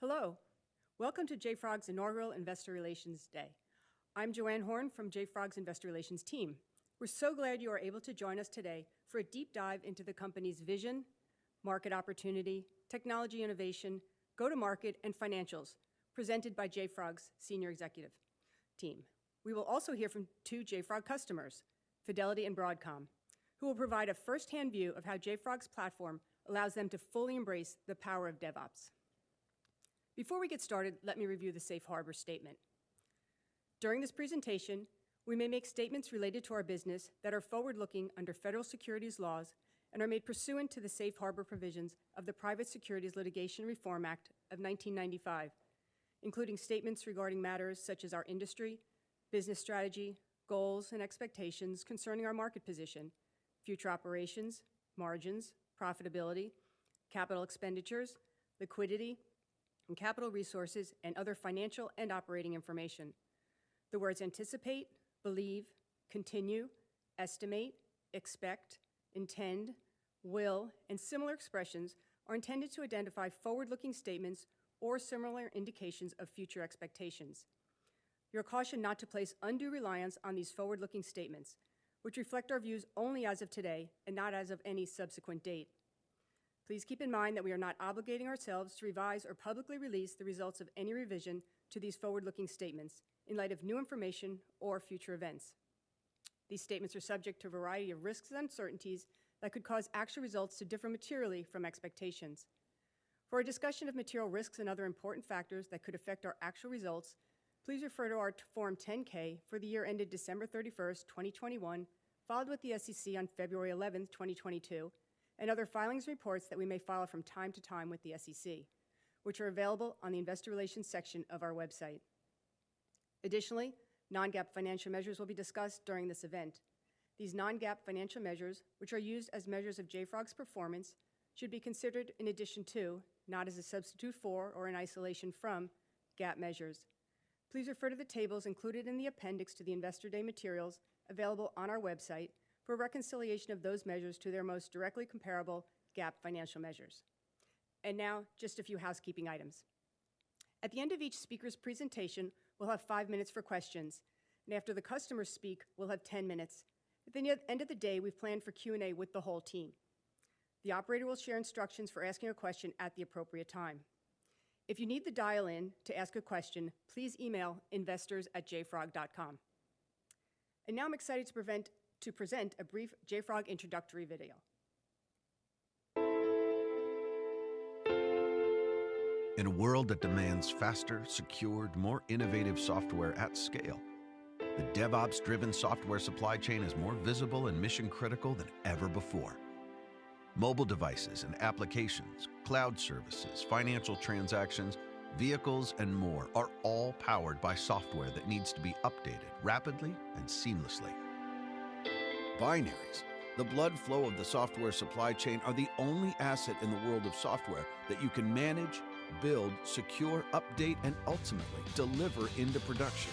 Hello. Welcome to JFrog's inaugural Investor Relations Day. I'm JoAnn Horne from JFrog's Investor Relations team. We're so glad you are able to join us today for a deep dive into the company's vision, market opportunity, technology innovation, go-to market, and financials presented by JFrog's senior executive team. We will also hear from two JFrog customers, Fidelity and Broadcom, who will provide a first-hand view of how JFrog's platform allows them to fully embrace the power of DevOps. Before we get started, let me review the safe harbor statement. During this presentation, we may make statements related to our business that are forward-looking under federal securities laws and are made pursuant to the safe harbor provisions of the Private Securities Litigation Reform Act of 1995, including statements regarding matters such as our industry, business strategy, goals and expectations concerning our market position, future operations, margins, profitability, capital expenditures, liquidity and capital resources and other financial and operating information. The words anticipate, believe, continue, estimate, expect, intend, will, and similar expressions are intended to identify forward-looking statements or similar indications of future expectations. You are cautioned not to place undue reliance on these forward-looking statements, which reflect our views only as of today and not as of any subsequent date. Please keep in mind that we are not obligating ourselves to revise or publicly release the results of any revision to these forward-looking statements in light of new information or future events. These statements are subject to a variety of risks and uncertainties that could cause actual results to differ materially from expectations. For a discussion of material risks and other important factors that could affect our actual results, please refer to our Form 10-K for the year ended December 31, 2021, filed with the SEC on February 11, 2022, and other filings and reports that we may file from time to time with the SEC, which are available on the Investor Relations section of our website. Additionally, non-GAAP financial measures will be discussed during this event. These non-GAAP financial measures, which are used as measures of JFrog's performance, should be considered in addition to, not as a substitute for or in isolation from, GAAP measures. Please refer to the tables included in the appendix to the Investor Day materials available on our website for a reconciliation of those measures to their most directly comparable GAAP financial measures. Now just a few housekeeping items. At the end of each speaker's presentation, we'll have five minutes for questions, and after the customers speak, we'll have 10 minutes. At the end of the day, we've planned for Q&A with the whole team. The operator will share instructions for asking a question at the appropriate time. If you need the dial-in to ask a question, please email investors@jfrog.com. Now I'm excited to present a brief JFrog introductory video. In a world that demands faster, secure, more innovative software at scale, the DevOps-driven software supply chain is more visible and mission-critical than ever before. Mobile devices and applications, cloud services, financial transactions, vehicles and more are all powered by software that needs to be updated rapidly and seamlessly. Binaries, the blood flow of the software supply chain, are the only asset in the world of software that you can manage, build, secure, update and ultimately deliver into production.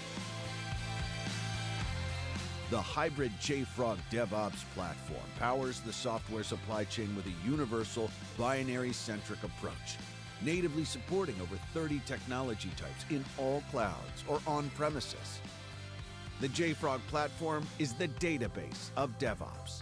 The hybrid JFrog DevOps platform powers the software supply chain with a universal binary-centric approach, natively supporting over 30 technology types in all clouds or on-premises. The JFrog platform is the database of DevOps.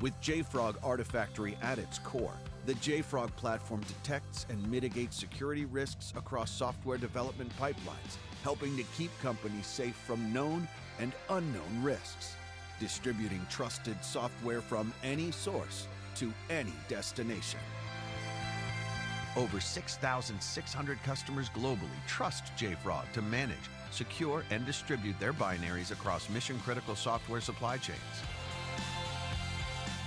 With JFrog Artifactory at its core, the JFrog platform detects and mitigates security risks across software development pipelines, helping to keep companies safe from known and unknown risks, distributing trusted software from any source to any destination. Over 6,600 customers globally trust JFrog to manage, secure, and distribute their binaries across mission-critical software supply chains.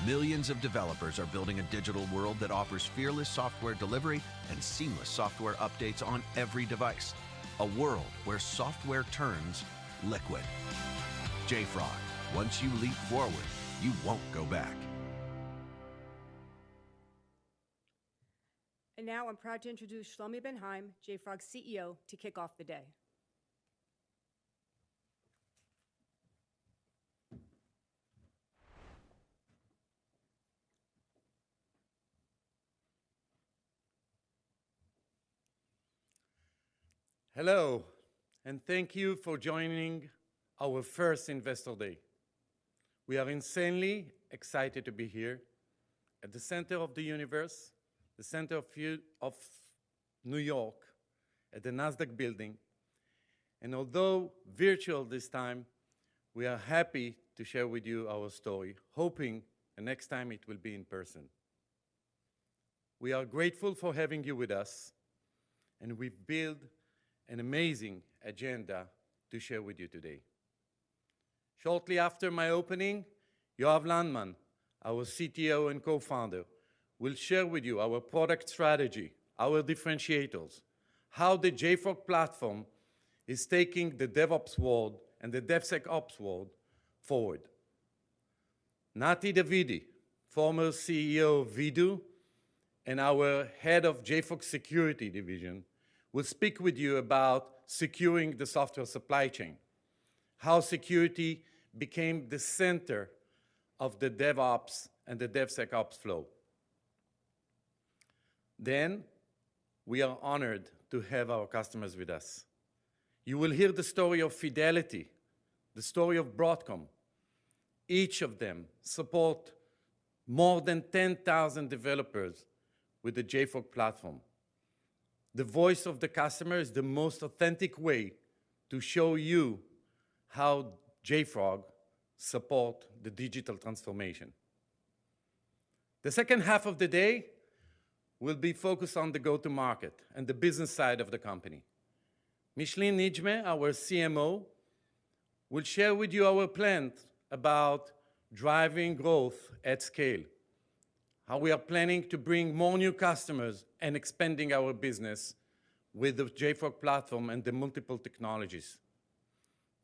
Millions of developers are building a digital world that offers fearless software delivery and seamless software updates on every device. A world where software turns liquid. JFrog, once you leap forward, you won't go back. Now I'm proud to introduce Shlomi Ben Haim, JFrog's CEO, to kick off the day. Hello, and thank you for joining our first Investor Day. We are insanely excited to be here at the center of the universe, the center of New York at the Nasdaq building. Although virtual this time, we are happy to share with you our story, hoping the next time it will be in person. We are grateful for having you with us, and we've built an amazing agenda to share with you today. Shortly after my opening, Yoav Landman, our CTO and Co-Founder, will share with you our product strategy, our differentiators, how the JFrog platform is taking the DevOps world and the DevSecOps world forward. Nati Davidi, former CEO of Vdoo and our head of JFrog security division, will speak with you about securing the software supply chain, how security became the center of the DevOps and the DevSecOps flow. We are honored to have our customers with us. You will hear the story of Fidelity, the story of Broadcom. Each of them support more than 10,000 developers with the JFrog platform. The voice of the customer is the most authentic way to show you how JFrog support the digital transformation. The second half of the day will be focused on the go-to-market and the business side of the company. Micheline Nijmeh, our CMO, will share with you our plans about driving growth at scale, how we are planning to bring more new customers and expanding our business with the JFrog platform and the multiple technologies.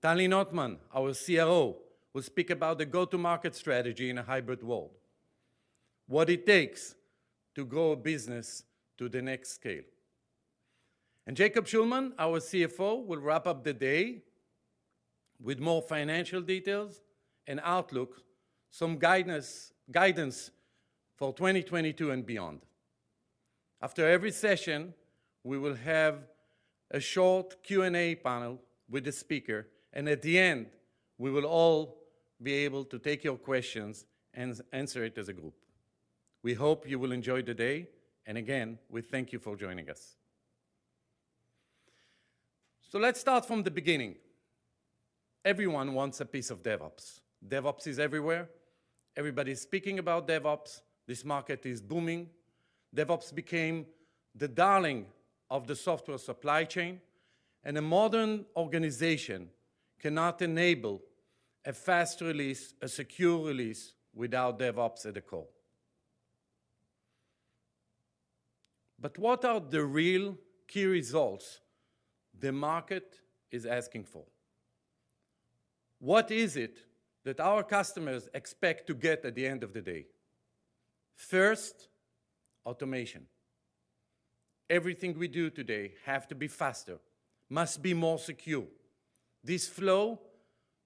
Tali Notman, our CRO, will speak about the go-to-market strategy in a hybrid world, what it takes to grow a business to the next scale. Jacob Shulman, our CFO, will wrap up the day with more financial details and outlook, some guidance for 2022 and beyond. After every session, we will have a short Q&A panel with the speaker, and at the end, we will all be able to take your questions and answer it as a group. We hope you will enjoy the day, and again, we thank you for joining us. Let's start from the beginning. Everyone wants a piece of DevOps. DevOps is everywhere. Everybody's speaking about DevOps. This market is booming. DevOps became the darling of the software supply chain, and a modern organization cannot enable a fast release, a secure release without DevOps at the core. What are the real key results the market is asking for? What is it that our customers expect to get at the end of the day? First, automation. Everything we do today have to be faster, must be more secure. This flow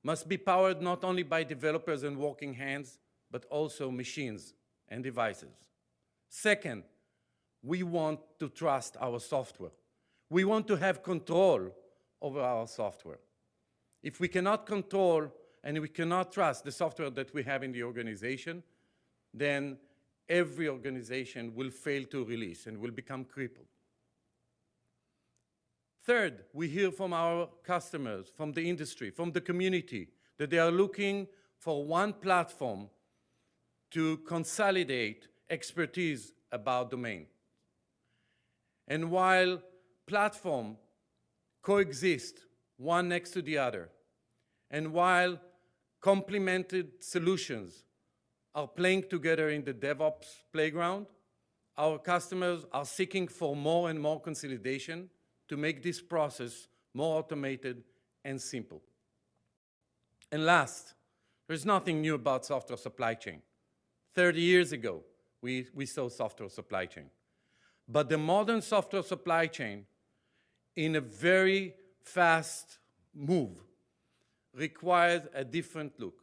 must be powered not only by developers and working hands, but also machines and devices. Second, we want to trust our software. We want to have control over our software. If we cannot control and we cannot trust the software that we have in the organization, then every organization will fail to release and will become crippled. Third, we hear from our customers, from the industry, from the community, that they are looking for one platform to consolidate expertise about domain. While platform coexist one next to the other, and while complemented solutions are playing together in the DevOps playground, our customers are seeking for more and more consolidation to make this process more automated and simpler. Last, there's nothing new about software supply chain. 30 years ago, we saw software supply chain. The modern software supply chain, in a very fast move, requires a different look,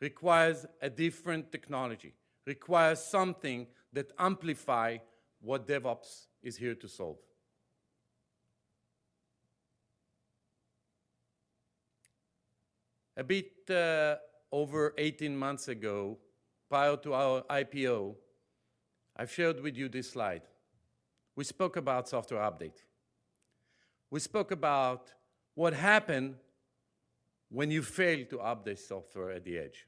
requires a different technology, requires something that amplify what DevOps is here to solve. A bit, over 18 months ago, prior to our IPO, I shared with you this slide. We spoke about software update. We spoke about what happen when you fail to update software at the edge.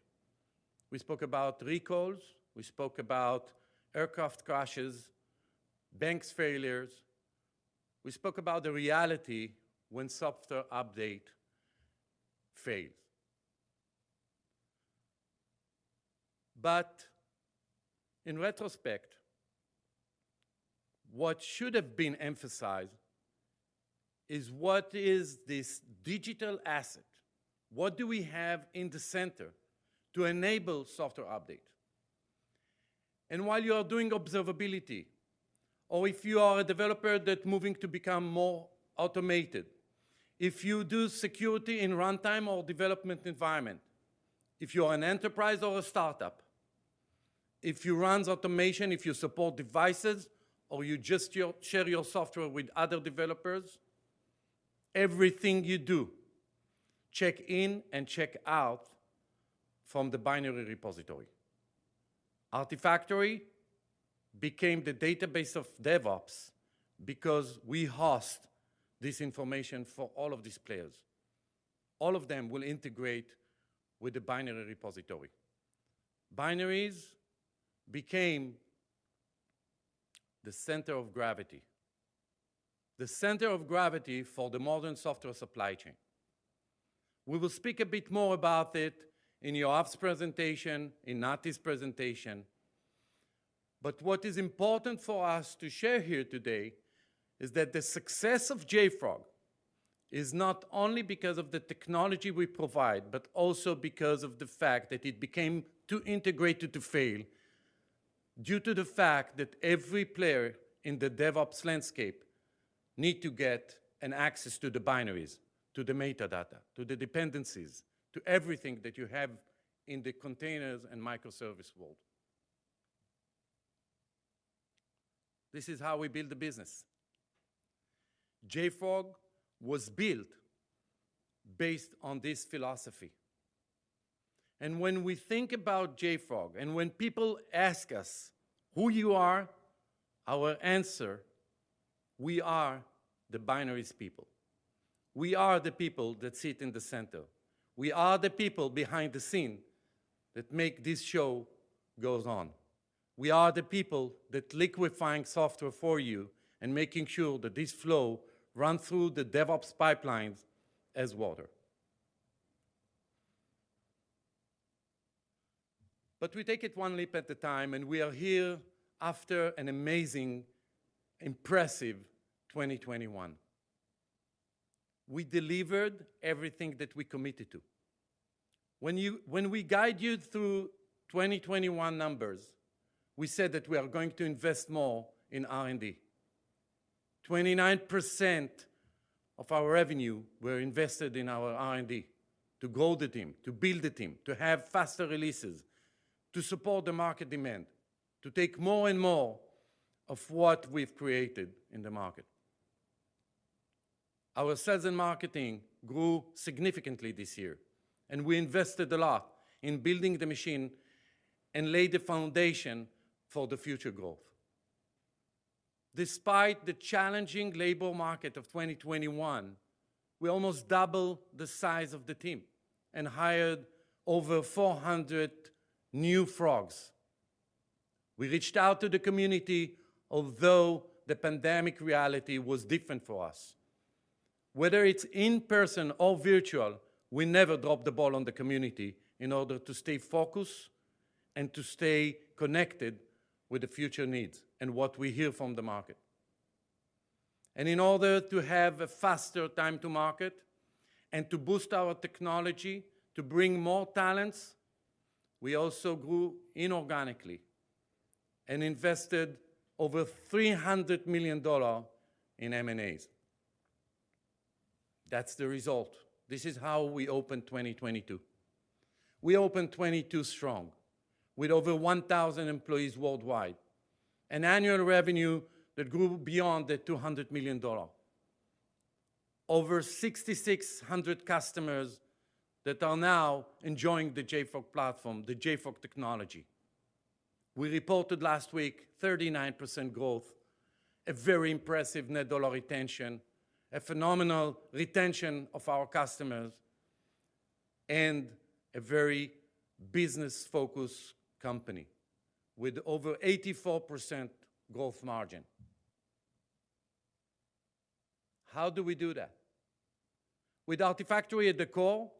We spoke about recalls. We spoke about aircraft crashes, banks failures. We spoke about the reality when software update fails. In retrospect, what should have been emphasized is. What is this digital asset? What do we have in the center to enable software update? While you are doing observability, or if you are a developer that moving to become more automated, if you do security in runtime or development environment, if you are an enterprise or a startup, if you runs automation, if you support devices or you just share your software with other developers, everything you do check in and check out from the binary repository. Artifactory became the database of DevOps because we host this information for all of these players. All of them will integrate with the binary repository. Binaries became the center of gravity, the center of gravity for the modern software supply chain. We will speak a bit more about it in Yoav's presentation, in Nati's presentation. What is important for us to share here today is that the success of JFrog is not only because of the technology we provide, but also because of the fact that it became too integrated to fail. Due to the fact that every player in the DevOps landscape need to get an access to the binaries, to the metadata, to the dependencies, to everything that you have in the containers and microservice world. This is how we build the business. JFrog was built based on this philosophy. When we think about JFrog, and when people ask us who you are, our answer, we are the binaries people. We are the people that sit in the center. We are the people behind the scene that make this show goes on. We are the people that liquefying software for you and making sure that this flow runs through the DevOps pipelines as water. We take it one leap at a time, and we are here after an amazing, impressive 2021. We delivered everything that we committed to. When we guide you through 2021 numbers, we said that we are going to invest more in R&D. 29% of our revenue were invested in our R&D to grow the team, to build the team, to have faster releases, to support the market demand, to take more and more of what we've created in the market. Our sales and marketing grew significantly this year, and we invested a lot in building the machine and lay the foundation for the future growth. Despite the challenging labor market of 2021, we almost doubled the size of the team and hired over 400 new frogs. We reached out to the community although the pandemic reality was different for us. Whether it's in-person or virtual, we never dropped the ball on the community in order to stay focused and to stay connected with the future needs and what we hear from the market. In order to have a faster time to market and to boost our technology to bring more talents, we also grew inorganically and invested over $300 million in M&As. That's the result. This is how we open 2022. We open 2022 strong with over 1,000 employees worldwide. An annual revenue that grew beyond the $200 million. Over 6,600 customers that are now enjoying the JFrog platform, the JFrog technology. We reported last week 39% growth, a very impressive net dollar retention, a phenomenal retention of our customers, and a very business-focused company with over 84% gross margin. How do we do that? With Artifactory at the core,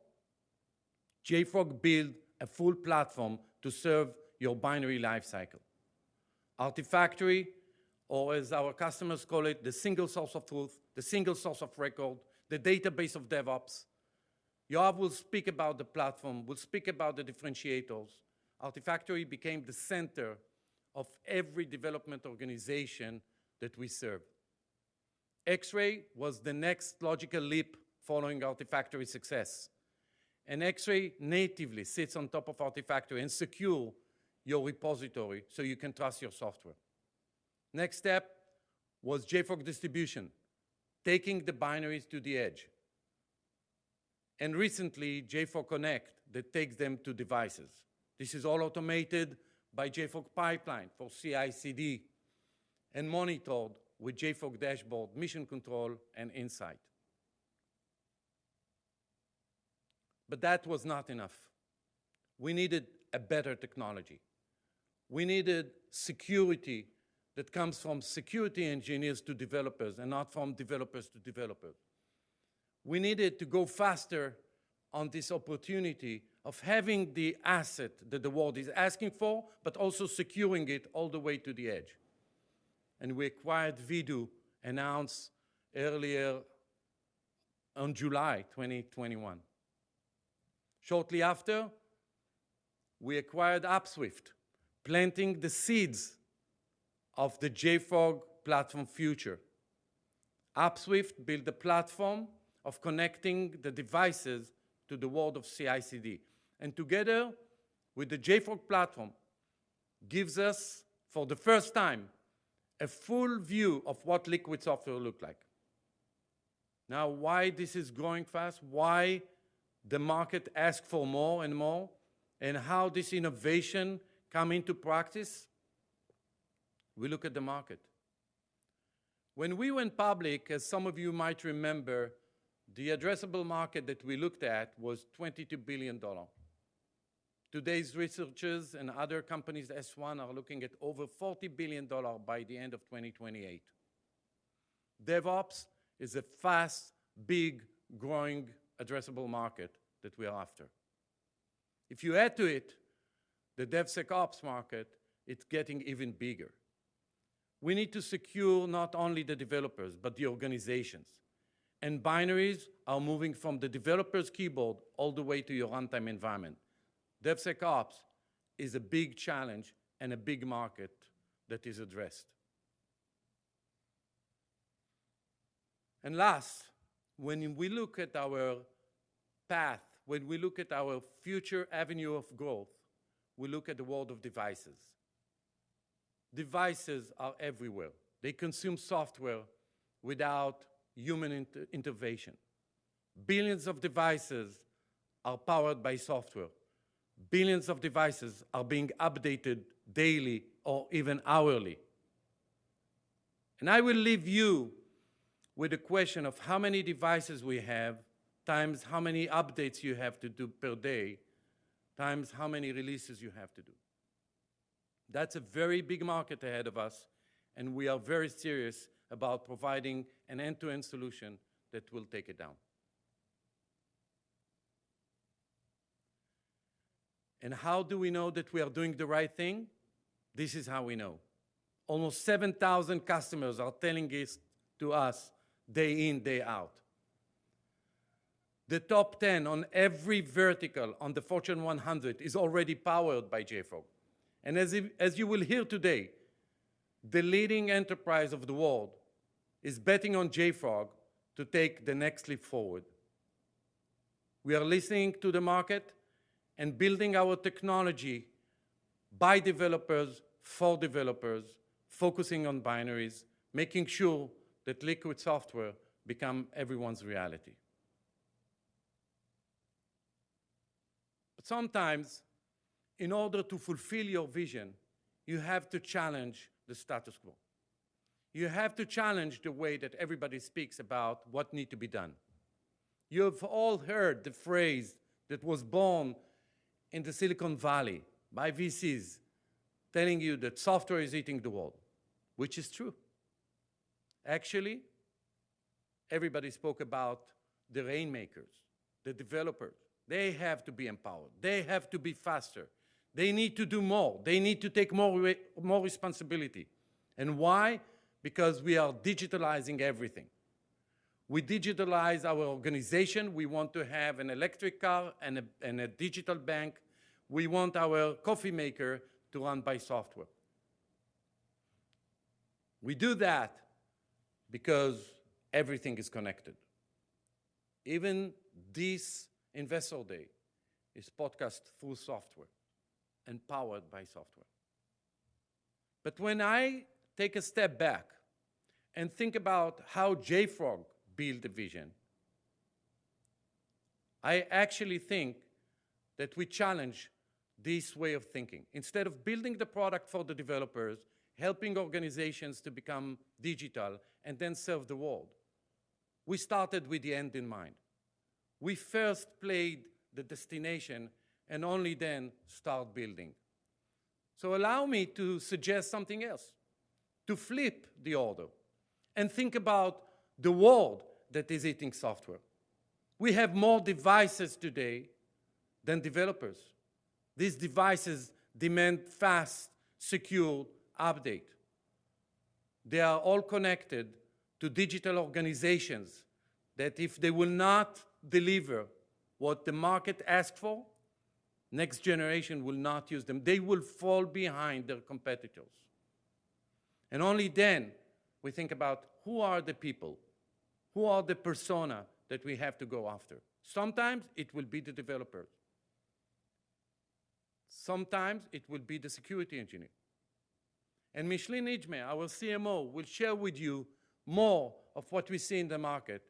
JFrog built a full platform to serve your binary life cycle. Artifactory, or as our customers call it, the single source of truth, the single source of record, the database of DevOps. Yoav will speak about the platform, will speak about the differentiators. Artifactory became the center of every development organization that we serve. Xray was the next logical leap following Artifactory success. Xray natively sits on top of Artifactory and secures your repository so you can trust your software. Next step was JFrog Distribution, taking the binaries to the edge. Recently, JFrog Connect that takes them to devices. This is all automated by JFrog Pipelines for CI/CD and monitored with JFrog Dashboard, Mission Control, and Insight. That was not enough. We needed a better technology. We needed security that comes from security engineers to developers and not from developers to developer. We needed to go faster on this opportunity of having the asset that the world is asking for, but also securing it all the way to the edge. We acquired Vdoo, announced earlier on July 2021. Shortly after, we acquired Upswift, planting the seeds of the JFrog platform future. Upswift build a platform of connecting the devices to the world of CI/CD. Together with the JFrog platform, gives us for the first time a full view of what Liquid Software look like. Now, why this is growing fast, why the market ask for more and more, and how this innovation come into practice, we look at the market. When we went public, as some of you might remember, the addressable market that we looked at was $22 billion. Today's researchers and other companies' S-1 are looking at over $40 billion by the end of 2028. DevOps is a fast, big, growing addressable market that we're after. If you add to it the DevSecOps market, it's getting even bigger. We need to secure not only the developers, but the organizations. Binaries are moving from the developer's keyboard all the way to your runtime environment. DevSecOps is a big challenge and a big market that is addressed. Last, when we look at our path, when we look at our future avenue of growth, we look at the world of devices. Devices are everywhere. They consume software without human intervention. Billions of devices are powered by software. Billions of devices are being updated daily or even hourly. I will leave you with a question of how many devices we have times how many updates you have to do per day, times how many releases you have to do. That's a very big market ahead of us, and we are very serious about providing an end-to-end solution that will take it down. How do we know that we are doing the right thing? This is how we know. Almost 7,000 customers are telling this to us day in, day out. The top ten on every vertical on the Fortune 100 is already powered by JFrog. As you will hear today, the leading enterprise of the world is betting on JFrog to take the next leap forward. We are listening to the market and building our technology by developers for developers, focusing on binaries, making sure that Liquid Software become everyone's reality. Sometimes in order to fulfill your vision, you have to challenge the status quo. You have to challenge the way that everybody speaks about what need to be done. You've all heard the phrase that was born in the Silicon Valley by VCs telling you that software is eating the world, which is true. Actually, everybody spoke about the rainmakers, the developers. They have to be empowered. They have to be faster. They need to do more. They need to take more responsibility. Why? Because we are digitalizing everything. We digitalize our organization. We want to have an electric car and a digital bank. We want our coffee maker to run by software. We do that because everything is connected. Even this Investor Day is broadcast through software and powered by software. When I take a step back and think about how JFrog build the vision, I actually think that we challenge this way of thinking. Instead of building the product for the developers, helping organizations to become digital and then serve the world, we started with the end in mind. We first planned the destination and only then start building. Allow me to suggest something else, to flip the order and think about the world that is eating software. We have more devices today than developers. These devices demand fast, secure update. They are all connected to digital organizations that if they will not deliver what the market asks for, next generation will not use them. They will fall behind their competitors. Only then we think about who are the people, who are the persona, that we have to go after. Sometimes it will be the developers. Sometimes it will be the security engineer. Micheline Nijmeh, our CMO, will share with you more of what we see in the market.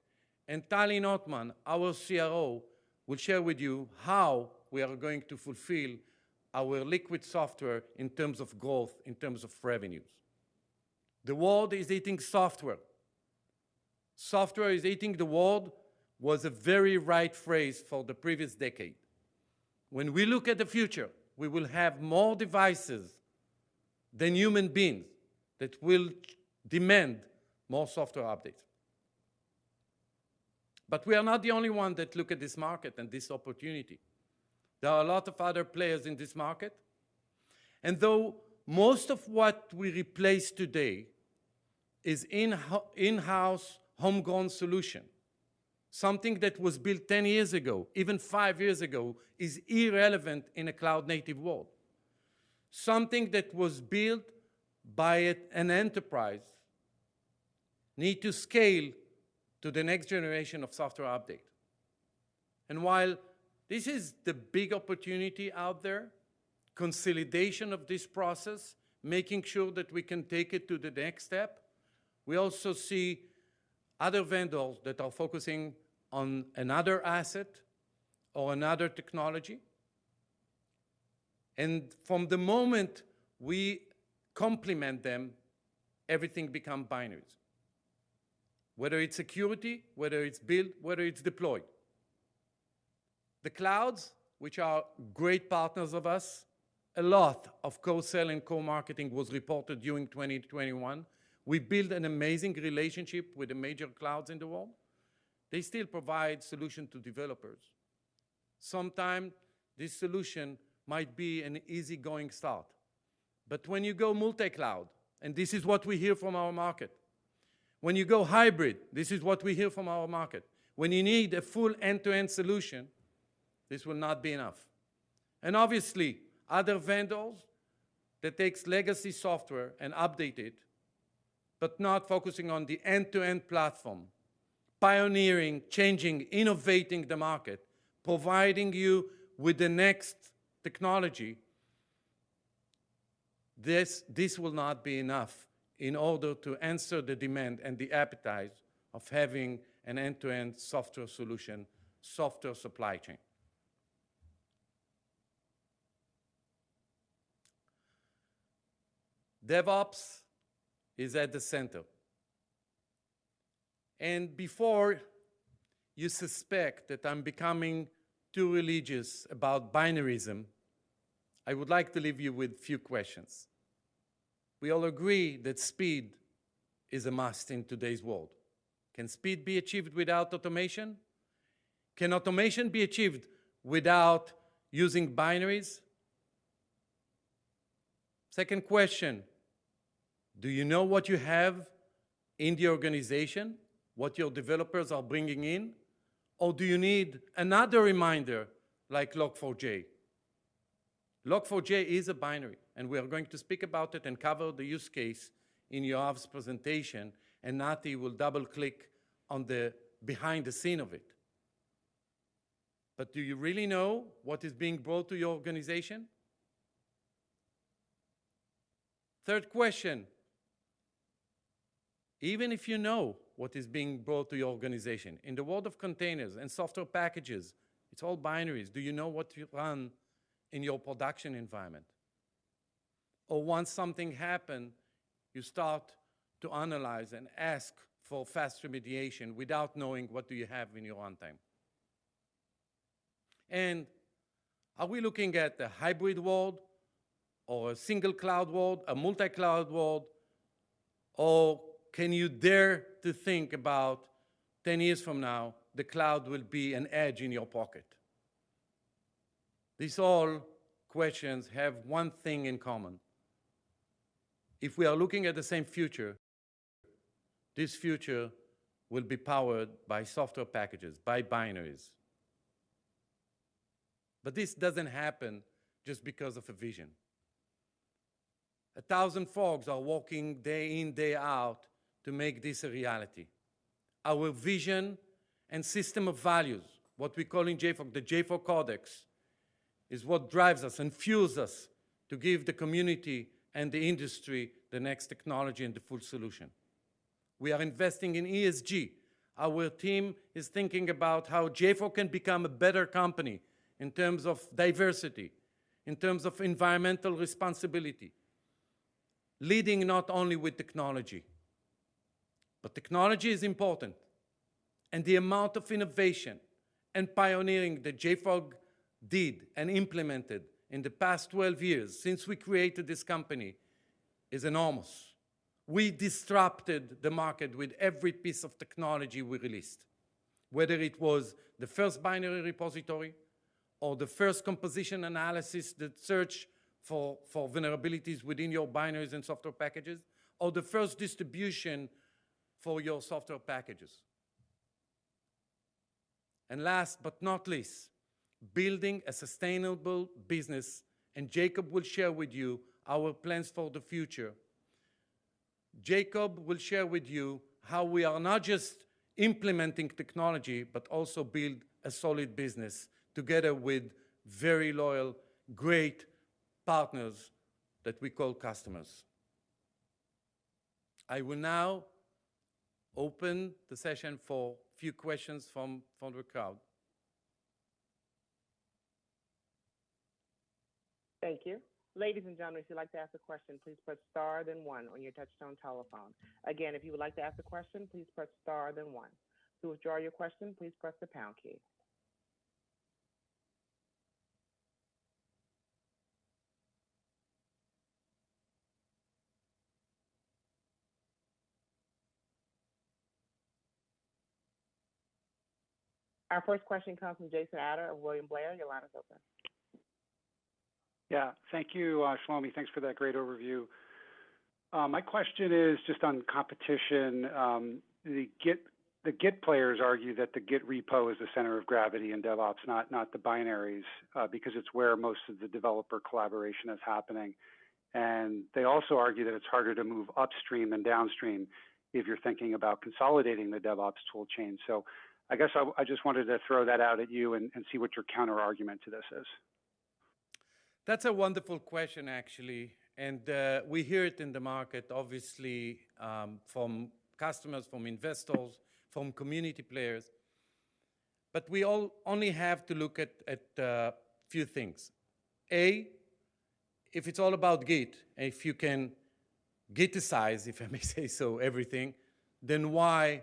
Tali Notman, our CRO, will share with you how we are going to fulfill our Liquid Software in terms of growth, in terms of revenues. The world is eating software. Software is eating the world was a very right phrase for the previous decade. When we look at the future, we will have more devices than human beings that will demand more software updates. We are not the only one that look at this market and this opportunity. There are a lot of other players in this market, and though most of what we replace today is in-house homegrown solution, something that was built 10 years ago, even five years ago, is irrelevant in a cloud native world. Something that was built by an enterprise need to scale to the next generation of software update. While this is the big opportunity out there, consolidation of this process, making sure that we can take it to the next step, we also see other vendors that are focusing on another asset or another technology. From the moment we complement them, everything become binaries, whether it's security, whether it's build, whether it's deployed. The clouds, which are great partners of us, a lot of co-sell and co-marketing was reported during 2020 to 2021. We build an amazing relationship with the major clouds in the world. They still provide solution to developers. Sometimes this solution might be an easy going start. When you go multi-cloud, and this is what we hear from our market, when you go hybrid, this is what we hear from our market, when you need a full end-to-end solution, this will not be enough. Obviously, other vendors that takes legacy software and update it, but not focusing on the end-to-end platform, pioneering, changing, innovating the market, providing you with the next technology, this will not be enough in order to answer the demand and the appetite of having an end-to-end software solution, software supply chain. DevOps is at the center. Before you suspect that I'm becoming too religious about binarism, I would like to leave you with few questions. We all agree that speed is a must in today's world. Can speed be achieved without automation? Can automation be achieved without using binaries? Second question: Do you know what you have in the organization, what your developers are bringing in? Or do you need another reminder like Log4j? Log4j is a binary, and we are going to speak about it and cover the use case in Yoav's presentation, and Nati will double-click on the behind-the-scene of it. But do you really know what is being brought to your organization? Third question: Even if you know what is being brought to your organization, in the world of containers and software packages, it's all binaries. Do you know what you run in your production environment? Once something happen, you start to analyze and ask for fast remediation without knowing what do you have in your runtime. Are we looking at a hybrid world or a single cloud world, a multi-cloud world? Can you dare to think about 10 years from now, the cloud will be an edge in your pocket. These all questions have one thing in common. If we are looking at the same future, this future will be powered by software packages, by binaries. This doesn't happen just because of a vision. 1,000 folks are working day in, day out to make this a reality. Our vision and system of values, what we call in JFrog, the JFrog Codex is what drives us and fuels us to give the community and the industry the next technology and the full solution. We are investing in ESG. Our team is thinking about how JFrog can become a better company in terms of diversity, in terms of environmental responsibility, leading not only with technology. Technology is important, and the amount of innovation and pioneering that JFrog did and implemented in the past 12 years since we created this company is enormous. We disrupted the market with every piece of technology we released, whether it was the first binary repository or the first composition analysis that search for vulnerabilities within your binaries and software packages, or the first distribution for your software packages. Last but not least, building a sustainable business, and Jacob will share with you our plans for the future. Jacob will share with you how we are not just implementing technology but also build a solid business together with very loyal, great partners that we call customers. I will now open the session for few questions from the crowd. Thank you. Ladies and gentlemen, if you'd like to ask a question, please press star then one on your touchtone telephone. Again, if you would like to ask a question, please press star then one. To withdraw your question, please press the pound key. Our first question comes from Jason Ader of William Blair. Your line is open. Yeah. Thank you, Shlomi. Thanks for that great overview. My question is just on competition. The Git players argue that the Git repo is the center of gravity in DevOps, not the binaries, because it's where most of the developer collaboration is happening. They also argue that it's harder to move upstream than downstream if you're thinking about consolidating the DevOps tool chain. I guess I just wanted to throw that out at you and see what your counterargument to this is. That's a wonderful question, actually, and we hear it in the market, obviously, from customers, from investors, from community players. We all only have to look at a few things. A, if it's all about Git, if you can Git-icize, if I may say so, everything, then why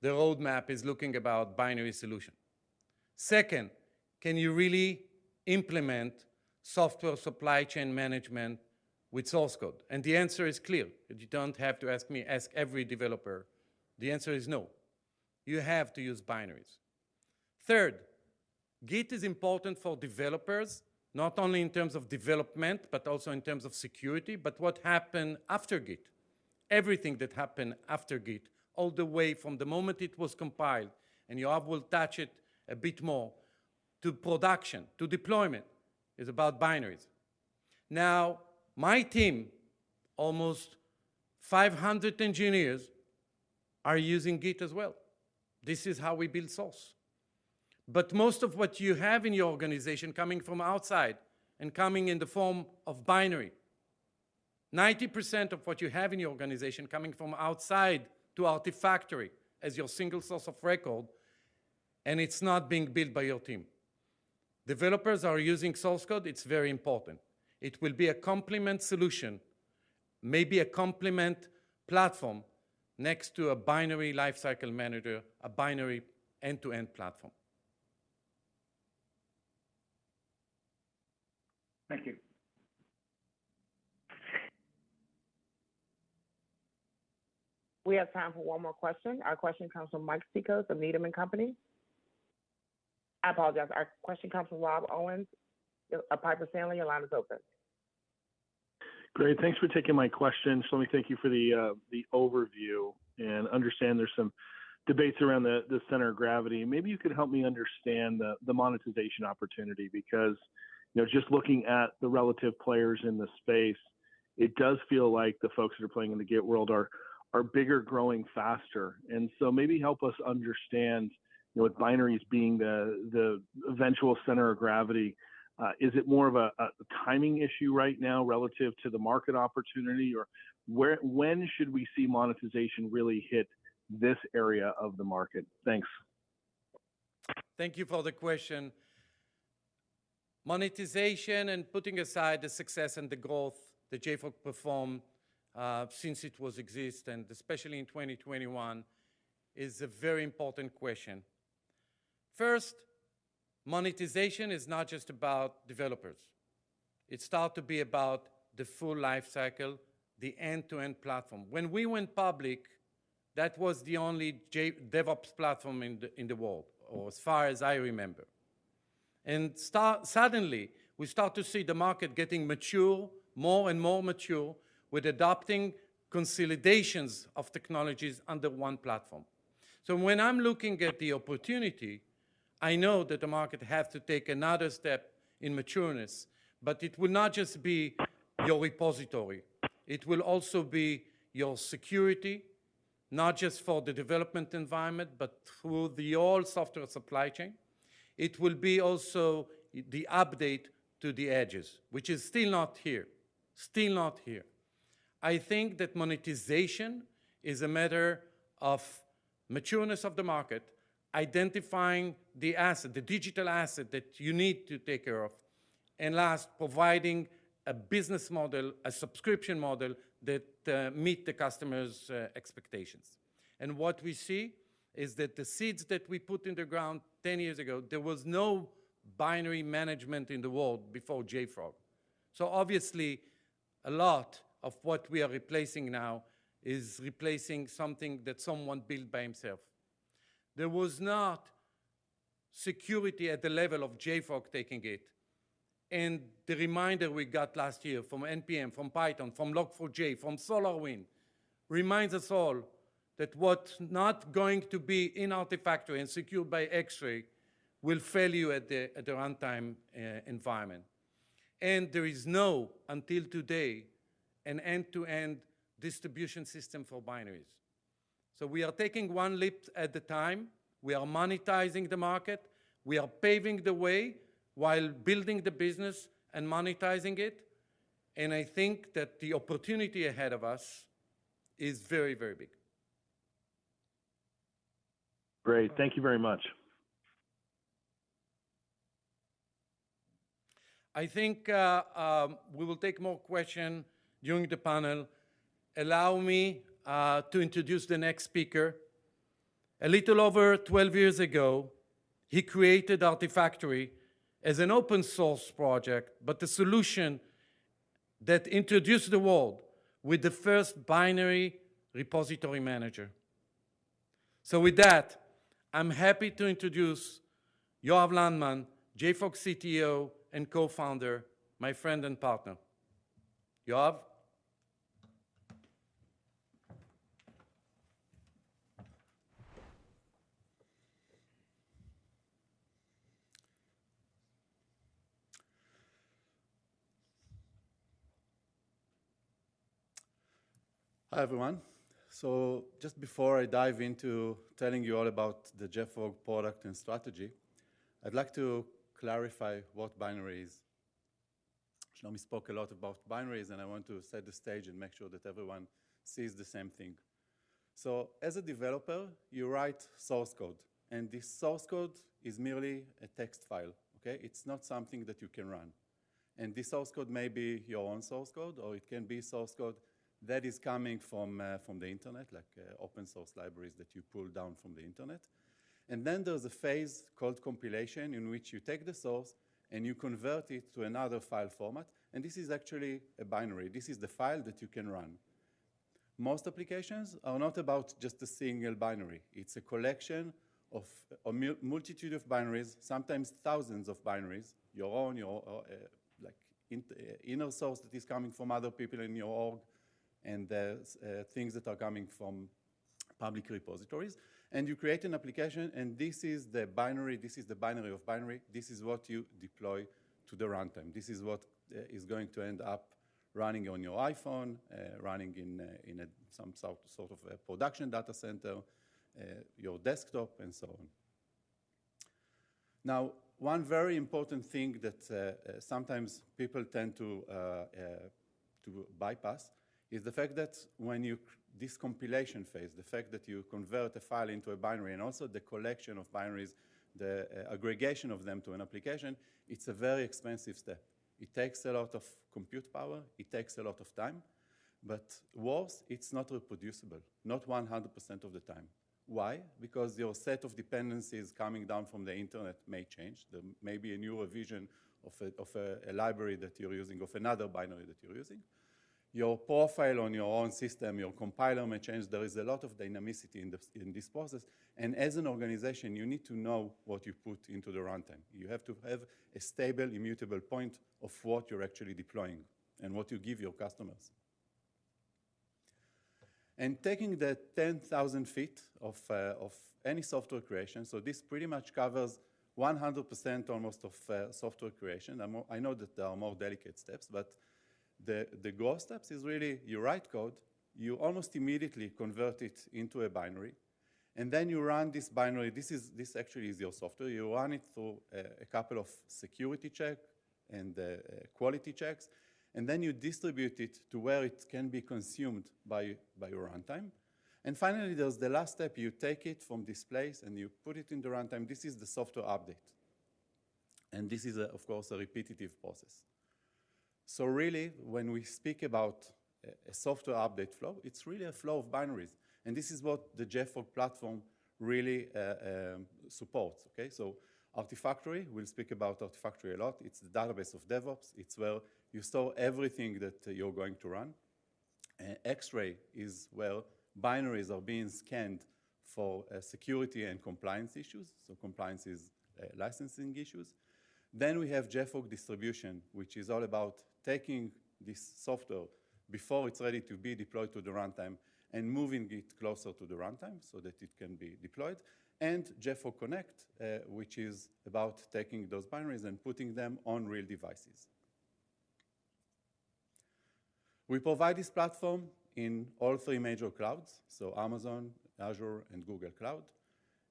the roadmap is looking about binary solution? Second, can you really implement software supply chain management with source code? The answer is clear, and you don't have to ask me, ask every developer. The answer is no. You have to use binaries. Third, Git is important for developers, not only in terms of development, but also in terms of security. What happen after Git? Everything that happen after Git, all the way from the moment it was compiled, and Yoav will touch it a bit more, to production, to deployment, is about binaries. Now, my team, almost 500 engineers, are using Git as well. This is how we build source. Most of what you have in your organization is coming from outside and coming in the form of binaries, 90% of what you have in your organization is coming from outside to Artifactory as your single source of record, and it's not being built by your team. Developers are using source code. It's very important. It will be a complementary solution, maybe a complementary platform next to a binary lifecycle manager, a binary end-to-end platform. Thank you. We have time for one more question. Our question comes from Mike Cikos of Needham & Company. I apologize. Our question comes from Rob Owens of Piper Sandler. Your line is open. Great. Thanks for taking my question. Shlomi, thank you for the overview, and I understand there's some debates around the center of gravity. Maybe you could help me understand the monetization opportunity because, you know, just looking at the relative players in the space, it does feel like the folks that are playing in the Git world are bigger, growing faster. Maybe help us understand, with binaries being the eventual center of gravity, is it more of a timing issue right now relative to the market opportunity? Or when should we see monetization really hit this area of the market? Thanks. Thank you for the question. Monetization and putting aside the success and the growth that JFrog performed since it existed, and especially in 2021, is a very important question. First, monetization is not just about developers. It starts to be about the full life cycle, the end-to-end platform. When we went public, that was the only DevOps platform in the world, or as far as I remember. Suddenly, we start to see the market getting mature, more and more mature with adopting consolidations of technologies under one platform. When I'm looking at the opportunity, I know that the market has to take another step in matureness, but it will not just be your repository. It will also be your security, not just for the development environment, but through all the software supply chain. It will also be the update to the edges, which is still not here. I think that monetization is a matter of maturity of the market, identifying the asset, the digital asset that you need to take care of, and last, providing a business model, a subscription model that meet the customer's expectations. What we see is that the seeds that we put in the ground 10 years ago, there was no binary management in the world before JFrog. So obviously, a lot of what we are replacing now is replacing something that someone built by himself. There was not security at the level of JFrog taking it. The reminder we got last year from NPM, from Python, from Log4j, from SolarWinds reminds us all that what's not going to be in Artifactory and secured by Xray will fail you at the runtime environment. There is no, until today, an end-to-end distribution system for binaries. We are taking one leap at a time. We are monetizing the market. We are paving the way while building the business and monetizing it. I think that the opportunity ahead of us is very, very big. Great. Thank you very much. I think we will take more questions during the panel. Allow me to introduce the next speaker. A little over 12 years ago, he created Artifactory as an open-source project, but the solution that introduced the world with the first binary repository manager. With that, I'm happy to introduce Yoav Landman, JFrog CTO and Co-Founder, my friend and partner. Yoav? Hi, everyone. Just before I dive into telling you all about the JFrog product and strategy, I'd like to clarify what binary is. Shlomi spoke a lot about binaries, and I want to set the stage and make sure that everyone sees the same thing. As a developer, you write source code, and this source code is merely a text file, okay? It's not something that you can run. This source code may be your own source code, or it can be source code that is coming from the internet, like open source libraries that you pull down from the internet. Then there's a phase called compilation, in which you take the source and you convert it to another file format, and this is actually a binary. This is the file that you can run. Most applications are not about just a single binary. It's a collection of a multitude of binaries, sometimes thousands of binaries, your own, like inner source that is coming from other people in your org, and the things that are coming from public repositories. You create an application, and this is the binary of binary. This is what you deploy to the runtime. This is what is going to end up running on your iPhone, running in some sort of a production data center, your desktop, and so on. Now, one very important thing that sometimes people tend to bypass is the fact that this compilation phase, the fact that you convert a file into a binary and also the collection of binaries, the aggregation of them to an application, it's a very expensive step. It takes a lot of compute power, it takes a lot of time, but worse, it's not reproducible. Not 100% of the time. Why? Because your set of dependencies coming down from the internet may change. There may be a newer version of a library that you're using, of another binary that you're using. Your profile on your own system, your compiler may change. There is a lot of dynamicity in this process, and as an organization, you need to know what you put into the runtime. You have to have a stable, immutable point of what you're actually deploying and what you give your customers. Taking the 10,000 feet of any software creation, so this pretty much covers almost 100% of software creation. I know that there are more delicate steps, but the goal steps is really you write code, you almost immediately convert it into a binary, and then you run this binary. This actually is your software. You run it through a couple of security check and quality checks, and then you distribute it to where it can be consumed by your runtime. Finally, there's the last step. You take it from this place, and you put it in the runtime. This is the software update. This is, of course, a repetitive process. Really, when we speak about a software update flow, it's really a flow of binaries, and this is what the JFrog platform really supports. Okay. Artifactory, we'll speak about Artifactory a lot. It's the database of DevOps. It's where you store everything that you're going to run. Xray is where binaries are being scanned for security and compliance issues. Compliance is licensing issues. We have JFrog Distribution, which is all about taking this software before it's ready to be deployed to the runtime and moving it closer to the runtime so that it can be deployed. JFrog Connect, which is about taking those binaries and putting them on real devices. We provide this platform in all three major clouds, so Amazon, Azure, and Google Cloud,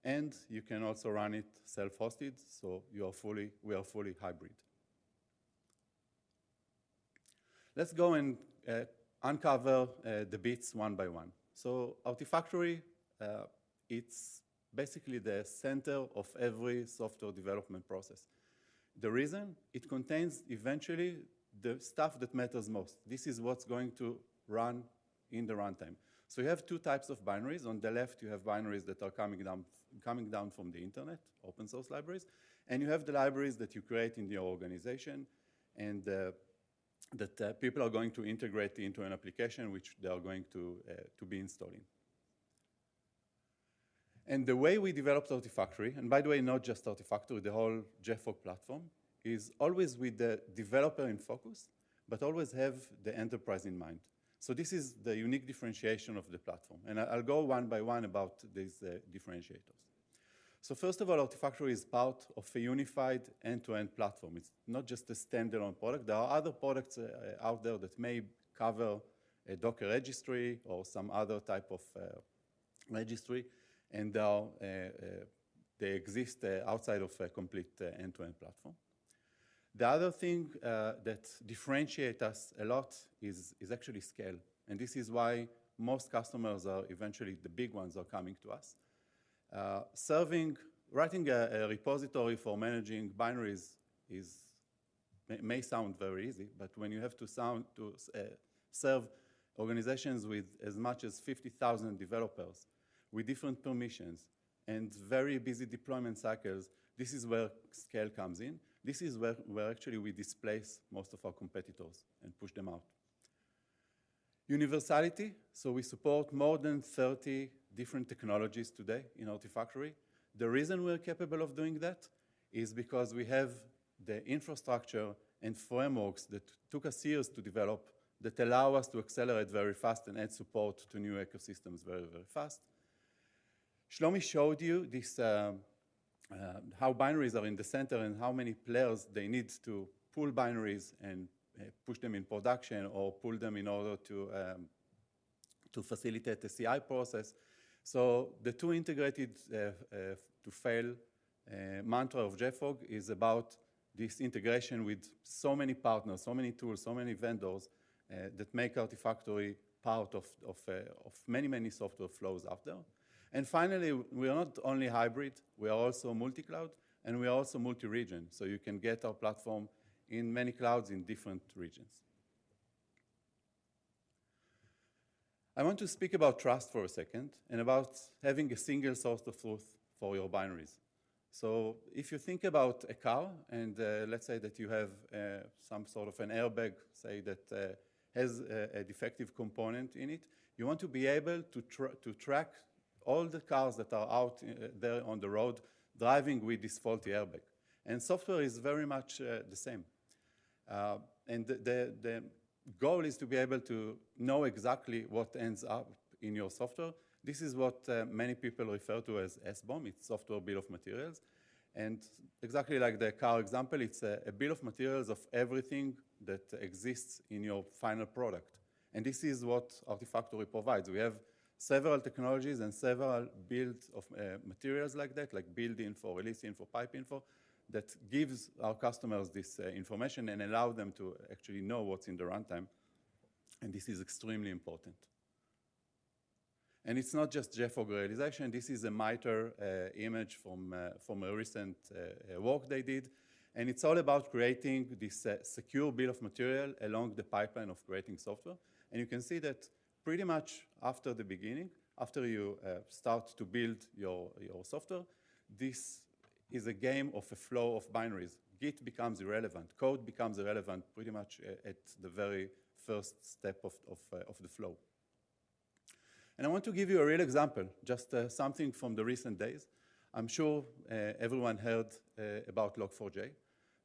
and you can also run it self-hosted. We are fully hybrid. Let's go and uncover the bits one by one. Artifactory, it's basically the center of every software development process. The reason? It contains eventually the stuff that matters most. This is what's going to run in the runtime. You have two types of binaries. On the left, you have binaries that are coming down from the internet, open-source libraries, and you have the libraries that you create in your organization and that people are going to integrate into an application which they are going to be installing. The way we developed Artifactory, and by the way, not just Artifactory, the whole JFrog platform, is always with the developer in focus but always have the enterprise in mind. This is the unique differentiation of the platform, and I'll go one by one about these differentiators. First of all, Artifactory is part of a unified end-to-end platform. It's not just a standalone product. There are other products out there that may cover a Docker registry or some other type of registry, and they exist outside of a complete end-to-end platform. The other thing that differentiate us a lot is actually scale, and this is why most customers are eventually the big ones are coming to us. Writing a repository for managing binaries may sound very easy, but when you have to serve organizations with as much as 50,000 developers with different permissions and very busy deployment cycles, this is where scale comes in. This is where actually we displace most of our competitors and push them out. Universality. We support more than 30 different technologies today in Artifactory. The reason we are capable of doing that is because we have the infrastructure and frameworks that took us years to develop that allow us to accelerate very fast and add support to new ecosystems very, very fast. Shlomi showed you this, how binaries are in the center and how many players they need to pull binaries and push them in production or pull them in order to facilitate the CI process. The "too integrated to fail" mantra of JFrog is about this integration with so many partners, so many tools, so many vendors that make Artifactory part of many, many software flows out there. Finally, we are not only hybrid, we are also multi-cloud, and we are also multi-region, so you can get our platform in many clouds in different regions. I want to speak about trust for a second and about having a single source of truth for your binaries. So, if you think about a car, and let's say that you have some sort of an airbag, say, that has a defective component in it. You want to be able to to track all the cars that are out there on the road driving with this faulty airbag. Software is very much the same. The goal is to be able to know exactly what ends up in your software. This is what many people refer to as SBOM. It's Software Bill of Materials, and exactly like the car example, it's a bill of materials of everything that exists in your final product. This is what Artifactory provides. We have several technologies and several bills of materials like that, like build info, release info, pipe info, that gives our customers this information and allow them to actually know what's in the runtime, and this is extremely important. It's not just JFrog Radar. It's actually. This is a MITRE image from a recent work they did, and it's all about creating this secure bill of material along the pipeline of creating software. You can see that pretty much after the beginning, after you start to build your software, this is a game of a flow of binaries. Git becomes irrelevant. Code becomes irrelevant pretty much at the very first step of the flow. I want to give you a real example, just something from the recent days. I'm sure everyone heard about Log4j.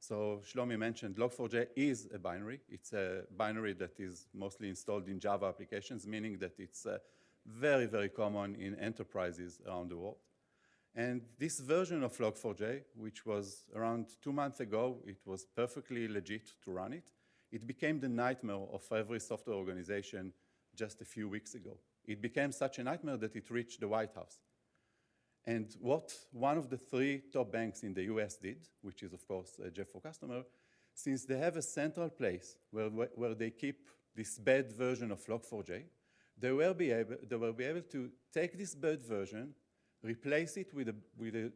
Shlomi mentioned Log4j is a binary. It's a binary that is mostly installed in Java applications, meaning that it's very common in enterprises around the world. This version of Log4j, which was around two months ago, it was perfectly legit to run it. It became the nightmare of every software organization just a few weeks ago. It became such a nightmare that it reached the White House. What one of the three top banks in the U.S. did, which is of course a JFrog customer, since they have a central place where they keep this bad version of Log4j, they will be able to take this bad version, replace it with a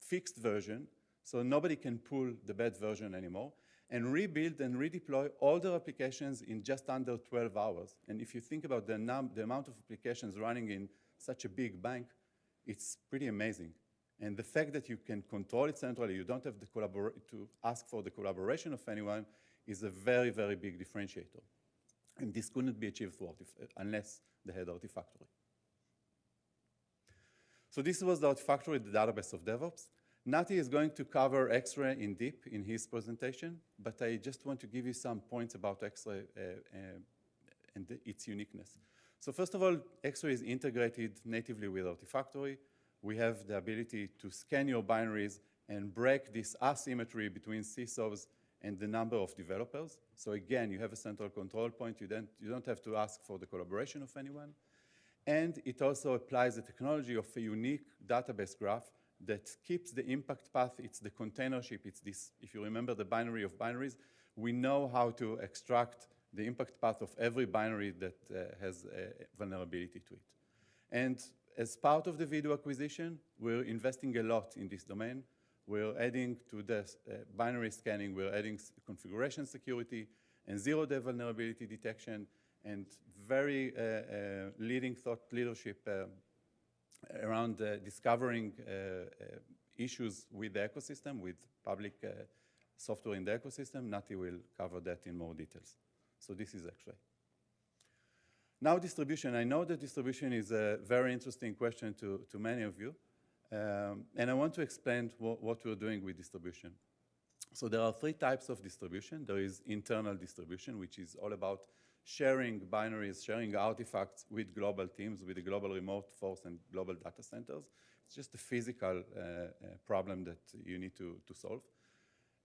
fixed version, so nobody can pull the bad version anymore, and rebuild and redeploy all their applications in just under 12 hours. If you think about the amount of applications running in such a big bank, it's pretty amazing. The fact that you can control it centrally, you don't have to ask for the collaboration of anyone, is a very, very big differentiator. This couldn't be achieved unless they had Artifactory. This was Artifactory, the database of DevOps. Nati is going to cover Xray in depth in his presentation, but I just want to give you some points about Xray and its uniqueness. First of all, Xray is integrated natively with Artifactory. We have the ability to scan your binaries and break this asymmetry between CISOs and the number of developers. Again, you have a central control point. You don't have to ask for the collaboration of anyone. It also applies the technology of a unique database graph that keeps the impact path. If you remember the binary of binaries, we know how to extract the impact path of every binary that has a vulnerability to it. As part of the Vdoo acquisition, we're investing a lot in this domain. We're adding to this binary scanning. We're adding misconfiguration security and zero-day vulnerability detection and very leading thought leadership around discovering issues with the ecosystem, with public software in the ecosystem. Nati will cover that in more details. This is Xray. Now distribution. I know that distribution is a very interesting question to many of you, and I want to explain what we're doing with distribution. There are three types of distribution. There is internal distribution, which is all about sharing binaries, sharing artifacts with global teams, with global remote workforce and global data centers. It's just a physical problem that you need to solve.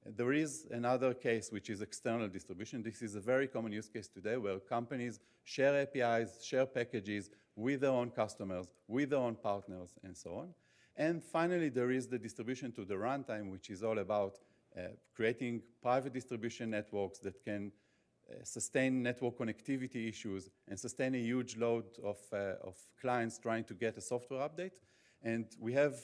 There is another case which is external distribution. This is a very common use case today where companies share APIs, share packages with their own customers, with their own partners, and so on. Finally, there is the distribution to the runtime, which is all about creating private distribution networks that can sustain network connectivity issues and sustain a huge load of clients trying to get a software update. We have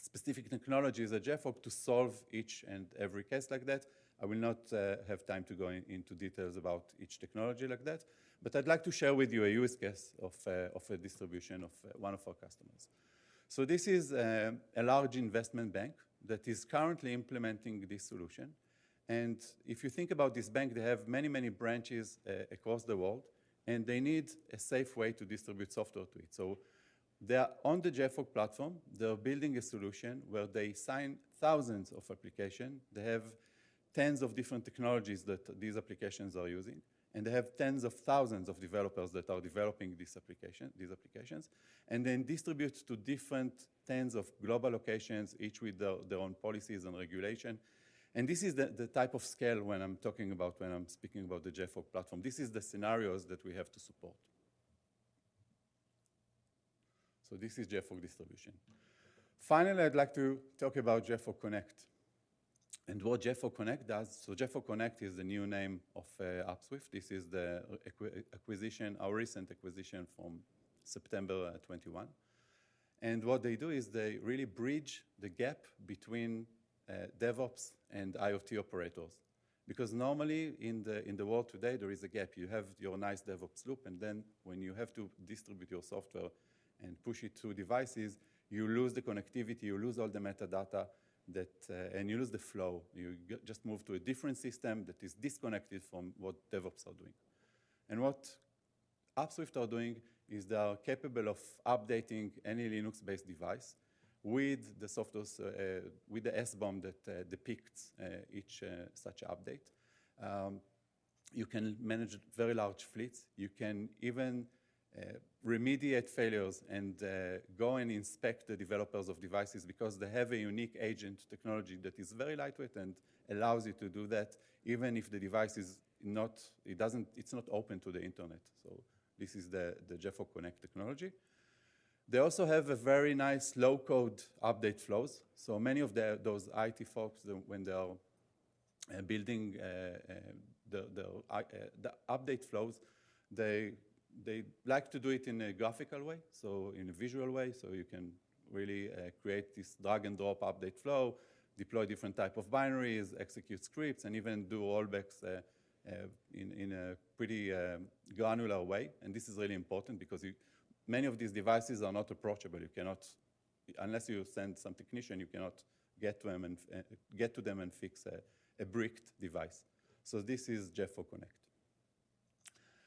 specific technologies at JFrog to solve each and every case like that. I will not have time to go into details about each technology like that. I'd like to share with you a use case of a distribution of one of our customers. This is a large investment bank that is currently implementing this solution. If you think about this bank, they have many, many branches across the world, and they need a safe way to distribute software to it. They are on the JFrog platform. They are building a solution where they sign thousands of applications. They have tens of different technologies that these applications are using, and they have tens of thousands of developers that are developing these applications, and then distributes to different tens of global locations, each with their own policies and regulations. This is the type of scale when I'm talking about the JFrog Platform. This is the scenarios that we have to support. This is JFrog Distribution. Finally, I'd like to talk about JFrog Connect and what JFrog Connect does. JFrog Connect is the new name of Upswift. This is the acquisition, our recent acquisition from September 2021. What they do is they really bridge the gap between DevOps and IoT operators. Because normally in the world today, there is a gap. You have your nice DevOps loop, and then when you have to distribute your software and push it to devices, you lose the connectivity, you lose all the metadata that. You lose the flow. You just move to a different system that is disconnected from what DevOps are doing. What Upswift are doing is they are capable of updating any Linux-based device with the software, with the SBOM that depicts each such update. You can manage very large fleets. You can even remediate failures and go and inspect the developers of devices because they have a unique agent technology that is very lightweight and allows you to do that even if the device is not open to the internet. This is the JFrog Connect technology. They also have a very nice low-code update flows. Many of those IT folks when they are building the update flows, they like to do it in a graphical way, so in a visual way, so you can really create this drag and drop update flow, deploy different type of binaries, execute scripts, and even do rollbacks in a pretty granular way. This is really important because many of these devices are not approachable. You cannot unless you send some technician, you cannot get to them and fix a bricked device. This is JFrog Connect.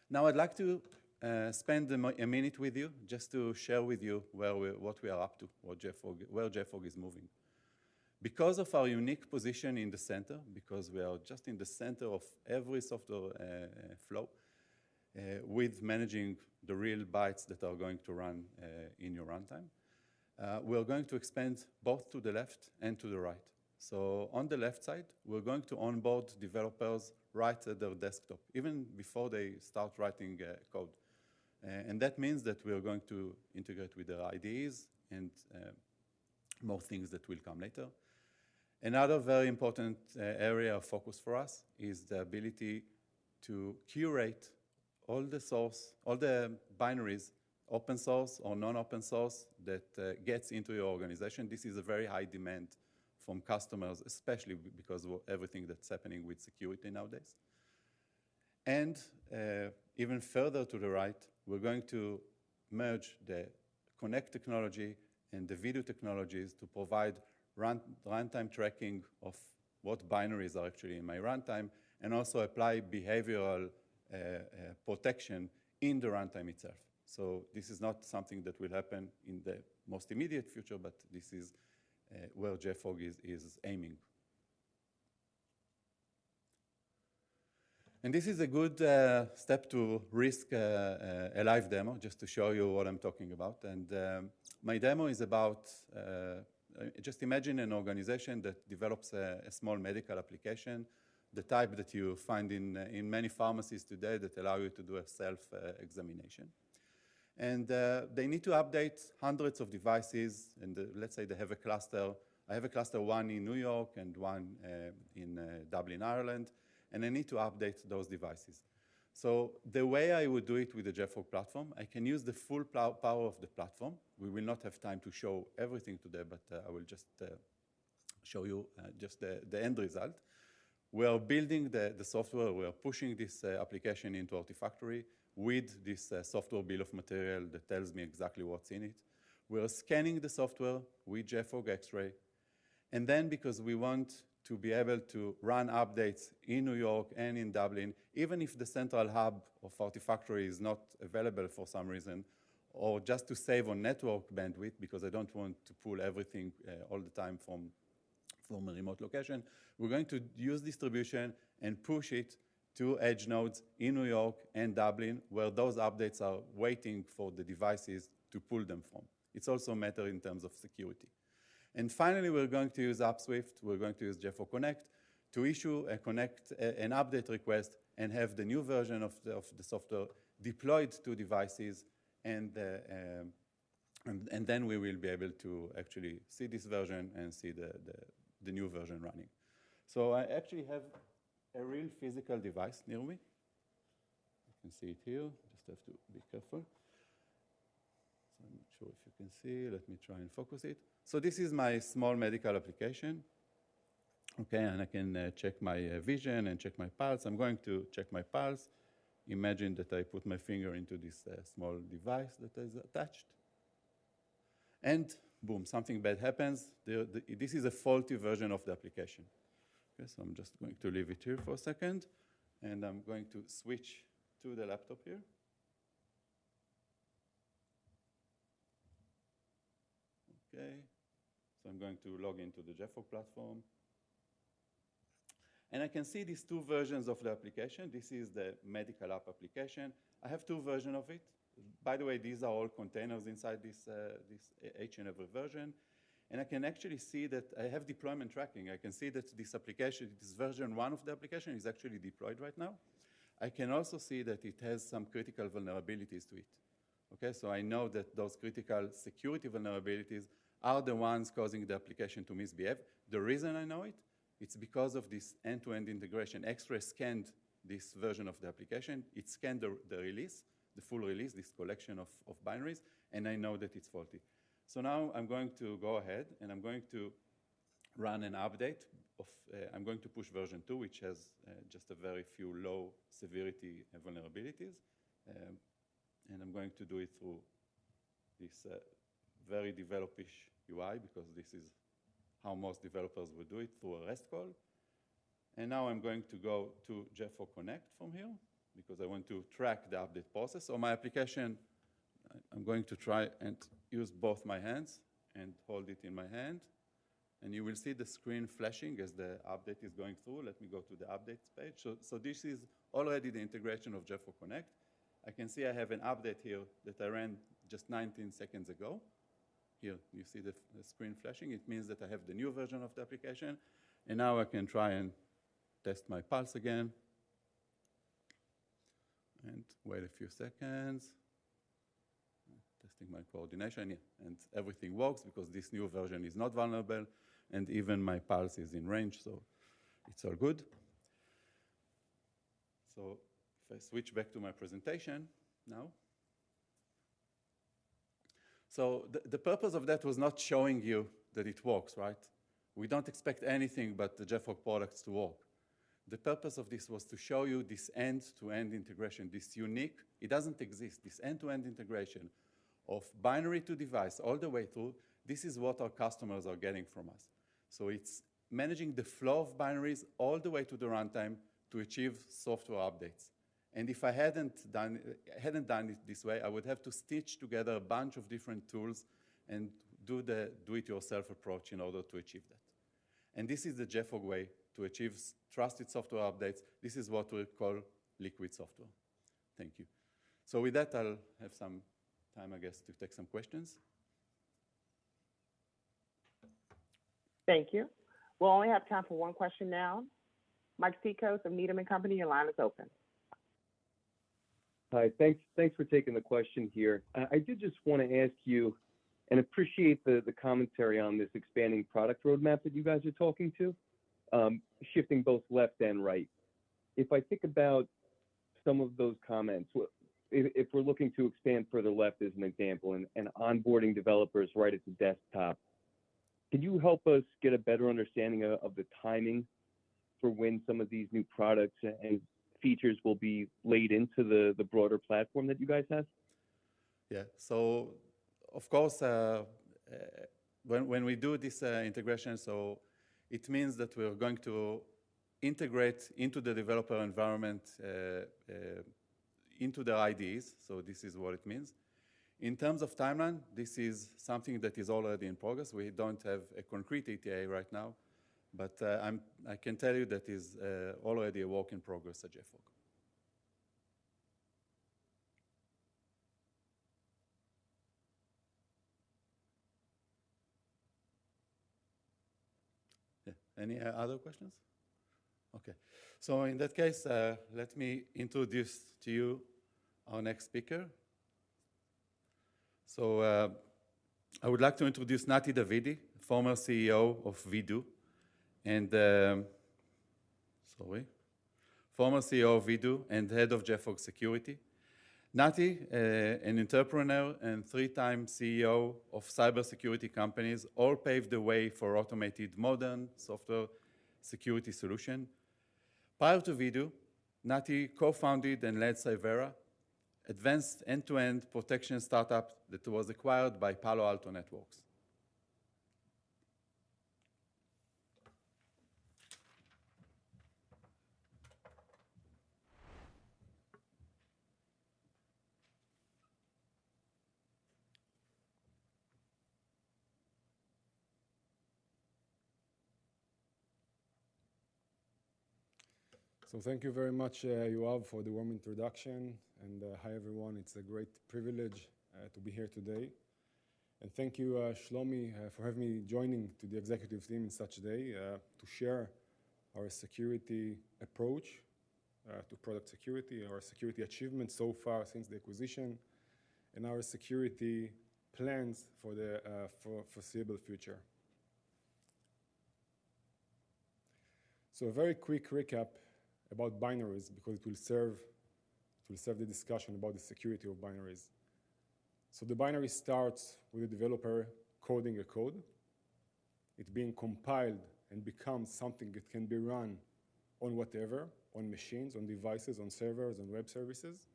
Now, I'd like to spend a minute with you just to share with you what we are up to, where JFrog is moving. Because of our unique position in the center, because we are just in the center of every software flow with managing the real bytes that are going to run in your runtime, we are going to expand both to the left and to the right. On the left side, we are going to onboard developers right at their desktop, even before they start writing code. That means that we are going to integrate with their IDEs and more things that will come later. Another very important area of focus for us is the ability to curate all the source, all the binaries, open source or non-open source that gets into your organization. This is a very high demand from customers, especially because of everything that's happening with security nowadays. Even further to the right, we're going to merge the connect technology and the Vdoo technologies to provide runtime tracking of what binaries are actually in my runtime and also apply behavioral protection in the runtime itself. This is not something that will happen in the most immediate future, but this is where JFrog is aiming. This is a good step towards a live demo just to show you what I'm talking about. My demo is about just imagine an organization that develops a small medical application, the type that you find in many pharmacies today that allow you to do a self-examination. They need to update hundreds of devices and let's say they have a cluster. I have a cluster, one in New York and one in Dublin, Ireland, and I need to update those devices. The way I would do it with the JFrog platform, I can use the full power of the platform. We will not have time to show everything today, but I will just show you just the end result. We are building the software. We are pushing this application into Artifactory with this software bill of material that tells me exactly what's in it. We are scanning the software with JFrog Xray. Because we want to be able to run updates in New York and in Dublin, even if the central hub of Artifactory is not available for some reason, or just to save on network bandwidth because I don't want to pull everything all the time from a remote location, we're going to use distribution and push it to edge nodes in New York and Dublin, where those updates are waiting for the devices to pull them from. It's also a matter in terms of security. Finally, we are going to use Upswift. We're going to use JFrog Connect to issue a connect an update request and have the new version of the software deployed to devices and then we will be able to actually see this version and see the new version running. I actually have a real physical device near me. You can see it here. Just have to be careful. I'm not sure if you can see. Let me try and focus it. This is my small medical application, okay? I can check my vision and check my pulse. I'm going to check my pulse. Imagine that I put my finger into this small device that is attached. Boom, something bad happens. This is a faulty version of the application. Okay. I'm just going to leave it here for a second, and I'm going to switch to the laptop here. Okay. I'm going to log into the JFrog platform. I can see these two versions of the application. This is the medical app application. I have two versions of it. By the way, these are all containers inside this H and M version. I can actually see that I have deployment tracking. I can see that this application, this version 1 of the application is actually deployed right now. I can also see that it has some critical vulnerabilities to it, okay. I know that those critical security vulnerabilities are the ones causing the application to misbehave. The reason I know it's because of this end-to-end integration. Xray scanned this version of the application. It scanned the release, the full release, this collection of binaries, and I know that it's faulty. Now I'm going to go ahead and push version 2, which has just a very few low severity vulnerabilities. I'm going to do it through this very develop-ish UI because this is how most developers would do it through a rest call. Now I'm going to go to JFrog Connect from here because I want to track the update process. My application, I'm going to try and use both my hands and hold it in my hand, and you will see the screen flashing as the update is going through. Let me go to the updates page. This is already the integration of JFrog Connect. I can see I have an update here that I ran just 19 seconds ago. Here you see the screen flashing. It means that I have the new version of the application, and now I can try and test my pulse again and wait a few seconds. Testing my coordination. Yeah, everything works because this new version is not vulnerable and even my pulse is in range, so it's all good. If I switch back to my presentation now. The purpose of that was not showing you that it works, right? We don't expect anything but the JFrog products to work. The purpose of this was to show you this end-to-end integration, this unique. It doesn't exist. This end-to-end integration of binary to device all the way through, this is what our customers are getting from us. It's managing the flow of binaries all the way to the runtime to achieve software updates. If I hadn't done it this way, I would have to stitch together a bunch of different tools and do the do-it-yourself approach in order to achieve that. This is the JFrog way to achieve trusted software updates. This is what we call Liquid Software. Thank you. With that, I'll have some time, I guess, to take some questions. Thank you. We'll only have time for one question now. Mike Cikos of Needham & Company, your line is open. Hi. Thanks for taking the question here. I did just wanna ask you and appreciate the commentary on this expanding product roadmap that you guys are talking to, shifting both left and right. If I think about some of those comments, if we're looking to expand further left as an example and onboarding developers right at the desktop, can you help us get a better understanding of the timing for when some of these new products and features will be laid into the broader platform that you guys have? Yeah. Of course, when we do this integration, so it means that we are going to integrate into the developer environment into the IDEs. This is what it means. In terms of timeline, this is something that is already in progress. We don't have a concrete ETA right now, but I can tell you that it's already a work in progress at JFrog. Yeah. Any other questions? Okay. In that case, let me introduce to you our next speaker. I would like to introduce Nati Davidi, former CEO of Vdoo and head of JFrog Security. Nati, an entrepreneur and three-time CEO of cybersecurity companies, all paved the way for automated modern software security solution. Prior to Vdoo, Nati co-founded and led Cyvera, advanced end-to-end protection startup that was acquired by Palo Alto Networks. Thank you very much, Yoav for the warm introduction, and hi, everyone. It's a great privilege to be here today. Thank you, Shlomi, for having me joining to the executive team in such a day, to share our security approach to product security and our security achievements so far since the acquisition and our security plans for the foreseeable future. A very quick recap about binaries because it will serve the discussion about the security of binaries. The binary starts with a developer coding a code. It's being compiled and becomes something that can be run on whatever, on machines, on devices, on servers, on web services.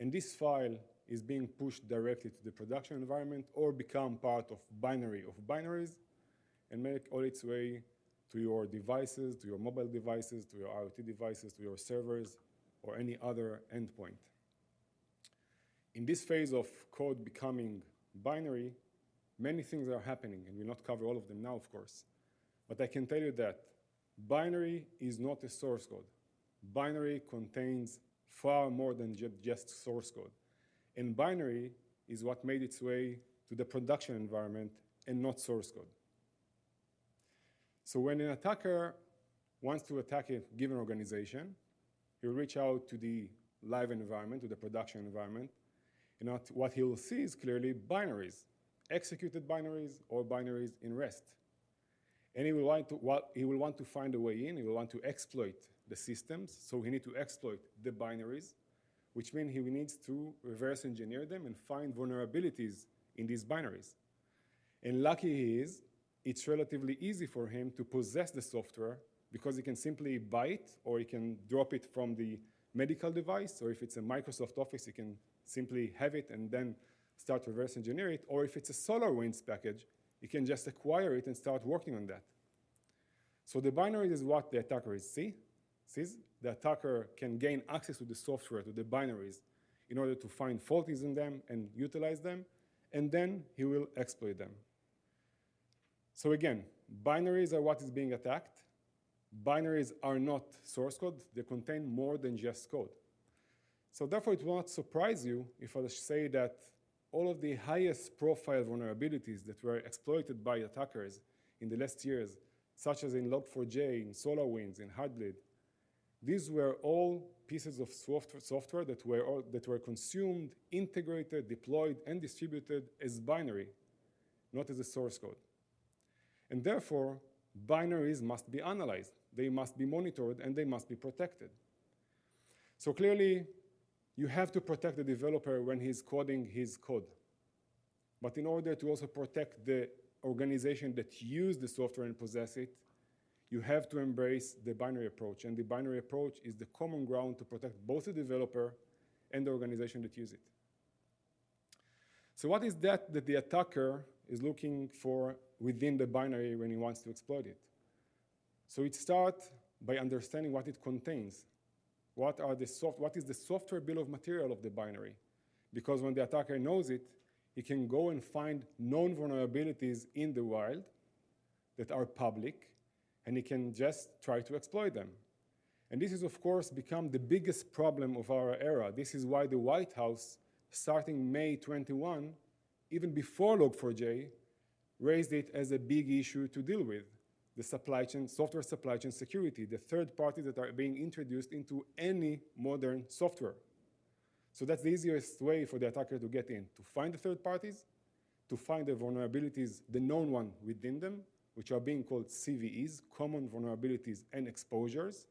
This file is being pushed directly to the production environment or become part of binary of binaries and make all its way to your devices, to your mobile devices, to your IoT devices, to your servers, or any other endpoint. In this phase of code becoming binary, many things are happening, and we'll not cover all of them now, of course. I can tell you that binary is not a source code. Binary contains far more than just source code. Binary is what made its way to the production environment and not source code. When an attacker wants to attack a given organization, he'll reach out to the live environment, to the production environment, and not. What he will see is clearly binaries, executed binaries or binaries in rest. He will want to find a way in, he will want to exploit the systems, so he needs to exploit the binaries. Which means he needs to reverse engineer them and find vulnerabilities in these binaries. Lucky he is, it's relatively easy for him to possess the software because he can simply buy it, or he can drop it from the medical device, or if it's a Microsoft Office, he can simply have it and then start to reverse engineer it or if it's a SolarWinds package, he can just acquire it and start working on that. The binary is what the attacker sees. The attacker can gain access to the software, to the binaries in order to find faults in them and utilize them, and then he will exploit them. Again, binaries are what is being attacked. Binaries are not source code. They contain more than just code. Therefore, it won't surprise you if I say that all of the highest profile vulnerabilities that were exploited by attackers in the last years, such as in Log4j, in SolarWinds, in Heartbleed, these were all pieces of software that were consumed, integrated, deployed, and distributed as binary, not as a source code. Therefore, binaries must be analyzed, they must be monitored, and they must be protected. Clearly, you have to protect the developer when he's coding his code. In order to also protect the organization that use the software and possess it, you have to embrace the binary approach. The binary approach is the common ground to protect both the developer and the organization that use it. What is that that the attacker is looking for within the binary when he wants to exploit it? It starts by understanding what it contains. What is the software bill of materials of the binary? Because when the attacker knows it, he can go and find known vulnerabilities in the wild that are public, and he can just try to exploit them. This has of course become the biggest problem of our era. This is why the White House, starting May 21, even before Log4j, raised it as a big issue to deal with. The software supply chain security, the third parties that are being introduced into any modern software. That's the easiest way for the attacker to get in, to find the third parties, to find the vulnerabilities, the known one within them, which are being called CVEs, common vulnerabilities and exposures,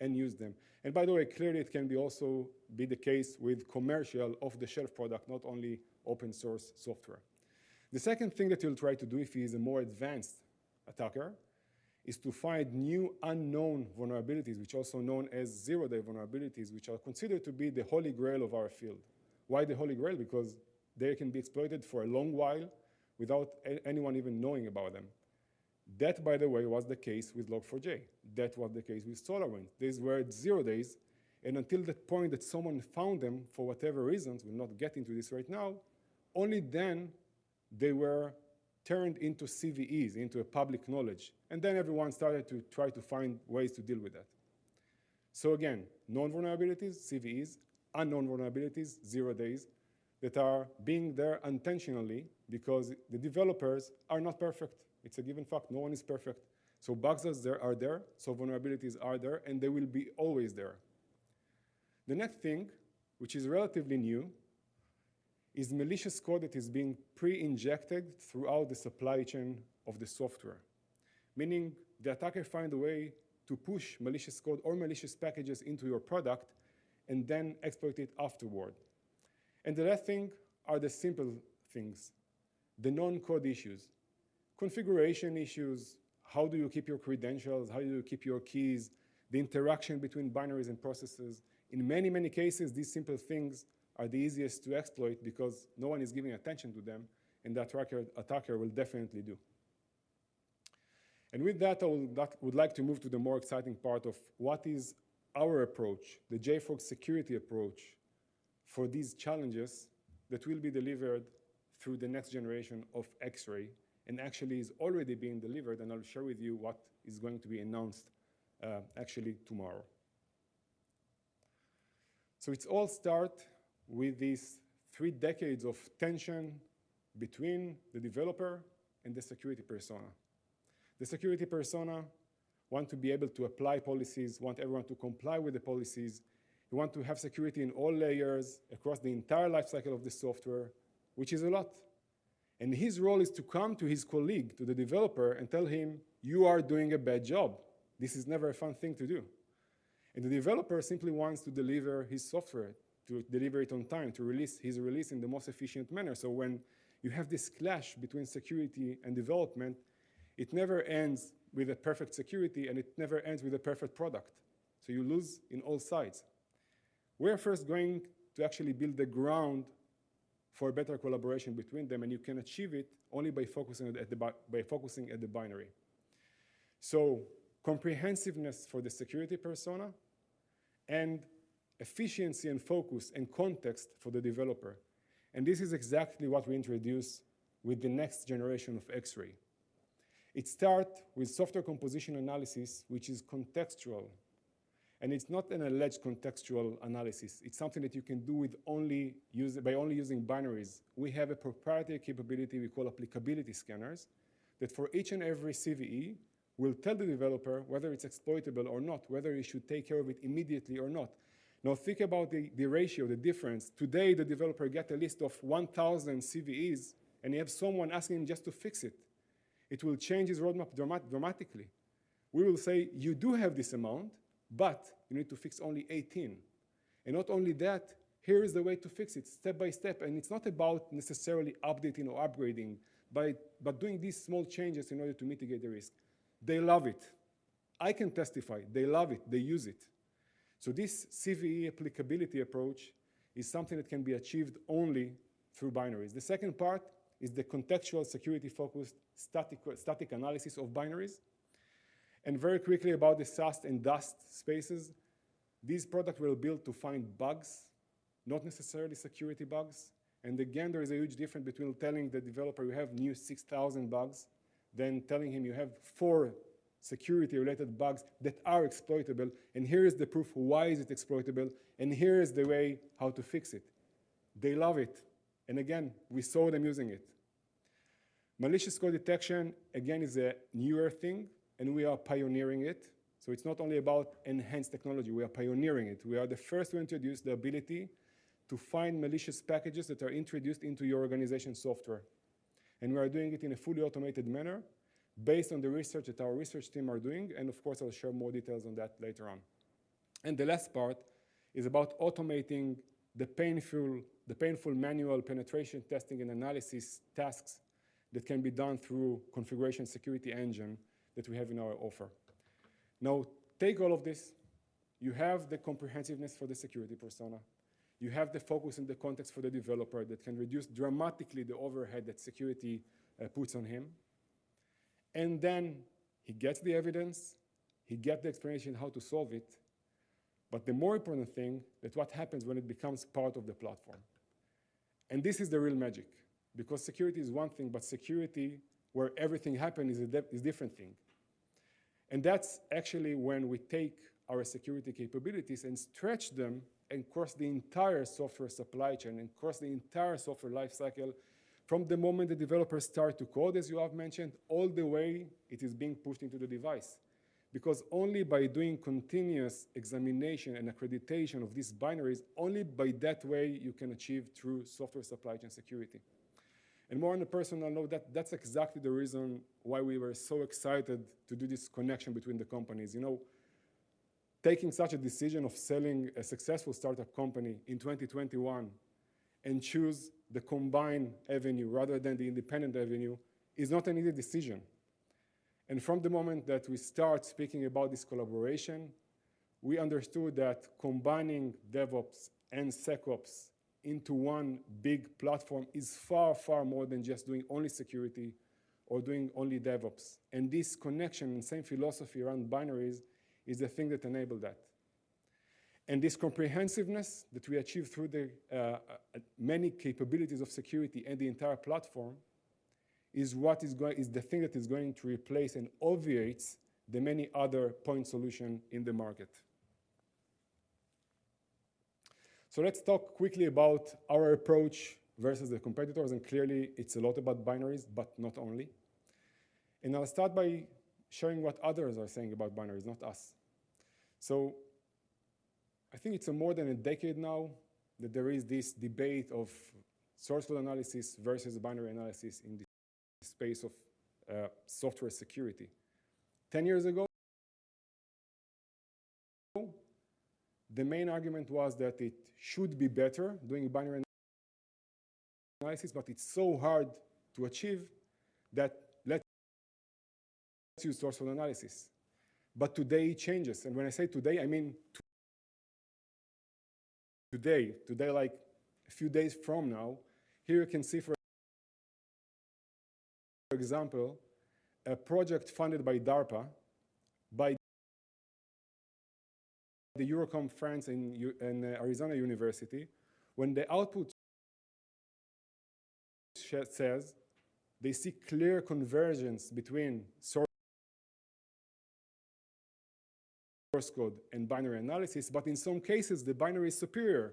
and use them. By the way, clearly it can be also the case with commercial off-the-shelf product, not only open source software. The second thing that he'll try to do if he is a more advanced attacker is to find new unknown vulnerabilities, which are also known as zero-day vulnerabilities, which are considered to be the holy grail of our field. Why the holy grail? Because they can be exploited for a long while without anyone even knowing about them. That, by the way, was the case with Log4j. That was the case with SolarWinds. These were zero days, and until the point that someone found them for whatever reasons, we'll not get into this right now, only then they were turned into CVEs, into a public knowledge, and then everyone started to try to find ways to deal with that. Again, known vulnerabilities, CVEs, unknown vulnerabilities, zero days, that are being there unintentionally because the developers are not perfect. It's a given fact. No one is perfect. Bugs are there, so vulnerabilities are there, and they will be always there. The next thing, which is relatively new, is malicious code that is being pre-injected throughout the supply chain of the software. Meaning the attacker find a way to push malicious code or malicious packages into your product and then exploit it afterward. The last thing are the simple things, the non-code issues. Configuration issues, how do you keep your credentials, how do you keep your keys, the interaction between binaries and processes. In many, many cases, these simple things are the easiest to exploit because no one is giving attention to them, and the attacker will definitely do. With that, I would like to move to the more exciting part of what is our approach, the JFrog security approach for these challenges that will be delivered through the next generation of Xray, and actually is already being delivered, and I'll share with you what is going to be announced, actually tomorrow. It all starts with these three decades of tension between the developer and the security persona. The security persona want to be able to apply policies, want everyone to comply with the policies. He wants to have security in all layers across the entire life cycle of the software, which is a lot. His role is to come to his colleague, to the developer, and tell him, "You are doing a bad job." This is never a fun thing to do. The developer simply wants to deliver his software, to deliver it on time, to release his release in the most efficient manner. When you have this clash between security and development, it never ends with a perfect security, and it never ends with a perfect product, so you lose in all sides. We're first going to actually build the ground for a better collaboration between them, and you can achieve it only by focusing on the binary. Comprehensiveness for the security persona and efficiency and focus and context for the developer, and this is exactly what we introduce with the next generation of Xray. It start with software composition analysis, which is contextual, and it's not an alleged contextual analysis. It's something that you can do by only using binaries. We have a proprietary capability we call applicability scanners, that for each and every CVE, will tell the developer whether it's exploitable or not, whether he should take care of it immediately or not. Now, think about the ratio, the difference. Today, the developer get a list of 1,000 CVEs, and he have someone asking him just to fix it. It will change his roadmap dramatically. We will say, "You do have this amount, but you need to fix only 18." Not only that, here is the way to fix it step by step. It's not about necessarily updating or upgrading by doing these small changes in order to mitigate the risk. They love it. I can testify. They love it. They use it. This CVE applicability approach is something that can be achieved only through binaries. The second part is the contextual security-focused static analysis of binaries. Very quickly about the SAST and DAST spaces, these products were built to find bugs, not necessarily security bugs. Again, there is a huge difference between telling the developer, "You have new 6,000 bugs," than telling him, "You have four security-related bugs that are exploitable, and here is the proof why is it exploitable, and here is the way how to fix it." They love it. Again, we saw them using it. Malicious code detection, again, is a newer thing, and we are pioneering it. It's not only about enhanced technology, we are pioneering it. We are the first to introduce the ability to find malicious packages that are introduced into your organization's software. We are doing it in a fully automated manner based on the research that our research team are doing, and of course, I'll share more details on that later on. The last part is about automating the painful manual penetration testing and analysis tasks that can be done through configuration security engine that we have in our offer. Now, take all of this. You have the comprehensiveness for the security persona. You have the focus and the context for the developer that can reduce dramatically the overhead that security puts on him. Then he gets the evidence, he gets the explanation how to solve it. The more important thing is what happens when it becomes part of the platform. This is the real magic, because security is one thing, but security where everything happens is a different thing. That's actually when we take our security capabilities and stretch them across the entire software supply chain and across the entire software life cycle from the moment the developers start to code, as Yoav mentioned, all the way it is being pushed into the device. Because only by doing continuous examination and accreditation of these binaries, only by that way you can achieve true software supply chain security. Moran, personally, I know that's exactly the reason why we were so excited to do this connection between the companies. You know, taking such a decision of selling a successful startup company in 2021 and choose the combined avenue rather than the independent avenue is not an easy decision. From the moment that we start speaking about this collaboration, we understood that combining DevOps and SecOps into one big platform is far, far more than just doing only security or doing only DevOps. This connection and same philosophy around binaries is the thing that enabled that. This comprehensiveness that we achieve through the many capabilities of security and the entire platform is the thing that is going to replace and obviates the many other point solutions in the market. Let's talk quickly about our approach versus the competitors, and clearly it's a lot about binaries, but not only. I'll start by sharing what others are saying about binaries, not us. I think it's more than a decade now that there is this debate of source code analysis versus binary analysis in the space of software security. 10 years ago, the main argument was that it should be better doing binary analysis, but it's so hard to achieve that let's use source code analysis. Today it changes. When I say today, I mean today. Today, like a few days from now. Here you can see, for example, a project funded by DARPA, by EURECOM France and Arizona State University. When the output says they see clear convergence between source code and binary analysis, but in some cases, the binary is superior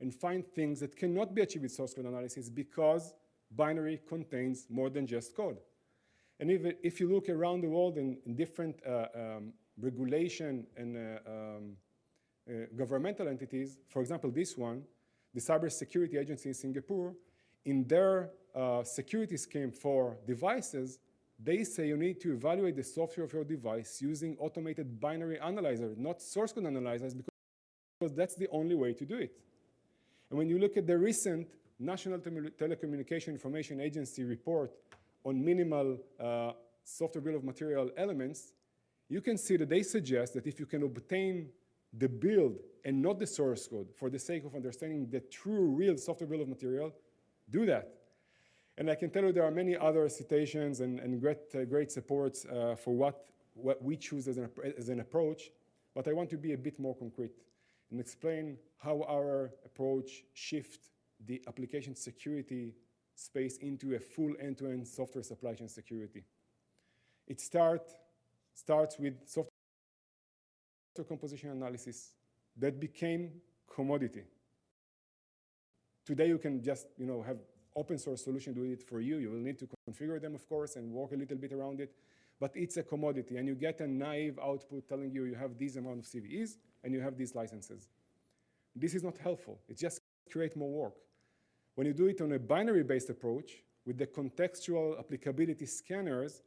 and find things that cannot be achieved with source code analysis because binary contains more than just code. Even if you look around the world in different regulation and governmental entities, for example, this one, the Cyber Security Agency of Singapore, in their security scheme for devices, they say you need to evaluate the software of your device using automated binary analyzer, not source code analyzers, because that's the only way to do it. When you look at the recent National Telecommunications and Information Administration report on minimal software bill of material elements, you can see that they suggest that if you can obtain the build and not the source code for the sake of understanding the true, real software bill of material, do that. I can tell you there are many other citations and great supports for what we choose as an approach, but I want to be a bit more concrete and explain how our approach shift the application security space into a full end-to-end software supply chain security. It starts with software composition analysis that became commodity. Today, you can just, you know, have open-source solution doing it for you. You will need to configure them, of course, and work a little bit around it, but it's a commodity, and you get a naive output telling you have this amount of CVEs, and you have these licenses. This is not helpful. It just creates more work. When you do it on a binary-based approach with the contextual applicability scanners,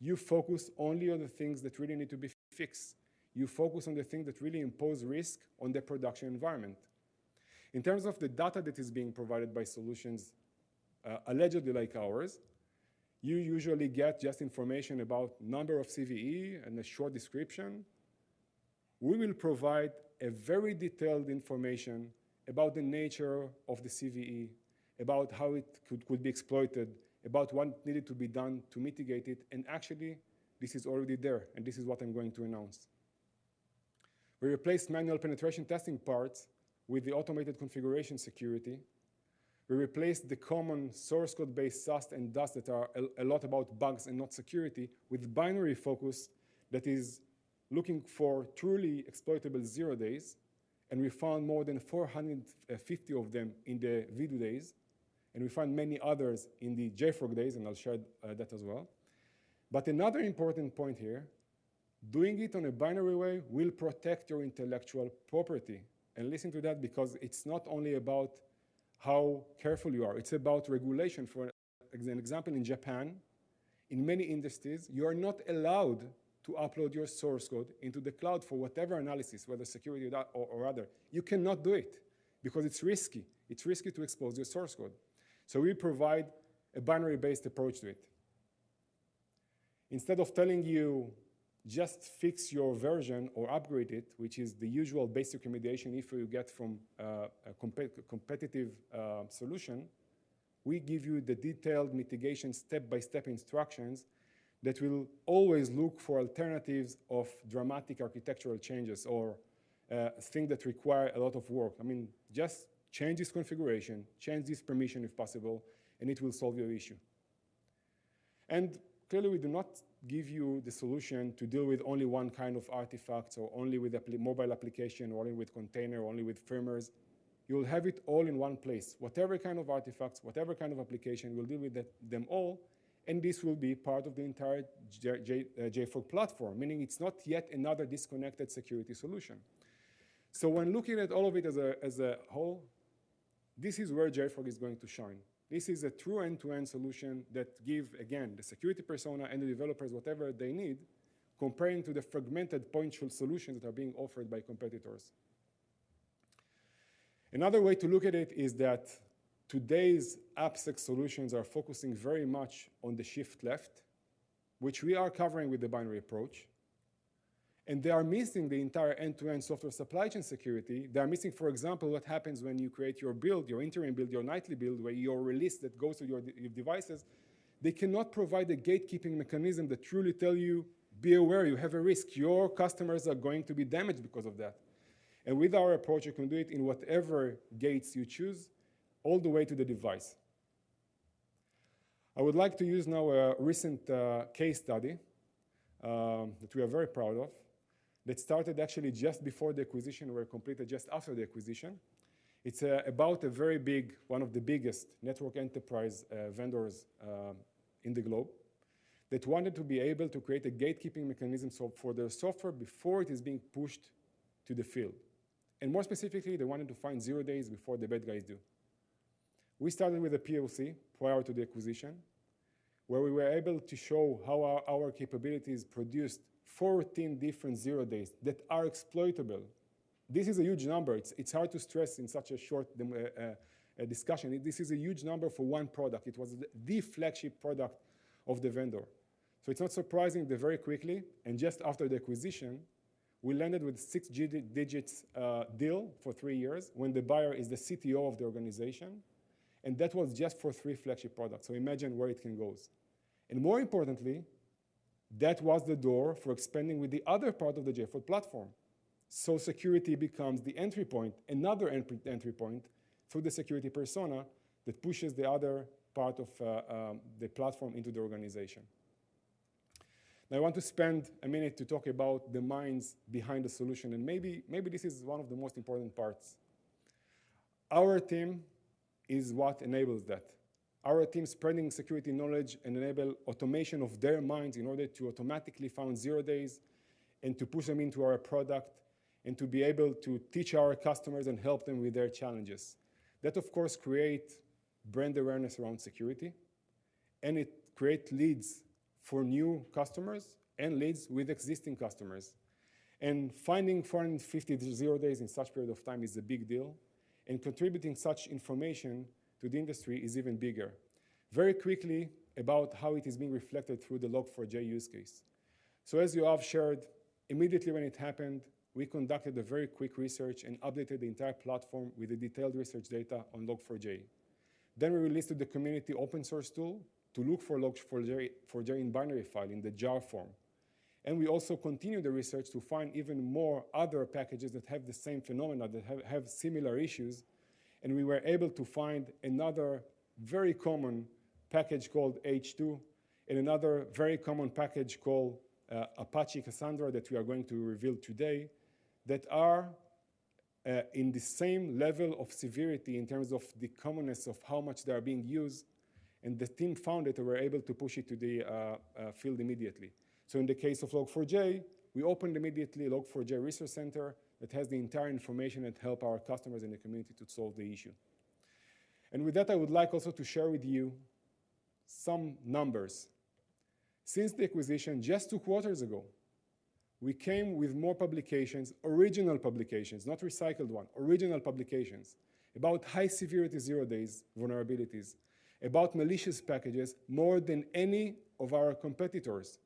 you focus only on the things that really need to be fixed. You focus on the things that really impose risk on the production environment. In terms of the data that is being provided by solutions, allegedly like ours, you usually get just information about number of CVE and a short description. We will provide a very detailed information about the nature of the CVE, about how it could be exploited, about what needed to be done to mitigate it, and actually this is already there, and this is what I'm going to announce. We replaced manual penetration testing parts with the automated configuration security. We replaced the common source code-based SAST and DAST that are a lot about bugs and not security with binary focus that is looking for truly exploitable zero-days, and we found more than 450 of them in the Vdoo days, and we find many others in the JFrog days, and I'll share that as well. Another important point here, doing it on a binary way will protect your intellectual property. Listen to that because it's not only about how careful you are, it's about regulation. For an example, in Japan, in many industries, you are not allowed to upload your source code into the cloud for whatever analysis, whether security or other. You cannot do it because it's risky. It's risky to expose your source code. We provide a binary-based approach to it. Instead of telling you, "Just fix your version or upgrade it," which is the usual basic recommendation if you get from a competitive solution, we give you the detailed mitigation step-by-step instructions that will always look for alternatives of dramatic architectural changes or thing that require a lot of work. I mean, just change this configuration, change this permission if possible, and it will solve your issue. Clearly, we do not give you the solution to deal with only one kind of artifact, or only with a mobile application, or only with container, or only with firmwares. You'll have it all in one place. Whatever kind of artifacts, whatever kind of application, we'll deal with them all, and this will be part of the entire JFrog platform, meaning it's not yet another disconnected security solution. When looking at all of it as a whole, this is where JFrog is going to shine. This is a true end-to-end solution that give, again, the security persona and the developers whatever they need comparing to the fragmented point solution that are being offered by competitors. Another way to look at it is that today's AppSec solutions are focusing very much on the shift left, which we are covering with the binary approach, and they are missing the entire end-to-end software supply chain security. They are missing, for example, what happens when you create your build, your interim build, your nightly build, where your release that goes to your devices. They cannot provide a gatekeeping mechanism that truly tell you, "Be aware, you have a risk. Your customers are going to be damaged because of that." With our approach, you can do it in whatever gates you choose, all the way to the device. I would like to use now a recent case study that we are very proud of that started actually just before the acquisition were completed, just after the acquisition. It's about a very big one of the biggest network enterprise vendors in the globe that wanted to be able to create a gatekeeping mechanism for their software before it is being pushed to the field. More specifically, they wanted to find zero-days before the bad guys do. We started with a POC prior to the acquisition, where we were able to show how our capabilities produced 14 different zero-days that are exploitable. This is a huge number. It's hard to stress in such a short discussion. This is a huge number for one product. It was the flagship product of the vendor. It's not surprising that very quickly, and just after the acquisition, we landed with a six-digit deal for three years when the buyer is the CTO of the organization, and that was just for three flagship products. Imagine where it can goes. More importantly, that was the door for expanding with the other part of the JFrog platform. Security becomes the entry point, another entry point for the security persona that pushes the other part of the platform into the organization. Now, I want to spend a minute to talk about the minds behind the solution, and maybe this is one of the most important parts. Our team is what enables that. Our team spreading security knowledge and enable automation of their minds in order to automatically find zero-days and to push them into our product and to be able to teach our customers and help them with their challenges. That, of course, create brand awareness around security, and it create leads for new customers and leads with existing customers. Finding 450 zero-days in such period of time is a big deal, and contributing such information to the industry is even bigger. Very quickly about how it is being reflected through the Log4j use case. As Yoav shared, immediately when it happened, we conducted a very quick research and updated the entire platform with the detailed research data on Log4j. We released the community open source tool to look for Log4j in binary file, in the JAR form. We also continued the research to find even more other packages that have the same phenomena, that have similar issues, and we were able to find another very common package called H2 and another very common package called Apache Cassandra that we are going to reveal today, that are in the same level of severity in terms of the commonness of how much they are being used. The team found it and were able to push it to the field immediately. In the case of Log4j, we opened immediately Log4j Research Center that has the entire information that help our customers and the community to solve the issue. With that, I would like also to share with you some numbers. Since the acquisition just two quarters ago, we came with more original publications, not recycled ones, about high-severity zero-day vulnerabilities, about malicious packages, more than any of our competitors.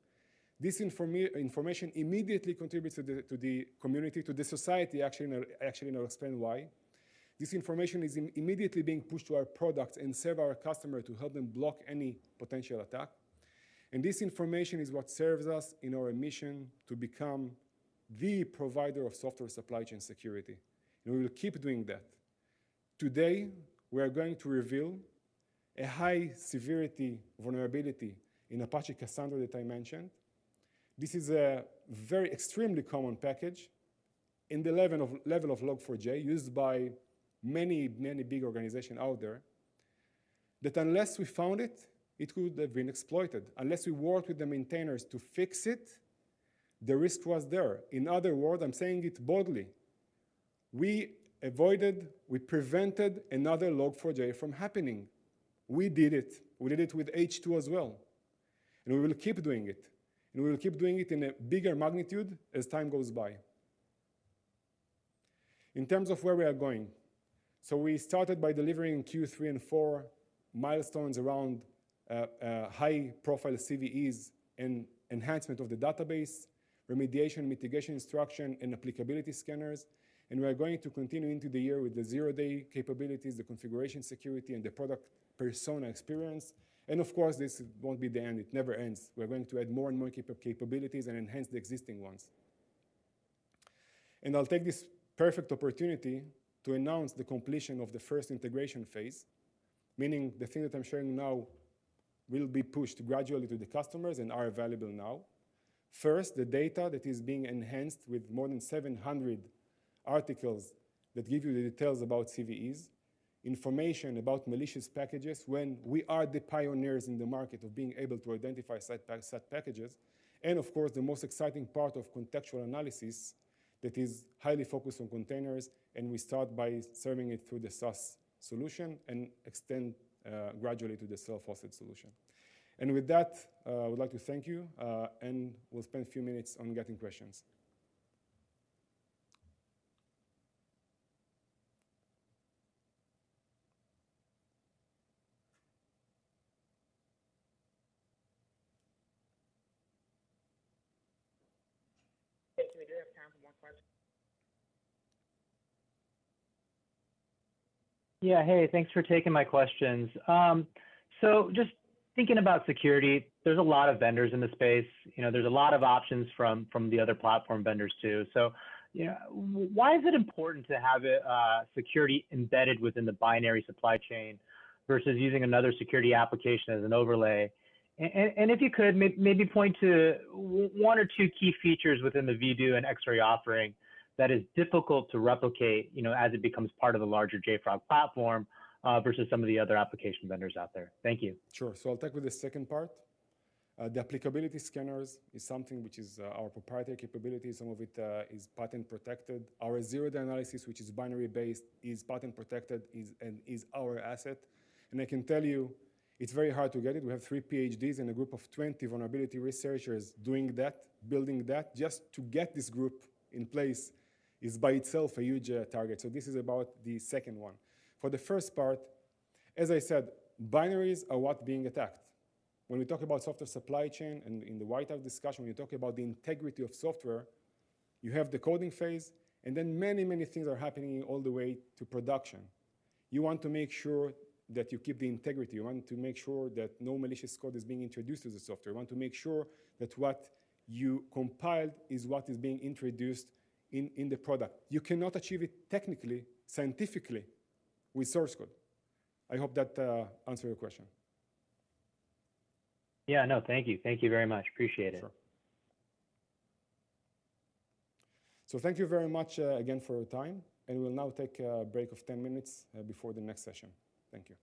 This information immediately contributes to the community, to the society. Actually, I'll explain why. This information is immediately being pushed to our product and serve our customer to help them block any potential attack. This information is what serves us in our mission to become the provider of software supply chain security, and we will keep doing that. Today, we are going to reveal a high-severity vulnerability in Apache Cassandra that I mentioned. This is a very extremely common package in the level of Log4j used by many, many big organization out there, that unless we found it could have been exploited. Unless we worked with the maintainers to fix it, the risk was there. In other words, I'm saying it boldly, we avoided, we prevented another Log4j from happening. We did it. We did it with H2 as well, and we will keep doing it, and we will keep doing it in a bigger magnitude as time goes by. In terms of where we are going, we started by delivering Q3 and Q4 milestones around high-profile CVEs and enhancement of the database, remediation, mitigation instruction, and applicability scanners. We are going to continue into the year with the zero-day capabilities, the configuration security, and the product persona experience. Of course, this won't be the end. It never ends. We're going to add more and more capabilities and enhance the existing ones. I'll take this perfect opportunity to announce the completion of the first integration phase, meaning the thing that I'm sharing now will be pushed gradually to the customers and are available now. First, the data that is being enhanced with more than 700 articles that give you the details about CVEs, information about malicious packages when we are the pioneers in the market of being able to identify set packages. Of course, the most exciting part of contextual analysis that is highly focused on containers, and we start by serving it through the SaaS solution and extend gradually to the self-hosted solution. With that, I would like to thank you, and we'll spend a few minutes on getting questions. Okay. We do have time for more questions. Yeah. Hey, thanks for taking my questions. Just thinking about security, there's a lot of vendors in the space. You know, there's a lot of options from the other platform vendors too. You know, why is it important to have a security embedded within the binary supply chain versus using another security application as an overlay? And if you could maybe point to one or two key features within the Vdoo and Xray offering that is difficult to replicate, you know, as it becomes part of the larger JFrog platform, versus some of the other application vendors out there. Thank you. Sure. I'll take the second part. The applicability scanners is something which is our proprietary capability. Some of it is patent protected. Our zero-day analysis, which is binary-based, is patent protected and is our asset. I can tell you it's very hard to get it. We have three PhDs and a group of 20 vulnerability researchers doing that, building that. Just to get this group in place is by itself a huge target. This is about the second one. For the first part, as I said, binaries are what is being attacked. When we talk about software supply chain and in the White House discussion, we talk about the integrity of software. You have the coding phase, and then many, many things are happening all the way to production. You want to make sure that you keep the integrity. You want to make sure that no malicious code is being introduced to the software. You want to make sure that what you compiled is what is being introduced in the product. You cannot achieve it technically, scientifically with source code. I hope that answers your question. Yeah. No, thank you. Thank you very much. Appreciate it. Sure. Thank you very much, again for your time, and we'll now take a break of 10 minutes before the next session. Thank you.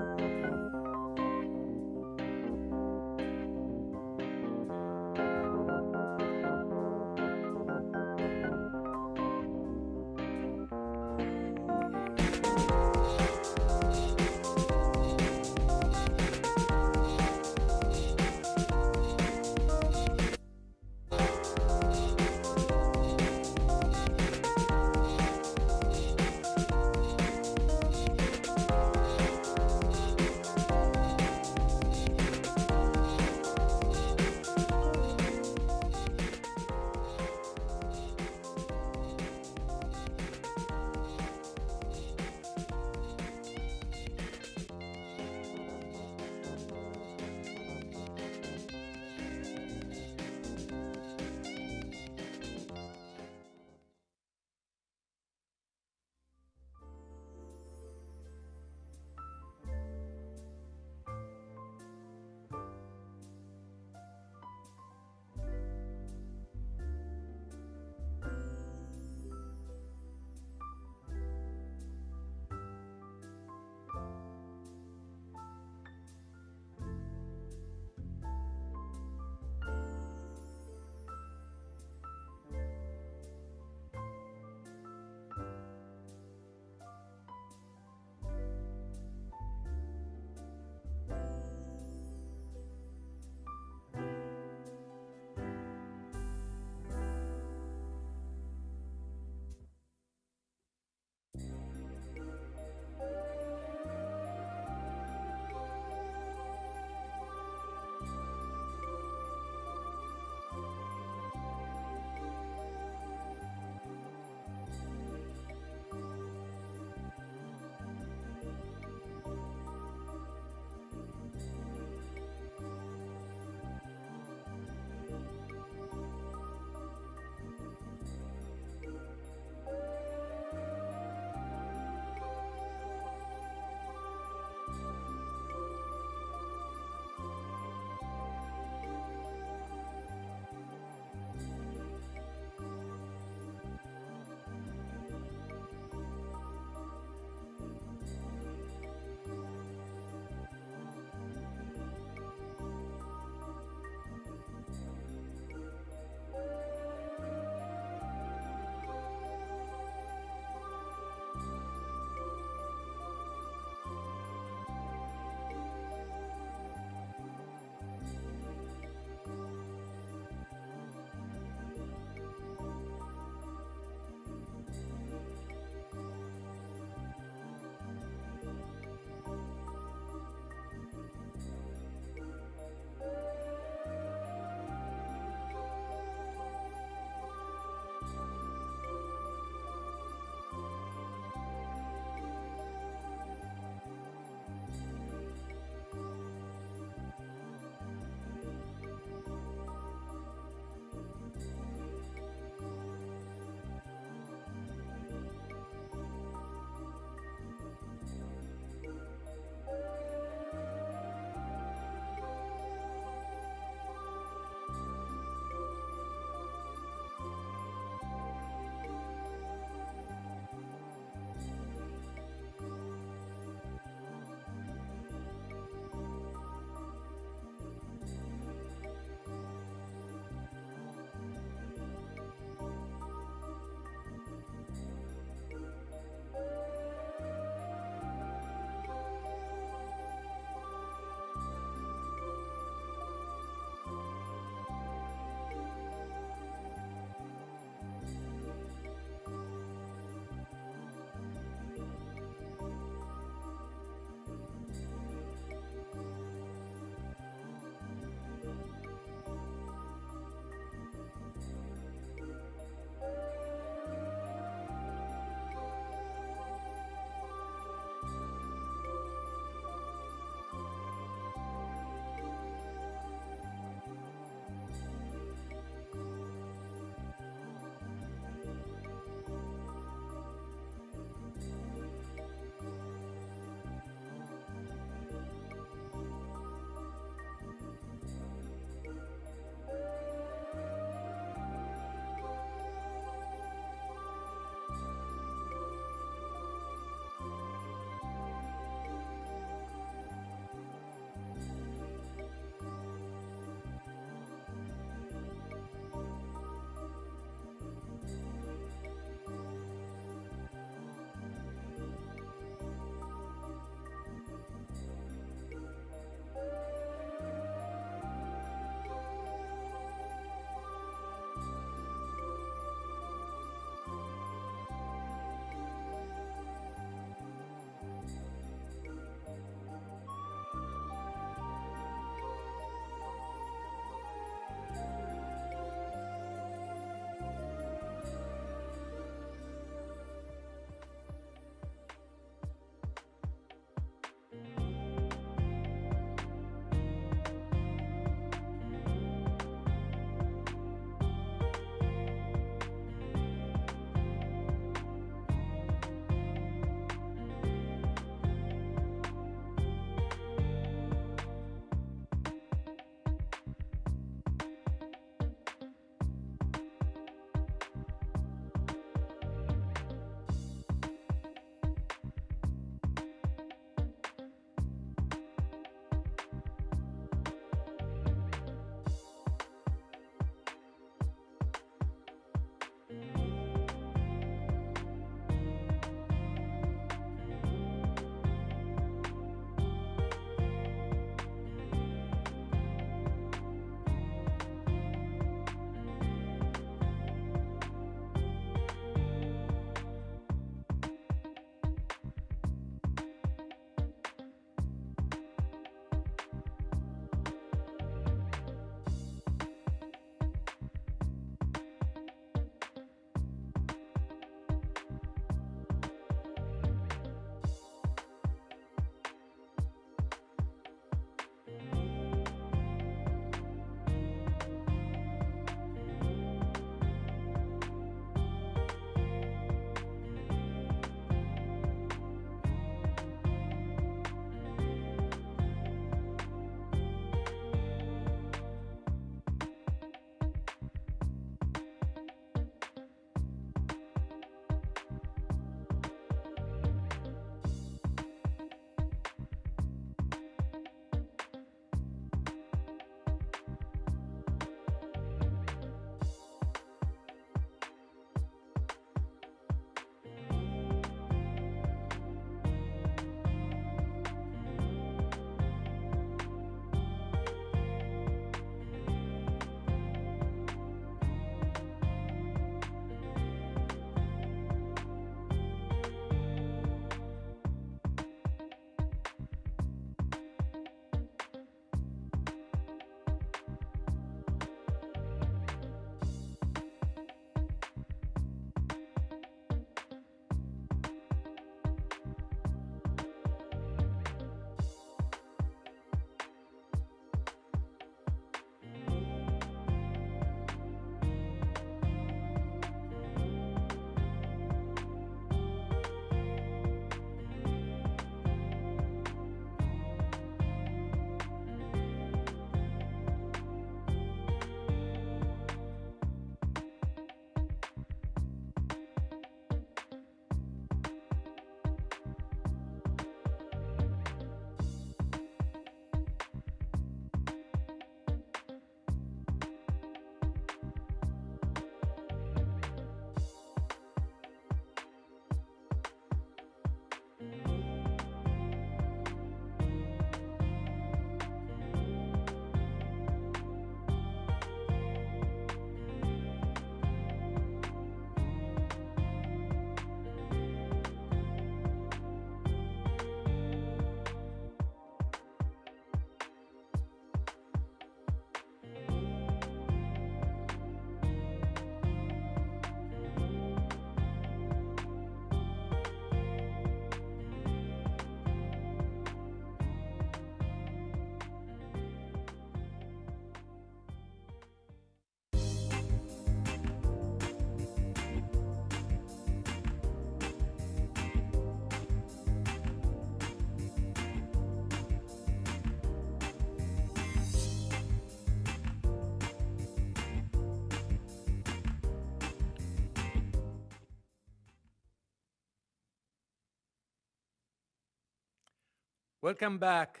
Welcome back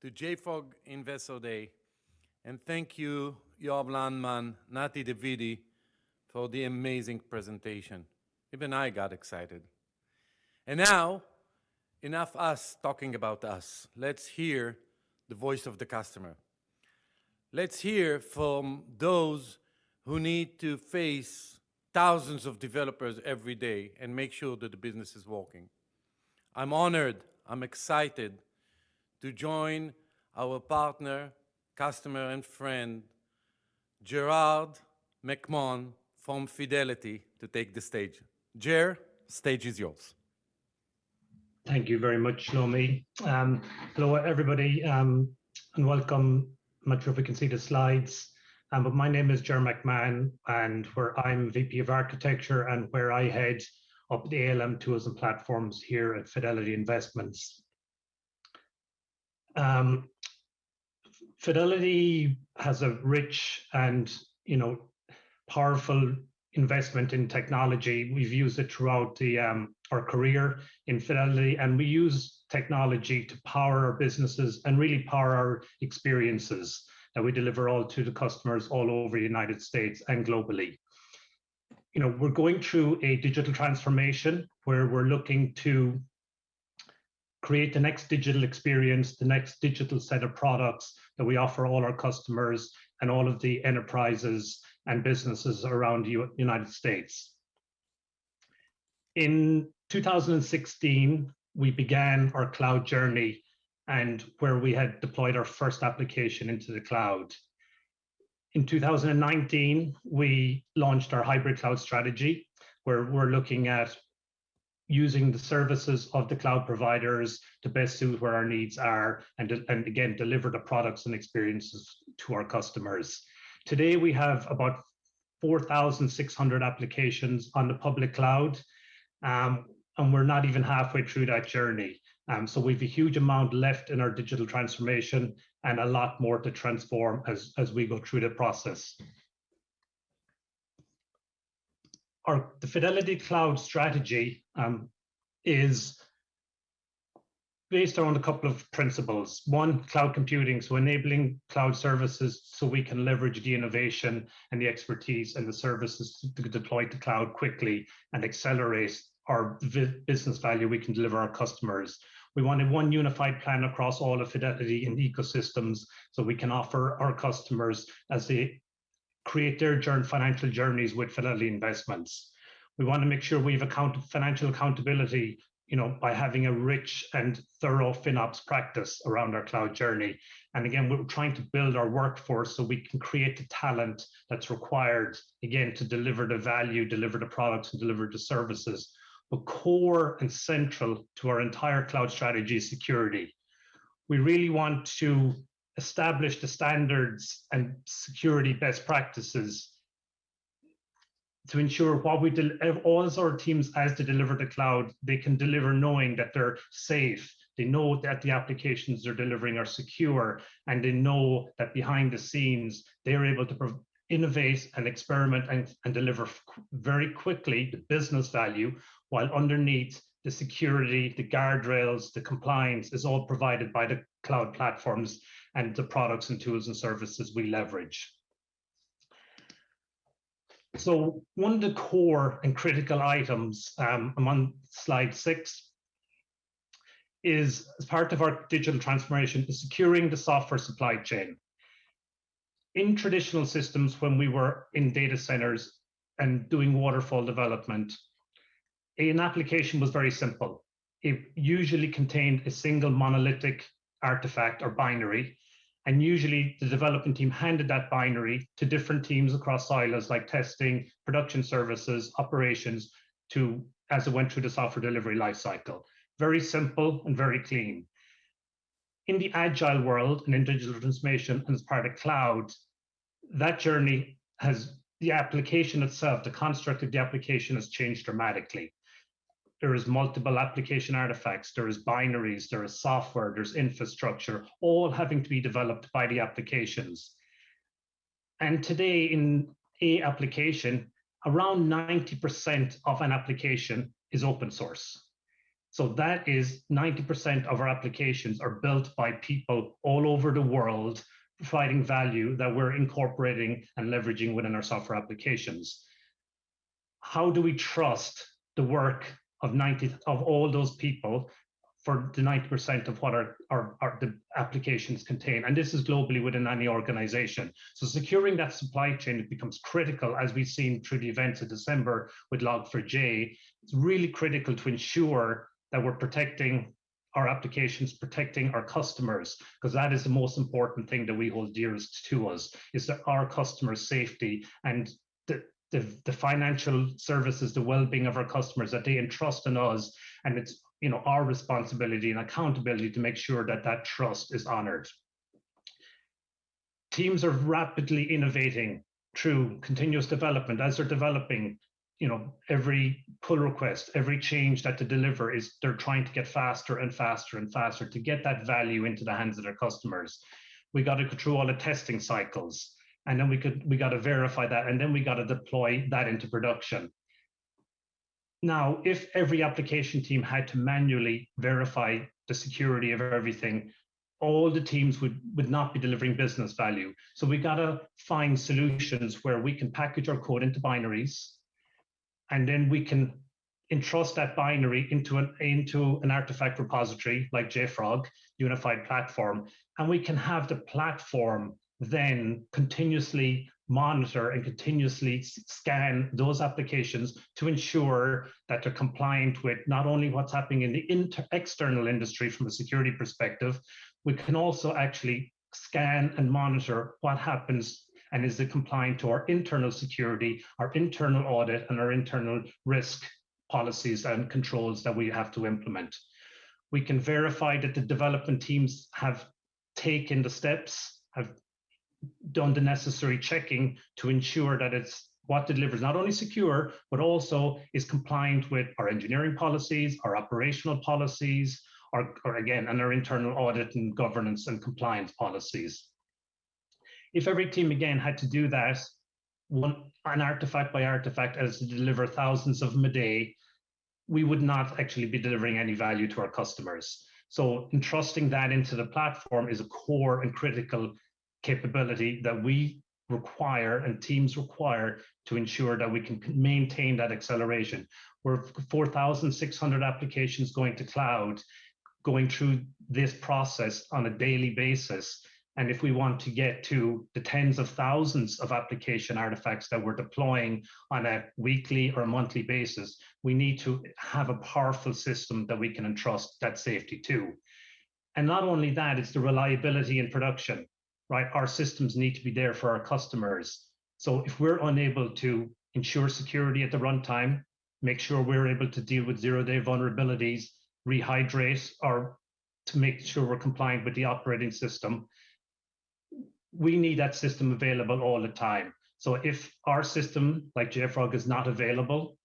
to JFrog Invest Day, and thank you Yoav Landman, Nati Davidi for the amazing presentation. Even I got excited. Now, enough us talking about us. Let's hear the voice of the customer. Let's hear from those who need to face thousands of developers every day and make sure that the business is working. I'm honored, I'm excited to join our partner, customer, and friend, Gerard McMahon from Fidelity, to take the stage. Ger, stage is yours. Thank you very much, Shlomi. Hello everybody, and welcome. I'm not sure if we can see the slides, but my name is Gerard McMahon, and I'm VP of Architecture. I head up the ALM tools and platforms here at Fidelity Investments. Fidelity has a rich and, you know, powerful investment in technology. We've used it throughout our career in Fidelity, and we use technology to power our businesses and really power our experiences that we deliver all to the customers all over United States and globally. You know, we're going through a digital transformation where we're looking to create the next digital experience, the next digital set of products that we offer all our customers and all of the enterprises and businesses around United States. In 2016, we began our cloud journey, where we had deployed our first application into the cloud. In 2019, we launched our hybrid cloud strategy, where we're looking at using the services of the cloud providers to best suit where our needs are and again, deliver the products and experiences to our customers. Today, we have about 4,600 applications on the public cloud, and we're not even halfway through that journey. We've a huge amount left in our digital transformation and a lot more to transform as we go through the process. The Fidelity cloud strategy is based around a couple of principles. One, cloud computing, so enabling cloud services so we can leverage the innovation and the expertise and the services to deploy to cloud quickly and accelerate our business value we can deliver our customers. We wanted one unified plan across all of Fidelity and ecosystems, so we can offer our customers as they create their financial journeys with Fidelity Investments. We want to make sure we have financial accountability, you know, by having a rich and thorough FinOps practice around our cloud journey. We're trying to build our workforce so we can create the talent that's required, again, to deliver the value, deliver the products, and deliver the services. Core and central to our entire cloud strategy is security. We really want to establish the standards and security best practices. To ensure while we as all our teams has to deliver the cloud, they can deliver knowing that they're safe, they know that the applications they're delivering are secure, and they know that behind the scenes, they're able to innovate and experiment and deliver very quickly the business value, while underneath the security, the guardrails, the compliance is all provided by the cloud platforms and the products and tools and services we leverage. One of the core and critical items among slide 6 is, as part of our digital transformation, securing the software supply chain. In traditional systems, when we were in data centers and doing waterfall development, an application was very simple. It usually contained a single monolithic artifact or binary, and usually, the development team handed that binary to different teams across silos like testing, production services, operations, as it went through the software delivery life cycle. Very simple and very clean. In the agile world and in digital transformation and as part of cloud, that journey has the application itself, the construct of the application has changed dramatically. There is multiple application artifacts, there is binaries, there is software, there's infrastructure, all having to be developed by the applications. Today in a application, around 90% of an application is open source. That is 90% of our applications are built by people all over the world providing value that we're incorporating and leveraging within our software applications. How do we trust the work of 90% of all those people for the 90% of what our applications contain? This is globally within any organization. Securing that supply chain becomes critical as we've seen through the events of December with Log4j. It's really critical to ensure that we're protecting our applications, protecting our customers, 'cause that is the most important thing that we hold dearest to us, is that our customers' safety and the financial services, the well-being of our customers that they entrust in us, and it's, you know, our responsibility and accountability to make sure that that trust is honored. Teams are rapidly innovating through continuous development. As they're developing, you know, every pull request, every change that they deliver is they're trying to get faster and faster and faster to get that value into the hands of their customers. We got to go through all the testing cycles, and then we got to verify that, and then we got to deploy that into production. Now, if every application team had to manually verify the security of everything, all the teams would not be delivering business value. We've got to find solutions where we can package our code into binaries, and then we can entrust that binary into an artifact repository like JFrog Unified Platform. We can have the platform then continuously monitor and continuously scan those applications to ensure that they're compliant with not only what's happening in the external industry from a security perspective. We can also actually scan and monitor what happens and is it compliant to our internal security, our internal audit, and our internal risk policies and controls that we have to implement. We can verify that the development teams have taken the steps, have done the necessary checking to ensure that it's what we deliver is not only secure, but also is compliant with our engineering policies, our operational policies, our, and our internal audit and governance and compliance policies. If every team again had to do that one-on-one artifact by artifact as they deliver thousands of them a day, we would not actually be delivering any value to our customers. Entrusting that into the platform is a core and critical capability that we require and teams require to ensure that we can maintain that acceleration, where 4,600 applications going to cloud, going through this process on a daily basis. If we want to get to the tens of thousands of application artifacts that we're deploying on a weekly or monthly basis, we need to have a powerful system that we can entrust that safety to. Not only that, it's the reliability in production, right? Our systems need to be there for our customers. If we're unable to ensure security at the runtime, make sure we're able to deal with zero-day vulnerabilities, rehydrate or to make sure we're compliant with the operating system, we need that system available all the time. If our system, like JFrog, is not available,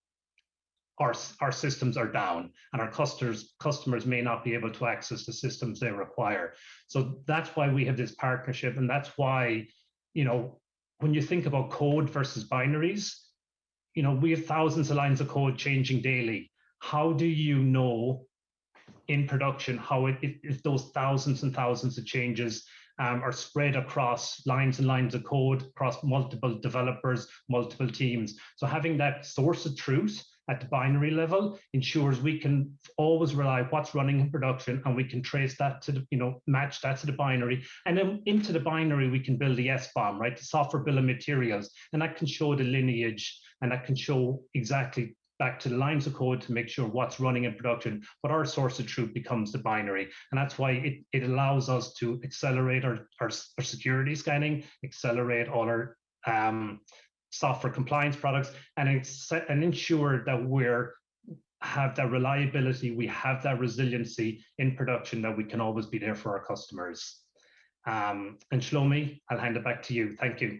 our systems are down and our customers may not be able to access the systems they require. That's why we have this partnership, and that's why, you know, when you think about code versus binaries, you know, we have thousands of lines of code changing daily. How do you know in production how it those thousands of changes are spread across lines of code, across multiple developers, multiple teams? Having that source of truth at the binary level ensures we can always rely what's running in production, and we can trace that to the, you know, match that to the binary. Then into the binary, we can build the SBOM, right? The software bill of materials. That can show the lineage, and that can show exactly back to the lines of code to make sure what's running in production. Our source of truth becomes the binary. That's why it allows us to accelerate our security scanning, accelerate all our software compliance products, and ensure that we have that reliability, we have that resiliency in production that we can always be there for our customers. Shlomi, I'll hand it back to you. Thank you.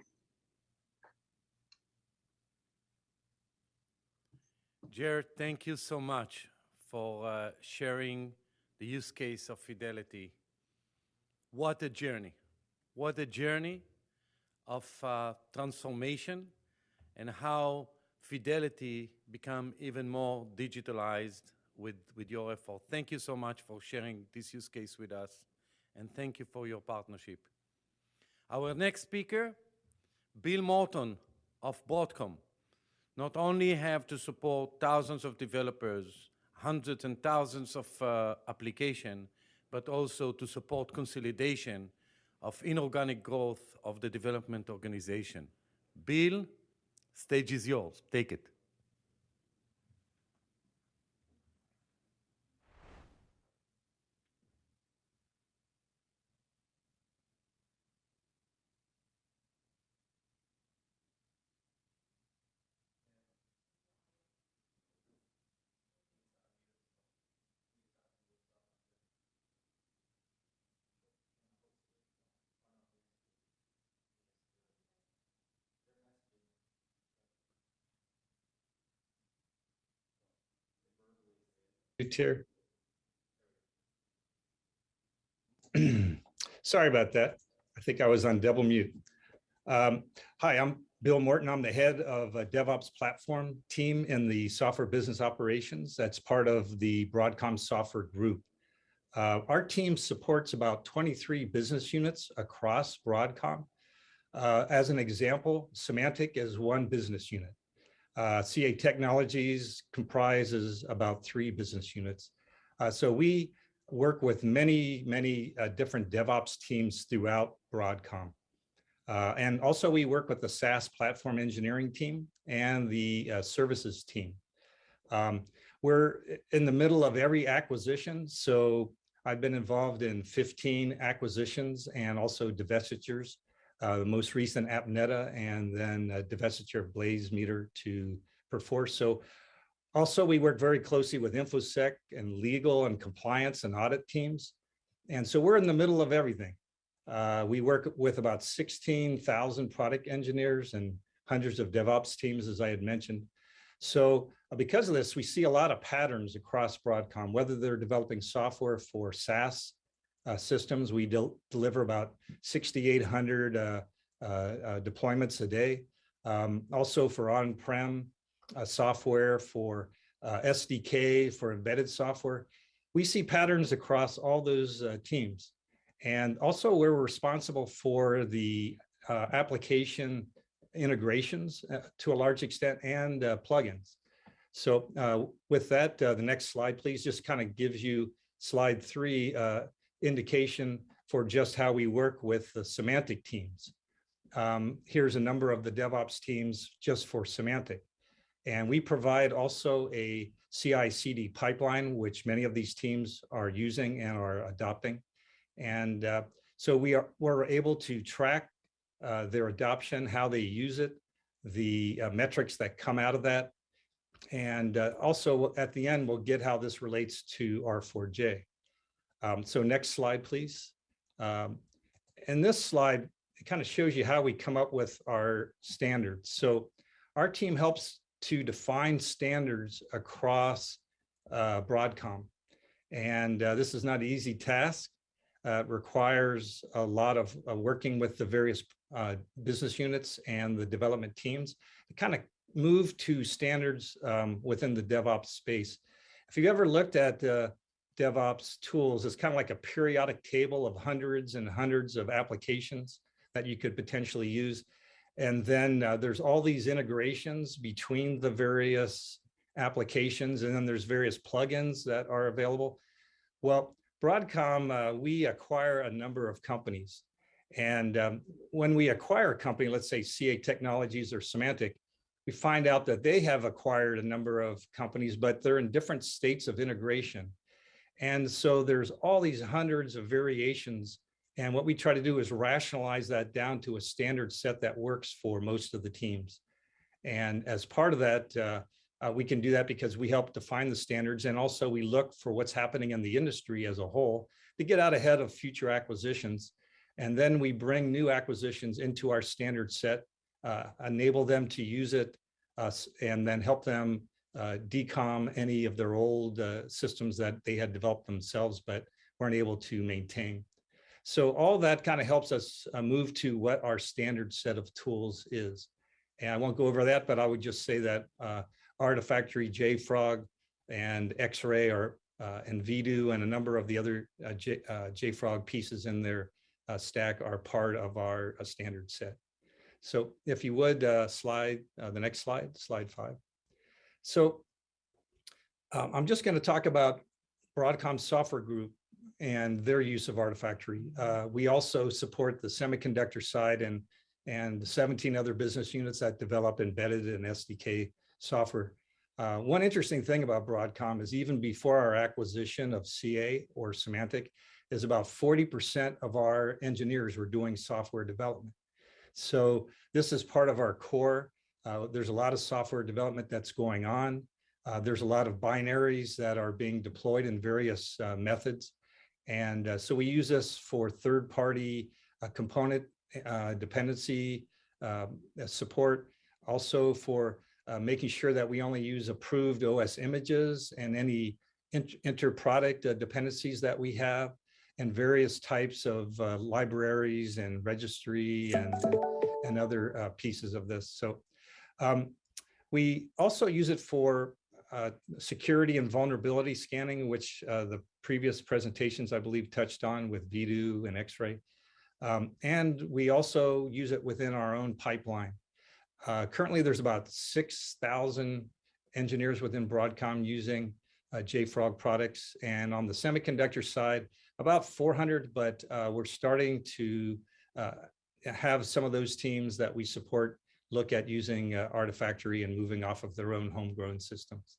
Gerard, thank you so much for sharing the use case of Fidelity. What a journey of transformation and how Fidelity become even more digitalized with your effort. Thank you so much for sharing this use case with us, and thank you for your partnership. Our next speaker, Bill Morton of Broadcom, not only have to support thousands of developers, hundreds and thousands of application, but also to support consolidation of inorganic growth of the development organization. Bill, stage is yours. Take it. Sorry about that. I think I was on double mute. Hi, I'm Bill Morton. I'm the Head of DevOps Platform Team in the Software Business Operations that's part of the Broadcom Software Group. Our team supports about 23 business units across Broadcom. As an example, Symantec is one business unit. CA Technologies comprises about three business units. We work with many different DevOps teams throughout Broadcom. We also work with the SaaS platform engineering team and the services team. We're in the middle of every acquisition, so I've been involved in 15 acquisitions and also divestitures. The most recent, AppNeta, and then a divestiture of BlazeMeter to Perforce. We also work very closely with InfoSec and legal and compliance and audit teams. We're in the middle of everything. We work with about 16,000 product engineers and hundreds of DevOps teams, as I had mentioned. Because of this, we see a lot of patterns across Broadcom, whether they're developing software for SaaS systems. We deliver about 6,800 deployments a day. Also for on-prem software, for SDK, for embedded software. We see patterns across all those teams. Also we're responsible for the application integrations to a large extent, and plug-ins. With that, the next slide, please, just kind of gives you, slide three, indication for just how we work with the Symantec teams. Here's a number of the DevOps teams just for Symantec. We provide also a CI/CD pipeline, which many of these teams are using and are adopting. We're able to track their adoption, how they use it, the metrics that come out of that. Also at the end, we'll get how this relates to R4J. Next slide, please. This slide, it kind of shows you how we come up with our standards. Our team helps to define standards across Broadcom. This is not an easy task. It requires a lot of working with the various business units and the development teams to kind of move to standards within the DevOps space. If you've ever looked at DevOps tools, it's kind of like a periodic table of hundreds and hundreds of applications that you could potentially use. There's all these integrations between the various applications, and then there's various plug-ins that are available. Well, Broadcom, we acquire a number of companies, and when we acquire a company, let's say CA Technologies or Symantec, we find out that they have acquired a number of companies, but they're in different states of integration. There's all these hundreds of variations, and what we try to do is rationalize that down to a standard set that works for most of the teams. As part of that, we can do that because we help define the standards, and also we look for what's happening in the industry as a whole to get out ahead of future acquisitions. We bring new acquisitions into our standard set, enable them to use it, and then help them decommission any of their old systems that they had developed themselves but weren't able to maintain. All that kind of helps us move to what our standard set of tools is. I won't go over that, but I would just say that Artifactory, JFrog, and Xray are and Vdoo and a number of the other JFrog pieces in their stack are part of our standard set. If you would slide the next slide five. I'm just gonna talk about Broadcom Software Group and their use of Artifactory. We also support the semiconductor side and 17 other business units that develop embedded and SDK software. One interesting thing about Broadcom is even before our acquisition of CA or Symantec, about 40% of our engineers were doing software development. This is part of our core. There's a lot of software development that's going on. There's a lot of binaries that are being deployed in various methods. We use this for third-party component dependency support also for making sure that we only use approved OS images and any internal product dependencies that we have and various types of libraries and registry and other pieces of this. We also use it for security and vulnerability scanning, which the previous presentations, I believe touched on with Vdoo and Xray. We also use it within our own pipeline. Currently there's about 6,000 engineers within Broadcom using JFrog products, and on the semiconductor side, about 400. We're starting to have some of those teams that we support look at using Artifactory and moving off of their own homegrown systems.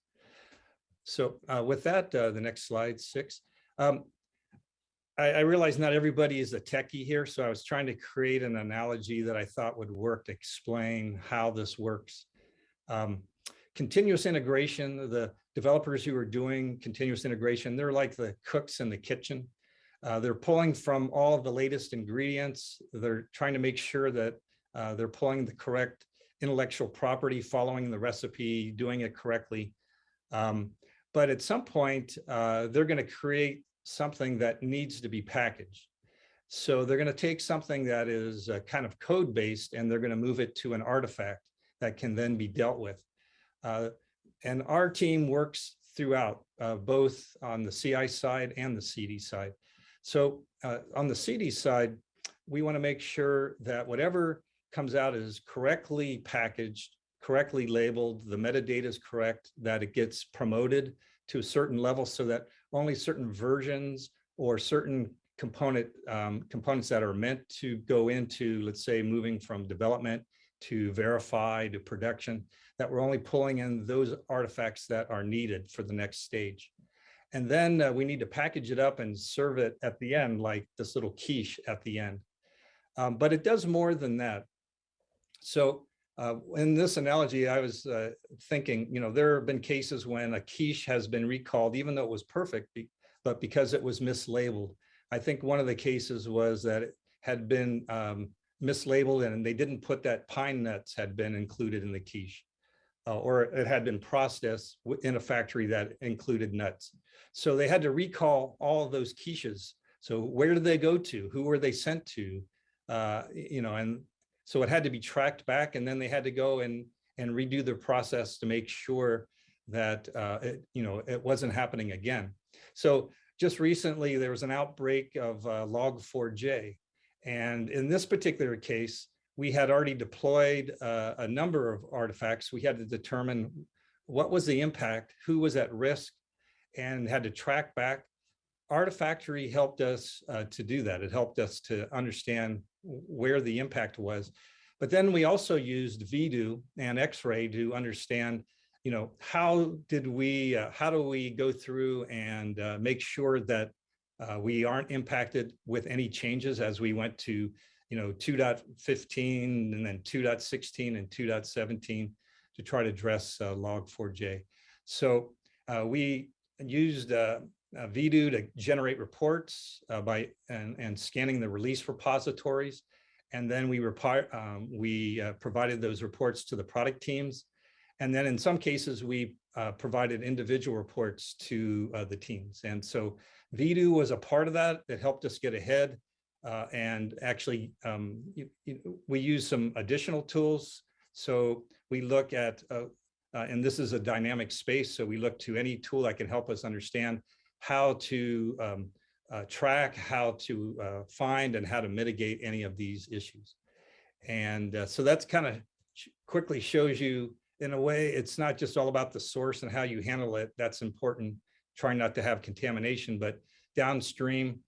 With that, the next slide six. I realize not everybody is a techie here, so I was trying to create an analogy that I thought would work to explain how this works. Continuous integration, the developers who are doing continuous integration, they're like the cooks in the kitchen. They're pulling from all of the latest ingredients. They're trying to make sure that they're pulling the correct intellectual property, following the recipe, doing it correctly. At some point, they're gonna create something that needs to be packaged. They're gonna take something that is kind of code-based, and they're gonna move it to an artifact that can then be dealt with. Our team works throughout both on the CI side and the CD side. On the CD side, we wanna make sure that whatever comes out is correctly packaged, correctly labeled, the metadata is correct, that it gets promoted to a certain level so that only certain versions or certain components that are meant to go into, let's say, moving from development to verify to production, that we're only pulling in those artifacts that are needed for the next stage. We need to package it up and serve it at the end, like this little quiche at the end. It does more than that. In this analogy, I was thinking, you know, there have been cases when a quiche has been recalled, even though it was perfect, but because it was mislabeled. I think one of the cases was that it had been mislabeled, and they didn't put that pine nuts had been included in the quiche, or it had been processed within a factory that included nuts. They had to recall all those quiches. Where did they go to? Who were they sent to? You know, it had to be tracked back, and then they had to go and redo their process to make sure that it wasn't happening again. Just recently, there was an outbreak of Log4j, and in this particular case, we had already deployed a number of artifacts. We had to determine what was the impact, who was at risk, and had to track back. Artifactory helped us to do that. It helped us to understand where the impact was. We also used Vdoo and Xray to understand, you know, how do we go through and make sure that we aren't impacted with any changes as we went to, you know, 2.15 and then 2.16 and 2.17 to try to address Log4j. We used Vdoo to generate reports by scanning the release repositories, and then we provided those reports to the product teams. In some cases, we provided individual reports to the teams. Vdoo was a part of that that helped us get ahead. Actually, we used some additional tools. We look at, and this is a dynamic space, we look to any tool that can help us understand how to track, how to find, and how to mitigate any of these issues. That's kinda quickly shows you in a way, it's not just all about the source and how you handle it. That's important, trying not to have contamination, but downstream,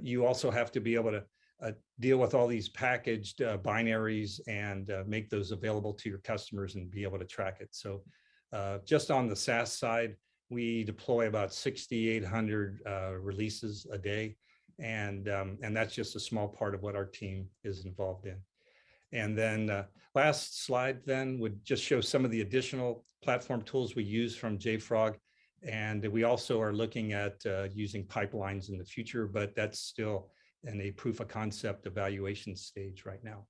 you also have to be able to deal with all these packaged binaries and make those available to your customers and be able to track it. Just on the SaaS side, we deploy about 6,800 releases a day. That's just a small part of what our team is involved in. Last slide would just show some of the additional platform tools we use from JFrog. We also are looking at using pipelines in the future, but that's still in a proof of concept evaluation stage right now.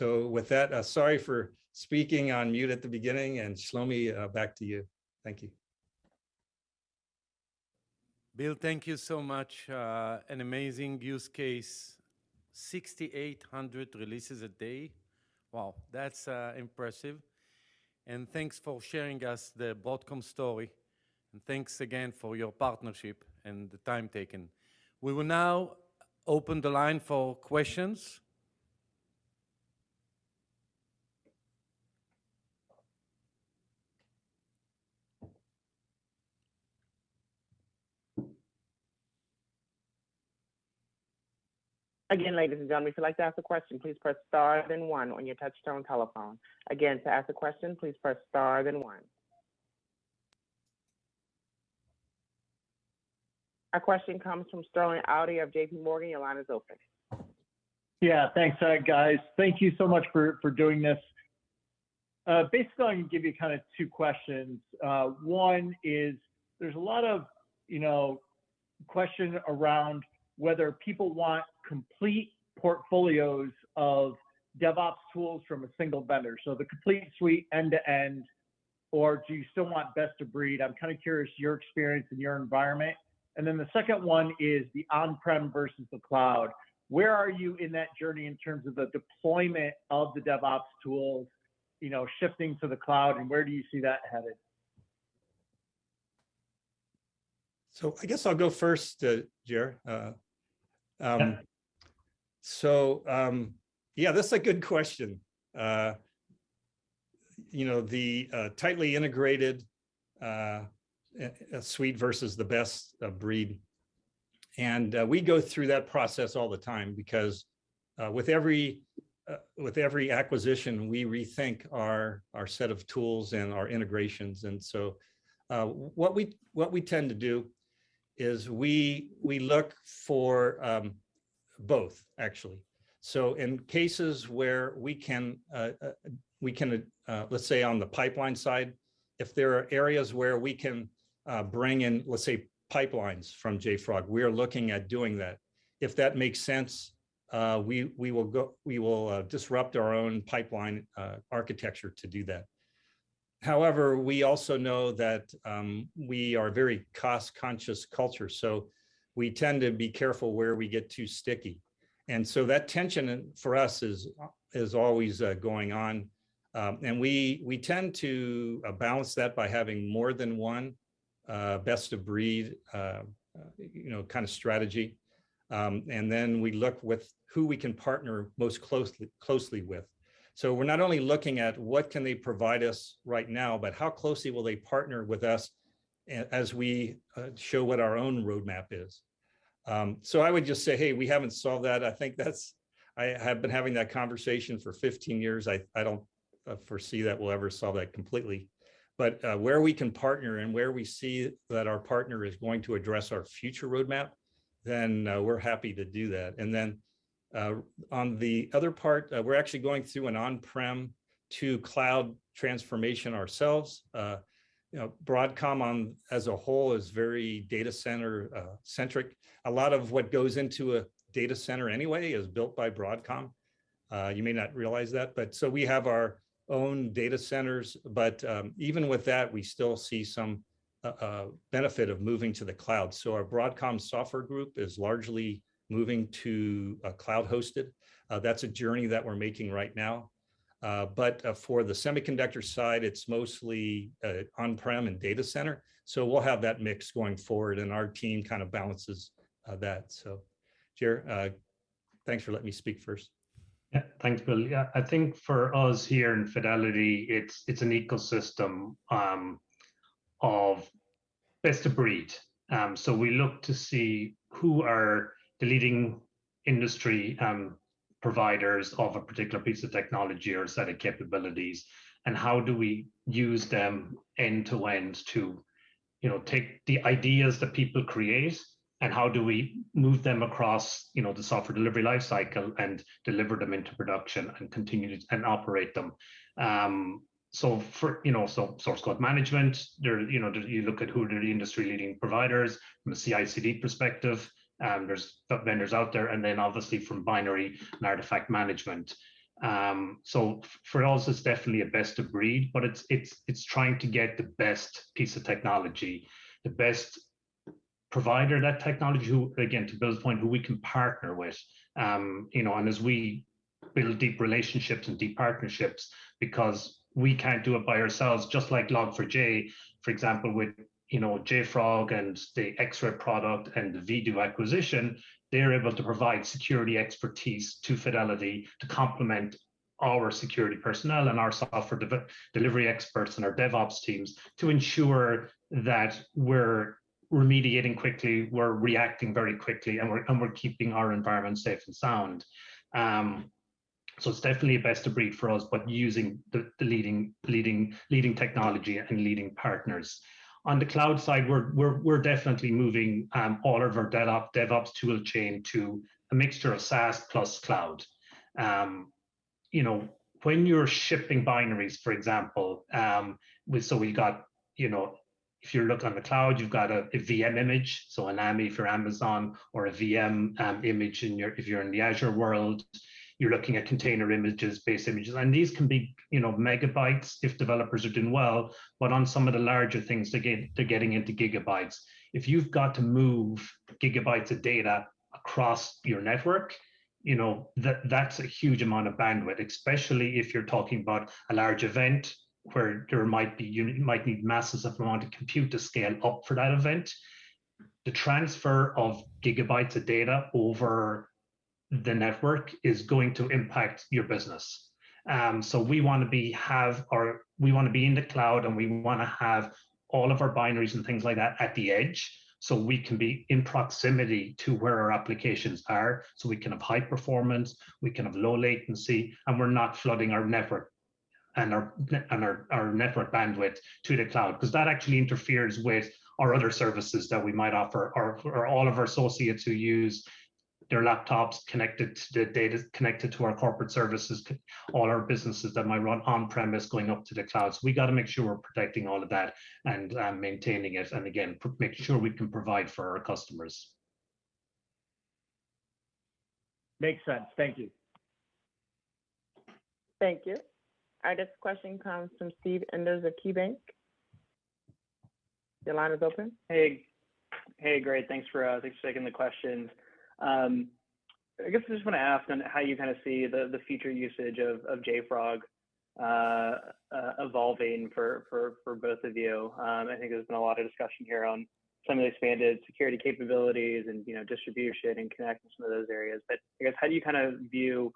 With that, sorry for speaking on mute at the beginning, and Shlomi, back to you. Thank you. Bill, thank you so much. An amazing use case. 6,800 releases a day. Wow, that's impressive. Thanks for sharing with us the Broadcom story, and thanks again for your partnership and the time taken. We will now open the line for questions. Again, ladies and gentlemen, if you'd like to ask a question, please press star then one on your touchtone telephone. Again, to ask a question, please press star then one Our question comes from Sterling Auty of JPMorgan. Your line is open. Yeah, thanks, guys. Thank you so much for doing this. Basically, I can give you kind of two questions. One is there's a lot of, you know, questions around whether people want complete portfolios of DevOps tools from a single vendor. So the complete suite end to end, or do you still want best of breed? I'm kind of curious about your experience in your environment. Then the second one is the on-prem versus the cloud. Where are you in that journey in terms of the deployment of the DevOps tools, you know, shifting to the cloud, and where do you see that headed? I guess I'll go first, Gerard. Yeah, this is a good question. You know, the tightly integrated suite versus the best of breed. We go through that process all the time because with every acquisition, we rethink our set of tools and our integrations. What we tend to do is we look for both actually. In cases where we can, let's say on the pipeline side, if there are areas where we can bring in, let's say, pipelines from JFrog, we're looking at doing that. If that makes sense, we will disrupt our own pipeline architecture to do that. However, we also know that we are very cost conscious culture, so we tend to be careful where we get too sticky. That tension for us is always going on. We tend to balance that by having more than one best of breed, you know, kind of strategy. We look with who we can partner most closely with. We're not only looking at what can they provide us right now, but how closely will they partner with us as we show what our own roadmap is. I would just say, "Hey, we haven't solved that." I think that's. I have been having that conversation for 15 years. I don't foresee that we'll ever solve that completely. Where we can partner and where we see that our partner is going to address our future roadmap, then, we're happy to do that. On the other part, we're actually going through an on-prem to cloud transformation ourselves. You know, Broadcom as a whole is very data center centric. A lot of what goes into a data center anyway is built by Broadcom. You may not realize that, but so we have our own data centers. Even with that, we still see some benefit of moving to the cloud. Our Broadcom Software Group is largely moving to a cloud-hosted. That's a journey that we're making right now. For the semiconductor side, it's mostly on-prem and data center. We'll have that mix going forward, and our team kind of balances that. Gerard, thanks for letting me speak first. Yeah. Thanks, Bill. Yeah. I think for us here in Fidelity, it's an ecosystem of best of breed. We look to see who are the leading industry providers of a particular piece of technology or set of capabilities, and how do we use them end to end to, you know, take the ideas that people create, and how do we move them across, you know, the software delivery life cycle and deliver them into production and continue to operate them. For source code management, there, you know, you look at who are the industry leading providers from a CI/CD perspective, there's vendors out there, and then obviously from binary and artifact management. For us, it's definitely a best of breed, but it's trying to get the best piece of technology, the best provider of that technology who, again, to Bill's point, we can partner with. You know, as we build deep relationships and deep partnerships because we can't do it by ourselves, just like Log4j, for example, with JFrog and the Xray product and the Vdoo acquisition, they're able to provide security expertise to Fidelity to complement our security personnel and our software delivery experts and our DevOps teams to ensure that we're remediating quickly, we're reacting very quickly, and we're keeping our environment safe and sound. It's definitely a best of breed for us, but using the leading technology and leading partners. On the cloud side, we're definitely moving all of our DevOps tool chain to a mixture of SaaS plus cloud. You know, when you're shipping binaries, for example, if you look on the cloud, you've got a VM image, so an AMI for Amazon or a VM image if you're in the Azure world, you're looking at container images, base images. These can be, you know, megabytes if developers are doing well, but on some of the larger things, they're getting into gigabytes. If you've got to move gigabytes of data across your network, you know, that's a huge amount of bandwidth, especially if you're talking about a large event where there might be massive amount of compute to scale up for that event. The transfer of gigabytes of data over the network is going to impact your business. We wanna be in the cloud, and we wanna have all of our binaries and things like that at the Edge, so we can be in proximity to where our applications are, so we can have high performance, we can have low latency, and we're not flooding our network and our network bandwidth to the cloud. 'Cause that actually interferes with our other services that we might offer. Or all of our associates who use their laptops connected to our corporate services, to all our businesses that might run on premise going up to the cloud. We gotta make sure we're protecting all of that and maintaining it, and again, proactively making sure we can provide for our customers. Makes sense. Thank you. Thank you. Our next question comes from Steve Enders at KeyBanc. Your line is open. Hey. Hey, great. Thanks for taking the questions. I guess I just wanna ask on how you kinda see the future usage of JFrog evolving for both of you. I think there's been a lot of discussion here on some of the expanded security capabilities and, you know, distribution and connecting some of those areas. But I guess, how do you kind of view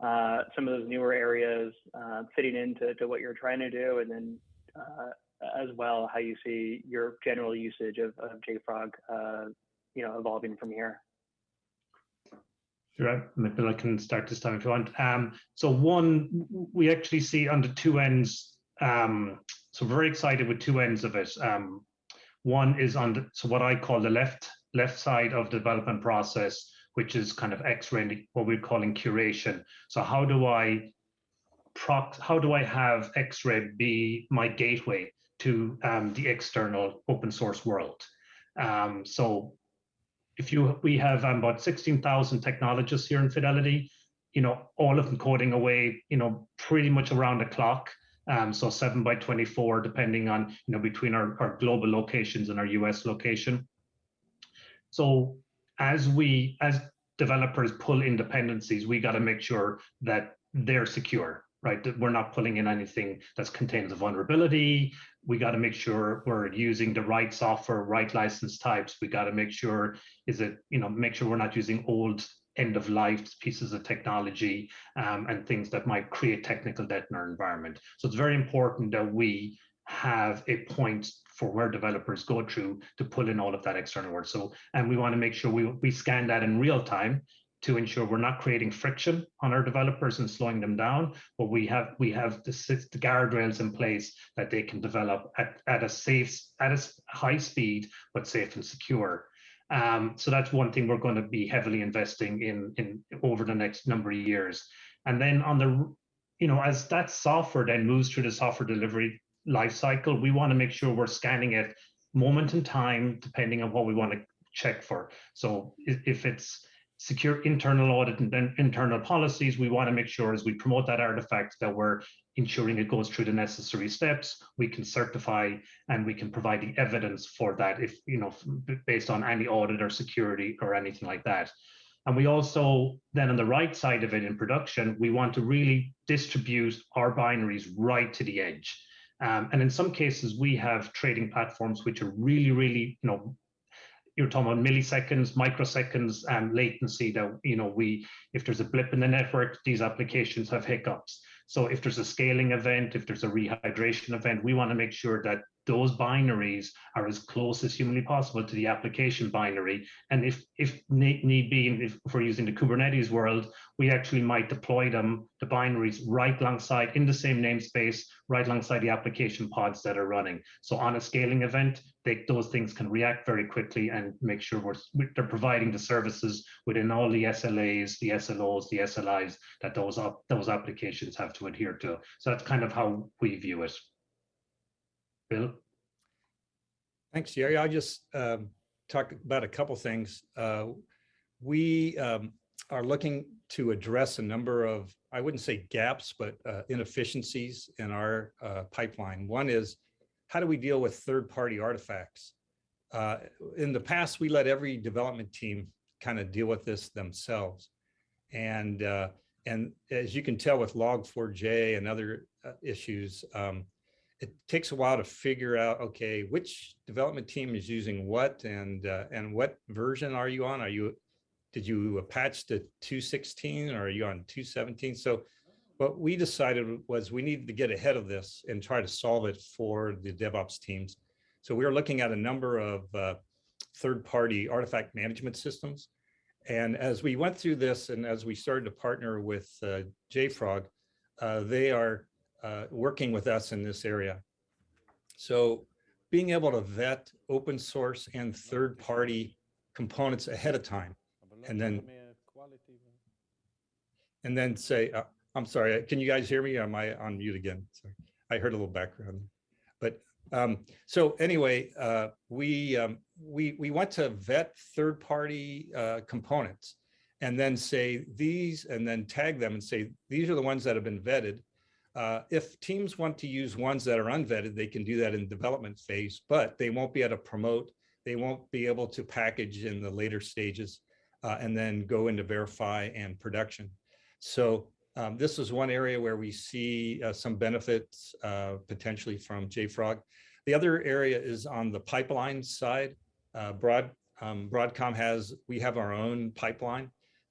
some of those newer areas fitting into what you're trying to do? And then, as well, how you see your general usage of JFrog, you know, evolving from here? Sure. Maybe I can start this time if you want. We actually see under two ends. We're very excited with two ends of it. One is under, so what I call the left side of development process, which is kind of Xraying what we're calling curation. How do I have Xray be my gateway to the external open source world? We have about 16,000 technologists here in Fidelity, you know, all of them coding away, you know, pretty much around the clock. 24/7 depending on, you know, between our global locations and our U.S. location. As developers pull in dependencies, we gotta make sure that they're secure, right? That we're not pulling in anything that's containing a vulnerability. We gotta make sure we're using the right software, right license types. We gotta make sure, you know, make sure we're not using old end of life pieces of technology, and things that might create technical debt in our environment. It's very important that we have a point for where developers go to pull in all of that external work. We wanna make sure we scan that in real time to ensure we're not creating friction on our developers and slowing them down, but we have the guardrails in place that they can develop at a safe, high speed, but safe and secure. That's one thing we're gonna be heavily investing in over the next number of years. As that software then moves through the software delivery life cycle, we wanna make sure we're scanning it moment in time, depending on what we want to check for. If it's secure internal audit and then internal policies, we wanna make sure as we promote that artifact, that we're ensuring it goes through the necessary steps, we can certify and we can provide the evidence for that if, you know, based on any audit or security or anything like that. We also on the right side of it in production, we want to really distribute our binaries right to the edge. In some cases, we have trading platforms which are really, you know, you're talking about milliseconds, microseconds, latency that, you know, we, if there's a blip in the network, these applications have hiccups. If there's a scaling event, if there's a rehydration event, we wanna make sure that those binaries are as close as humanly possible to the application binary. If need be and if we're using the Kubernetes world, we actually might deploy them, the binaries, right alongside in the same namespace, right alongside the application pods that are running. On a scaling event, those things can react very quickly and make sure they're providing the services within all the SLAs, the SLOs, the SLIs that those applications have to adhere to. That's kind of how we view it. Bill? Thanks, Gerard. I'll just talk about a couple things. We are looking to address a number of. I wouldn't say gaps, but inefficiencies in our pipeline. One is, how do we deal with third party artifacts? In the past, we let every development team kinda deal with this themselves. As you can tell with Log4j and other issues, it takes a while to figure out, okay, which development team is using what, and what version are you on? Did you patch to 2.16 or are you on 2.17? What we decided was we needed to get ahead of this and try to solve it for the DevOps teams. We are looking at a number of third party artifact management systems. As we went through this and as we started to partner with JFrog, they are working with us in this area. Being able to vet open-source and third-party components ahead of time and then, and then say we want to vet third party components and then say these, and then tag them and say, "These are the ones that have been vetted." If teams want to use ones that are unvetted, they can do that in development phase, but they won't be able to promote, they won't be able to package in the later stages, and then go into verify and production. This is one area where we see some benefits potentially from JFrog. The other area is on the pipeline side. Broadcom has. We have our own pipeline.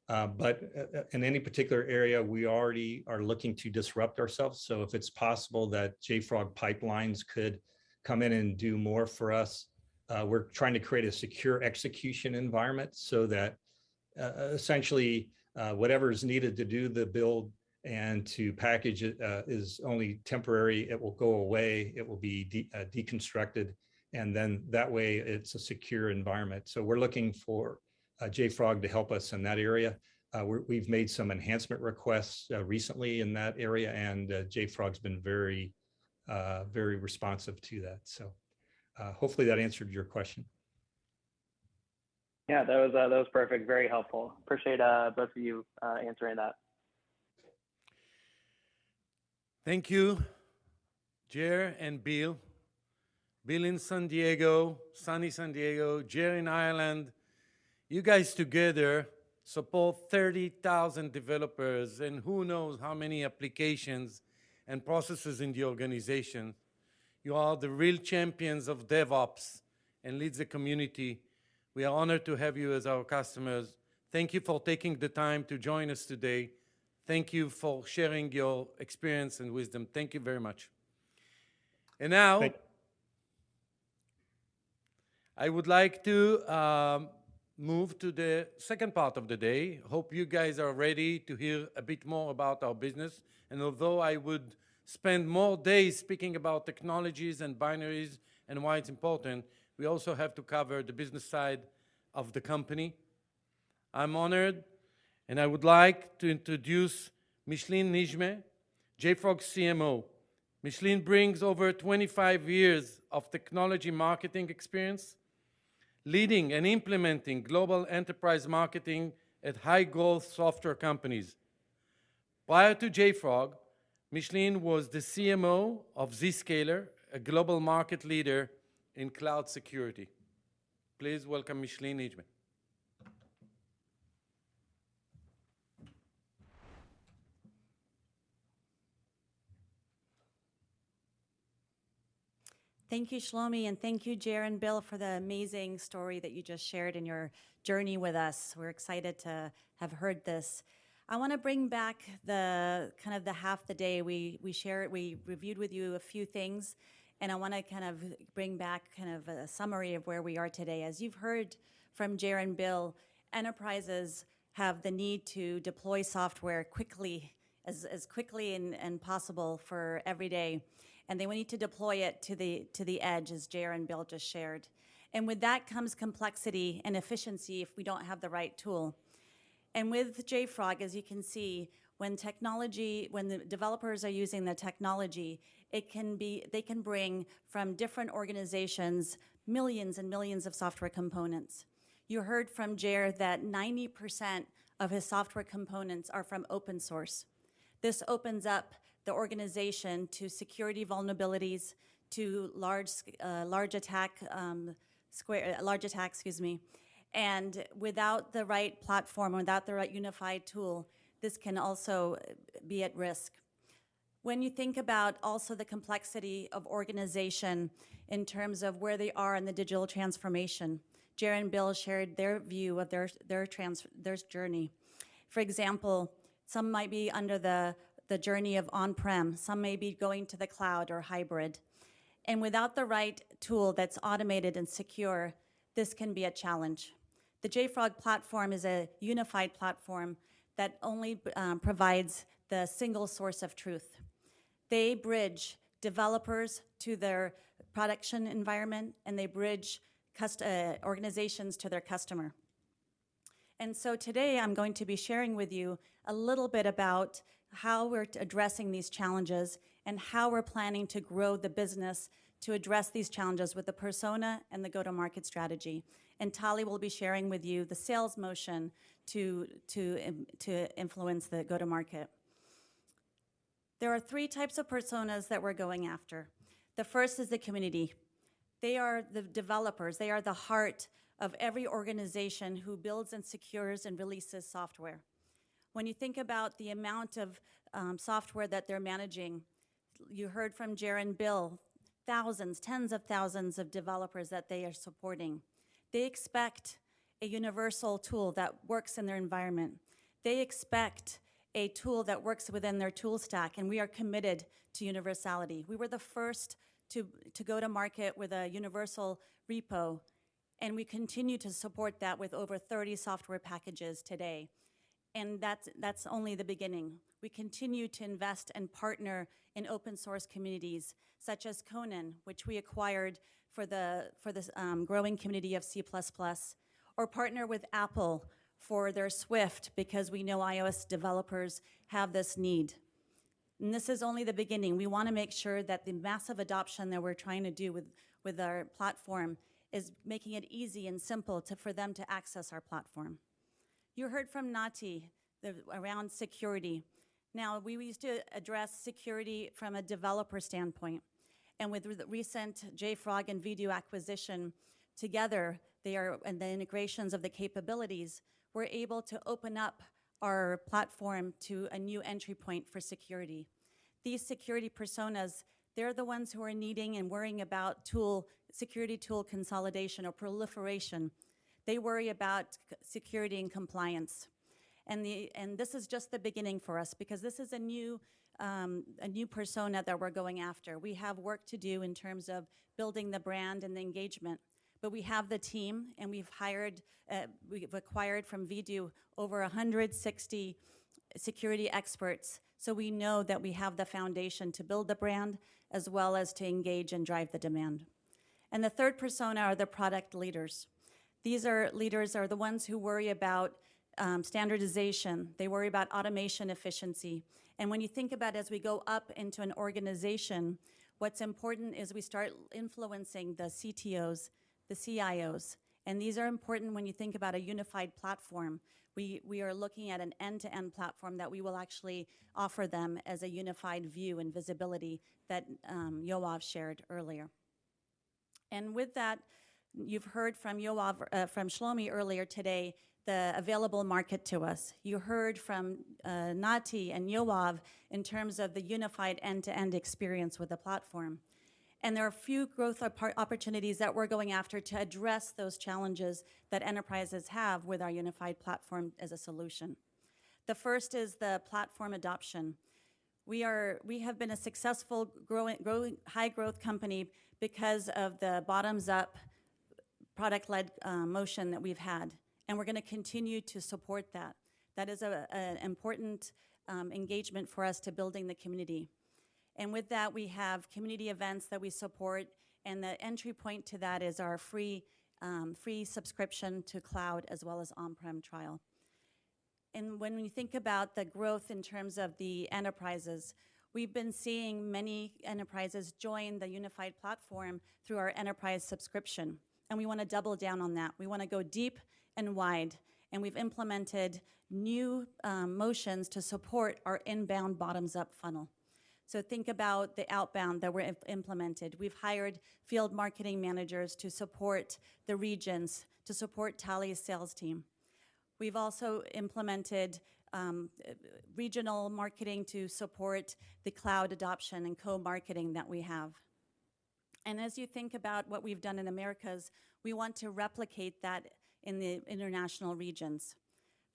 In any particular area, we already are looking to disrupt ourselves. If it's possible that JFrog Pipelines could come in and do more for us, we're trying to create a secure execution environment so that essentially whatever is needed to do the build and to package it is only temporary. It will go away. It will be deconstructed, and then that way it's a secure environment. We're looking for JFrog to help us in that area. We've made some enhancement requests recently in that area, and JFrog's been very responsive to that. Hopefully that answered your question. Yeah, that was perfect. Very helpful. I appreciate both of you answering that. Thank you, Gerard and Bill. Bill in San Diego, sunny San Diego, Gerard in Ireland. You guys together support 30,000 developers, and who knows how many applications and processes in the organization. You are the real champions of DevOps and leads the community. We are honored to have you as our customers. Thank you for taking the time to join us today. Thank you for sharing your experience and wisdom. Thank you very much. Thank you. I would like to move to the second part of the day. Hope you guys are ready to hear a bit more about our business. Although I would spend more days speaking about technologies and binaries and why it's important, we also have to cover the business side of the company. I'm honored, and I would like to introduce Micheline Nijmeh, JFrog's CMO. Micheline brings over 25 years of technology marketing experience, leading and implementing global enterprise marketing at high-growth software companies. Prior to JFrog, Micheline was the CMO of Zscaler, a global market leader in cloud security. Please welcome Micheline Nijmeh. Thank you, Shlomi, and thank you Gerard and Bill for the amazing story that you just shared in your journey with us. We're excited to have heard this. I wanna bring back the kind of half the day we shared, we reviewed with you a few things, and I wanna kind of bring back kind of a summary of where we are today. As you've heard from Gerard and Bill, enterprises have the need to deploy software quickly, as quickly and possible for every day. They will need to deploy it to the edge, as Gerard and Bill just shared. With that comes complexity and efficiency if we don't have the right tool. With JFrog, as you can see, when the developers are using the technology, it can be. They can bring from different organizations, millions and millions of software components. You heard from Gerard that 90% of his software components are from open source. This opens up the organization to security vulnerabilities to large-scale attacks. Without the right platform or without the right unified tool, this can also be at risk. When you think about also the complexity of organization in terms of where they are in the digital transformation, Gerard and Bill shared their view of their journey. For example, some might be under the journey of on-prem, some may be going to the cloud or hybrid. Without the right tool that's automated and secure, this can be a challenge. The JFrog platform is a unified platform that only provides the single source of truth. They bridge developers to their production environment, and they bridge organizations to their customer. Today I'm going to be sharing with you a little bit about how we're addressing these challenges and how we're planning to grow the business to address these challenges with the persona and the go-to-market strategy. Tali will be sharing with you the sales motion to influence the go-to-market. There are three types of personas that we're going after. The first is the community. They are the developers. They are the heart of every organization who builds and secures and releases software. When you think about the amount of software that they're managing, you heard from Gerard and Bill, thousands, tens of thousands of developers that they are supporting. They expect a universal tool that works in their environment. They expect a tool that works within their tool stack, and we are committed to universality. We were the first to go to market with a universal repo, and we continue to support that with over 30 software packages today, and that's only the beginning. We continue to invest and partner in open-source communities such as Conan, which we acquired for this growing community of C++, or partner with Apple for their Swift because we know iOS developers have this need. This is only the beginning. We wanna make sure that the massive adoption that we're trying to do with our platform is making it easy and simple for them to access our platform. You heard from Nati about security. Now, we used to address security from a developer standpoint. With the recent JFrog and Vdoo acquisition together, the integrations of the capabilities, we're able to open up our platform to a new entry point for security. These security personas, they're the ones who are needing and worrying about tool, security tool consolidation or proliferation. They worry about security and compliance. This is just the beginning for us, because this is a new persona that we're going after. We have work to do in terms of building the brand and the engagement, but we have the team, and we've acquired from Vdoo over 160 security experts, so we know that we have the foundation to build the brand as well as to engage and drive the demand. The third persona are the product leaders. These are leaders are the ones who worry about standardization. They worry about automation efficiency. When you think about as we go up into an organization, what's important is we start influencing the CTOs, the CIOs, and these are important when you think about a unified platform. We are looking at an end-to-end platform that we will actually offer them as a unified view and visibility that Yoav shared earlier. With that, you've heard from Yoav, from Shlomi earlier today, the available market to us. You heard from Nati and Yoav in terms of the unified end-to-end experience with the platform. There are a few growth opportunities that we're going after to address those challenges that enterprises have with our unified platform as a solution. The first is the platform adoption. We have been a successful growing, high-growth company because of the bottoms-up product-led motion that we've had, and we're gonna continue to support that. That is an important engagement for us to building the community. With that, we have community events that we support, and the entry point to that is our free subscription to cloud as well as on-prem trial. When we think about the growth in terms of the enterprises, we've been seeing many enterprises join the unified platform through our enterprise subscription, and we wanna double down on that. We wanna go deep and wide, and we've implemented new motions to support our inbound bottoms-up funnel. Think about the outbound that we're implemented. We've hired field marketing managers to support the regions, to support Tali's sales team. We've also implemented regional marketing to support the cloud adoption and co-marketing that we have. As you think about what we've done in Americas, we want to replicate that in the international regions.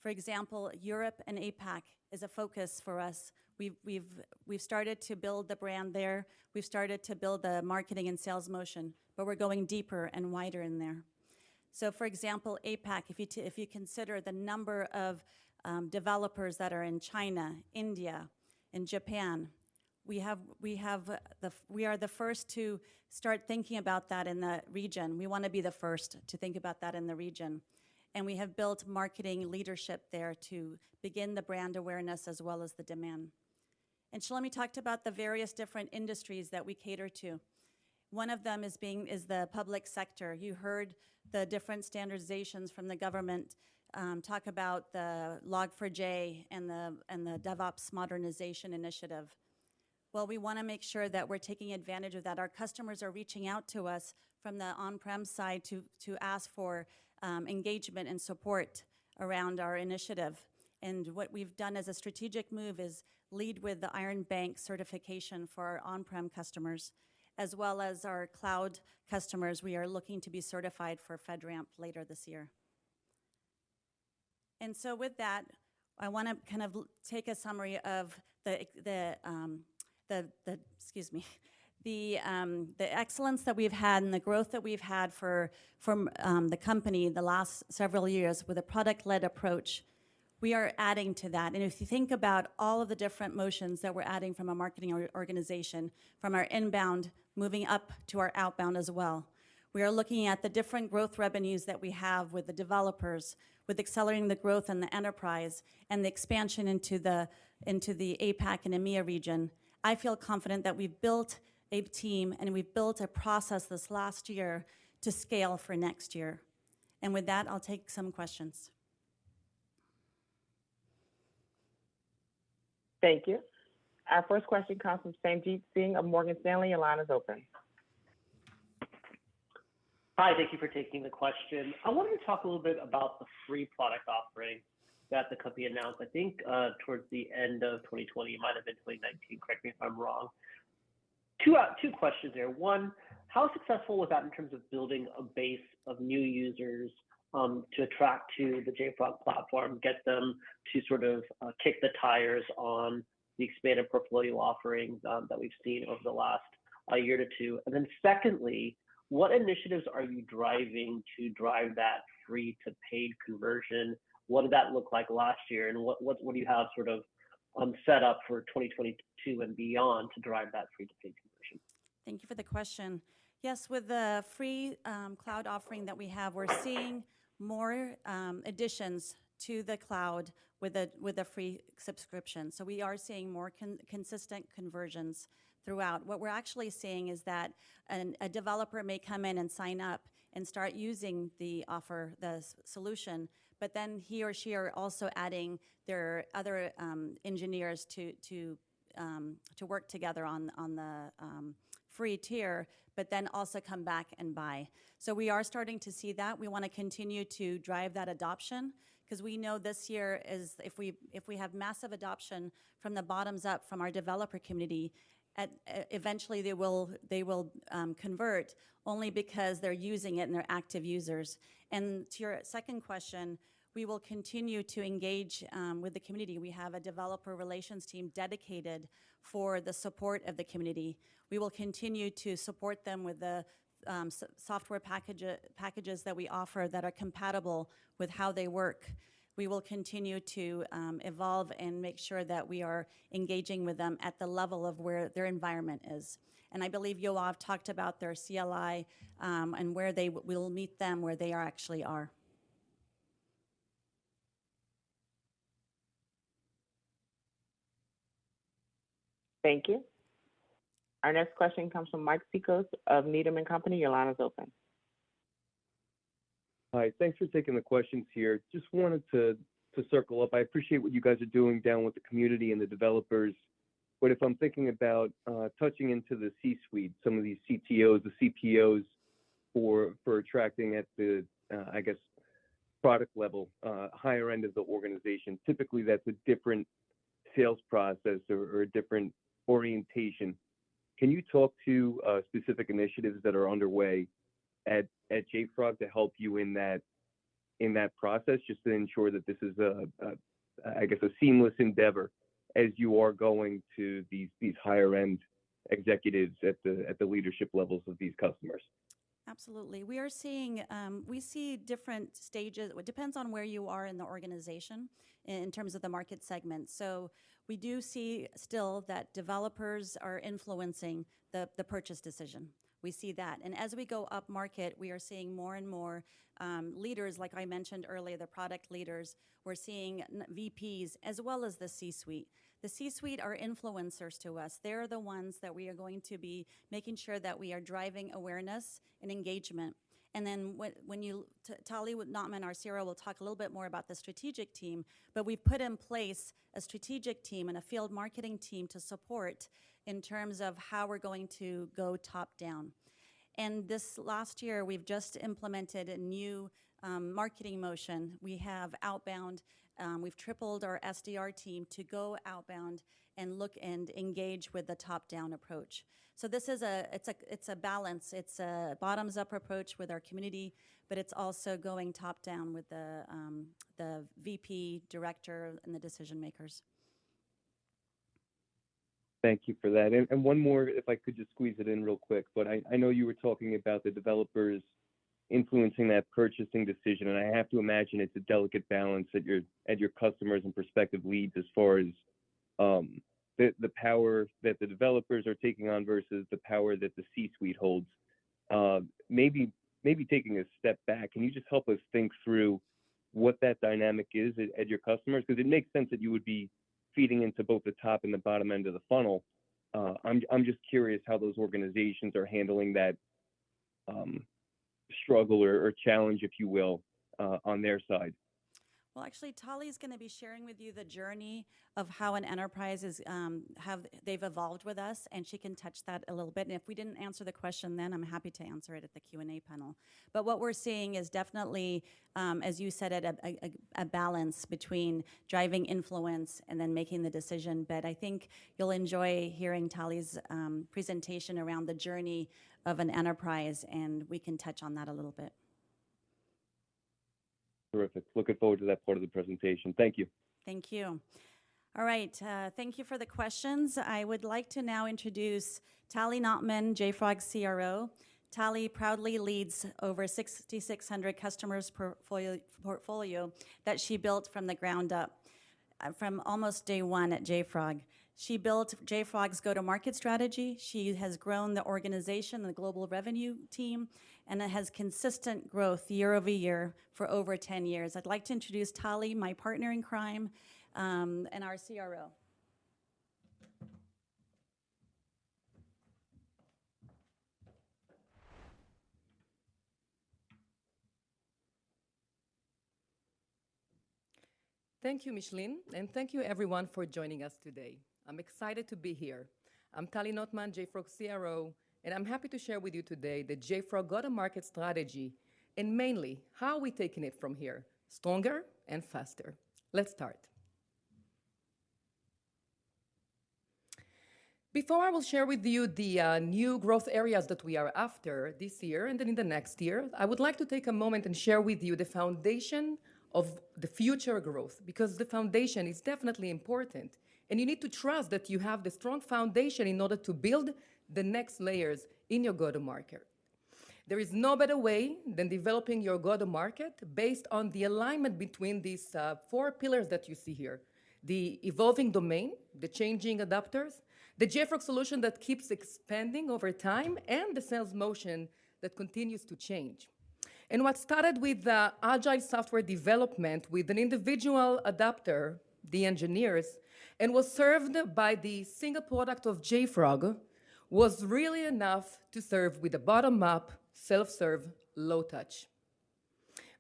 For example, Europe and APAC is a focus for us. We've started to build the brand there. We've started to build the marketing and sales motion, but we're going deeper and wider in there. For example, APAC, if you consider the number of developers that are in China, India, and Japan, we are the first to start thinking about that in the region. We wanna be the first to think about that in the region. We have built marketing leadership there to begin the brand awareness as well as the demand. Shlomi talked about the various different industries that we cater to. One of them is the public sector. You heard the different standardizations from the government talk about the Log4j and the DevOps modernization initiative. Well, we wanna make sure that we're taking advantage of that. Our customers are reaching out to us from the on-prem side to ask for engagement and support around our initiative. What we've done as a strategic move is lead with the Iron Bank certification for our on-prem customers, as well as our cloud customers. We are looking to be certified for FedRAMP later this year. With that, I want to kind of take a summary of the excellence that we've had and the growth that we've had from the company the last several years with a product-led approach. We are adding to that. If you think about all of the different motions that we're adding from a marketing organization, from our inbound moving up to our outbound as well. We are looking at the different growth revenues that we have with the developers, with accelerating the growth in the enterprise, and the expansion into the APAC and EMEA region. I feel confident that we've built a team and we've built a process this last year to scale for next year. With that, I'll take some questions. Thank you. Our first question comes from Sanjit Singh of Morgan Stanley. Your line is open. Hi, thank you for taking the question. I wanted to talk a little bit about the free product offering that the company announced, I think, towards the end of 2020. It might have been 2019, correct me if I'm wrong. Two questions there. One, how successful was that in terms of building a base of new users to attract to the JFrog platform, get them to sort of kick the tires on the expanded portfolio offerings that we've seen over the last year to two? And then secondly, what initiatives are you driving to drive that free to paid conversion? What did that look like last year, and what do you have sort of set up for 2022 and beyond to drive that free to paid conversion? Thank you for the question. Yes, with the free cloud offering that we have, we're seeing more additions to the cloud with a free subscription. We are seeing more consistent conversions throughout. What we're actually seeing is that a developer may come in and sign up and start using the offer, the solution, but then he or she are also adding their other engineers to work together on the free tier, but then also come back and buy. We are starting to see that. We wanna continue to drive that adoption, 'cause we know this year is if we have massive adoption from the bottoms up from our developer community, eventually they will convert only because they're using it and they're active users. To your second question, we will continue to engage with the community. We have a developer relations team dedicated for the support of the community. We will continue to support them with the software packages that we offer that are compatible with how they work. We will continue to evolve and make sure that we are engaging with them at the level of where their environment is. I believe Yoav talked about their CLI, and where we'll meet them where they actually are. Thank you. Our next question comes from Mike Cikos of Needham & Company. Your line is open. Hi. Thanks for taking the questions here. Just wanted to circle up. I appreciate what you guys are doing with the community and the developers. If I'm thinking about tapping into the C-suite, some of these CTOs, the CPOs for attracting at the, I guess, product level, higher end of the organization, typically that's a different sales process or a different orientation. Can you talk to specific initiatives that are underway at JFrog to help you in that process, just to ensure that this is a, I guess, a seamless endeavor as you are going to these higher end executives at the leadership levels of these customers? Absolutely. We are seeing. We see different stages. Well, it depends on where you are in the organization in terms of the market segment. We do see still that developers are influencing the purchase decision. We see that. As we go up market, we are seeing more and more leaders, like I mentioned earlier, the product leaders. We're seeing VPs, as well as the C-suite. The C-suite are influencers to us. They're the ones that we are going to be making sure that we are driving awareness and engagement. Then when you, Tali Notman, our CRO, will talk a little bit more about the strategic team, but we've put in place a strategic team and a field marketing team to support in terms of how we're going to go top-down. This last year, we've just implemented a new marketing motion. We have outbound, we've tripled our SDR team to go outbound and look and engage with the top-down approach. It's a balance. It's a bottoms-up approach with our community, but it's also going top-down with the VP, director, and the decision-makers. Thank you for that. One more if I could just squeeze it in real quick. I know you were talking about the developers influencing that purchasing decision, and I have to imagine it's a delicate balance at your customers and prospective leads as far as the power that the developers are taking on versus the power that the C-suite holds. Maybe taking a step back, can you just help us think through what that dynamic is at your customers? 'Cause it makes sense that you would be feeding into both the top and the bottom end of the funnel. I'm just curious how those organizations are handling that struggle or challenge, if you will, on their side. Well, actually, Tali's gonna be sharing with you the journey of how an enterprise, they've evolved with us, and she can touch that a little bit. If we didn't answer the question then, I'm happy to answer it at the Q&A panel. What we're seeing is definitely, as you said, at a balance between driving influence and then making the decision. I think you'll enjoy hearing Tali's presentation around the journey of an enterprise, and we can touch on that a little bit. Terrific. Looking forward to that part of the presentation. Thank you. Thank you. All right, thank you for the questions. I would like to now introduce Tali Notman, JFrog's CRO. Tali proudly leads over 6,600 customers portfolio that she built from the ground up, from almost day one at JFrog. She built JFrog's go-to-market strategy. She has grown the organization, the global revenue team, and it has consistent growth year over year for over 10 years. I'd like to introduce Tali, my partner in crime, and our CRO. Thank you, Micheline, and thank you everyone for joining us today. I'm excited to be here. I'm Tali Notman, JFrog's CRO, and I'm happy to share with you today the JFrog go-to-market strategy, and mainly how we're taking it from here, stronger and faster. Let's start. Before I will share with you the new growth areas that we are after this year and then in the next year, I would like to take a moment and share with you the foundation of the future growth, because the foundation is definitely important, and you need to trust that you have the strong foundation in order to build the next layers in your go-to-market. There is no better way than developing your go-to-market based on the alignment between these, four pillars that you see here, the evolving domain, the changing adapters, the JFrog solution that keeps expanding over time, and the sales motion that continues to change. What started with agile software development with an individual adapter, the engineers, and was served by the single product of JFrog, was really enough to serve with a bottom-up, self-serve, low touch.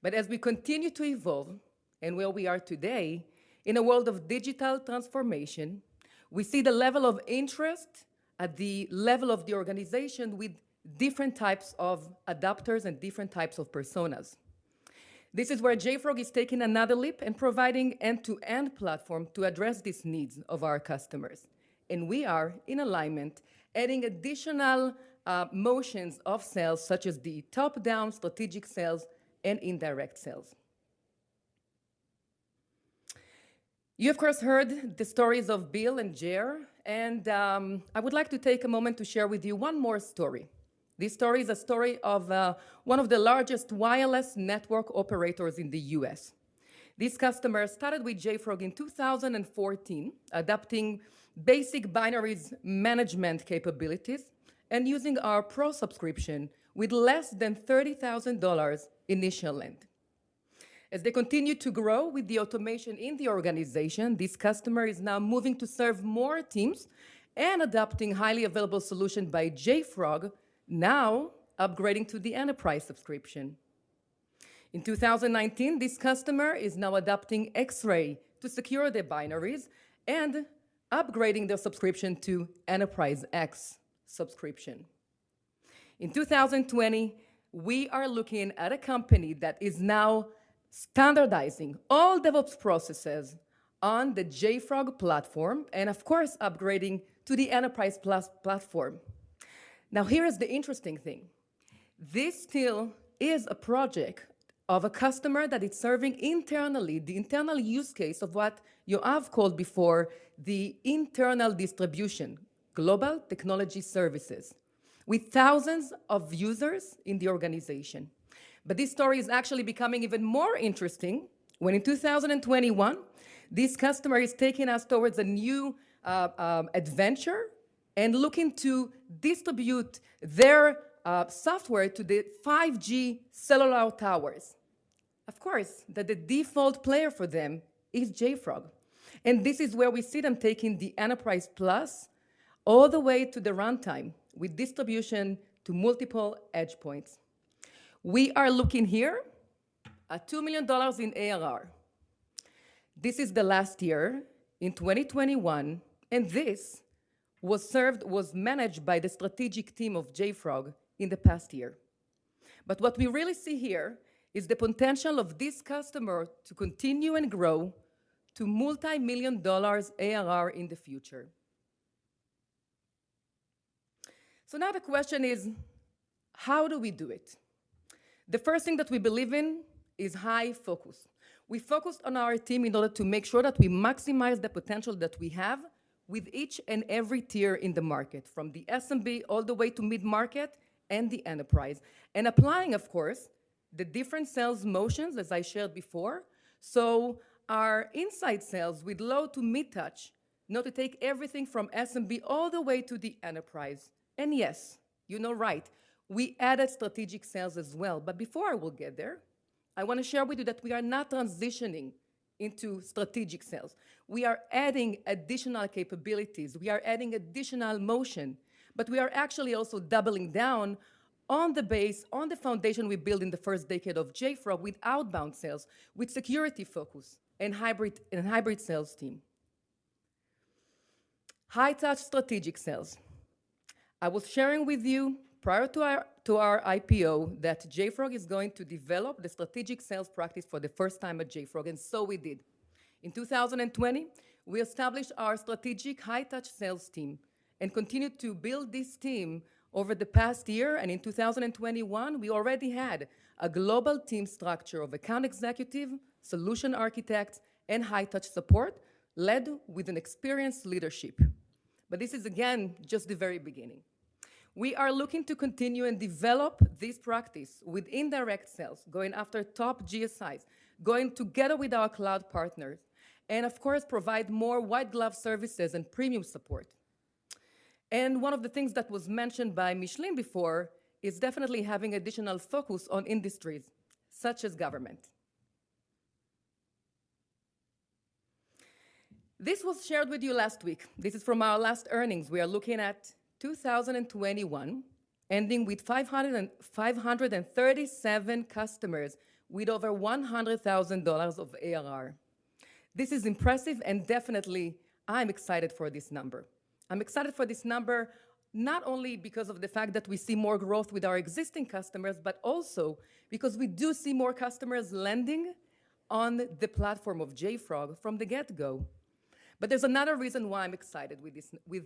As we continue to evolve and where we are today in a world of digital transformation, we see the level of interest at the level of the organization with different types of adapters and different types of personas. This is where JFrog is taking another leap and providing end-to-end platform to address these needs of our customers, and we are in alignment adding additional motions of sales such as the top-down strategic sales and indirect sales. You of course heard the stories of Bill and Gerard, and I would like to take a moment to share with you one more story. This story is a story of one of the largest wireless network operators in the U.S. This customer started with JFrog in 2014, adopting basic binaries management capabilities and using our Pro subscription with less than $30,000 initial land. As they continue to grow with the automation in the organization, this customer is now moving to serve more teams and adopting highly available solution by JFrog, now upgrading to the Enterprise subscription. In 2019, this customer is now adapting Xray to secure their binaries and upgrading their subscription to Enterprise X subscription. In 2020, we are looking at a company that is now standardizing all DevOps processes on the JFrog platform and of course upgrading to the Enterprise+ platform. Now here is the interesting thing. This still is a project of a customer that is serving internally, the internal use case of what Yoav called before the internal distribution, Global Technology Services, with thousands of users in the organization. This story is actually becoming even more interesting when in 2021, this customer is taking us towards a new adventure and looking to distribute their software to the 5G cellular towers. Of course, the default player for them is JFrog, and this is where we see them taking the Enterprise+ all the way to the runtime with distribution to multiple edge points. We are looking here at $2 million in ARR. This is the last year in 2021, and this was managed by the strategic team of JFrog in the past year. What we really see here is the potential of this customer to continue and grow to multi-million dollar ARR in the future. Now the question is, how do we do it? The first thing that we believe in is high focus. We focused on our team in order to make sure that we maximize the potential that we have with each and every tier in the market, from the SMB all the way to mid-market and the enterprise, and applying, of course, the different sales motions as I shared before. Our inside sales with low to mid touch now to take everything from SMB all the way to the enterprise, and yes, you know right, we added strategic sales as well. Before I will get there, I wanna share with you that we are not transitioning into strategic sales. We are adding additional capabilities. We are adding additional motion, but we are actually also doubling down on the base, on the foundation we built in the first decade of JFrog with outbound sales, with security focus and hybrid, and hybrid sales team. High touch strategic sales. I was sharing with you prior to our IPO that JFrog is going to develop the strategic sales practice for the first time at JFrog, and so we did. In 2020, we established our strategic high touch sales team and continued to build this team over the past year, and in 2021, we already had a global team structure of account executive, solution architect, and high touch support led with an experienced leadership. This is again just the very beginning. We are looking to continue and develop this practice with indirect sales, going after top GSIs, going together with our cloud partners, and of course provide more white glove services and premium support. One of the things that was mentioned by Micheline before is definitely having additional focus on industries such as government. This was shared with you last week. This is from our last earnings. We are looking at 2021 ending with 537 customers with over $100,000 of ARR. This is impressive and definitely I'm excited for this number. I'm excited for this number not only because of the fact that we see more growth with our existing customers, but also because we do see more customers landing on the platform of JFrog from the get-go. There's another reason why I'm excited with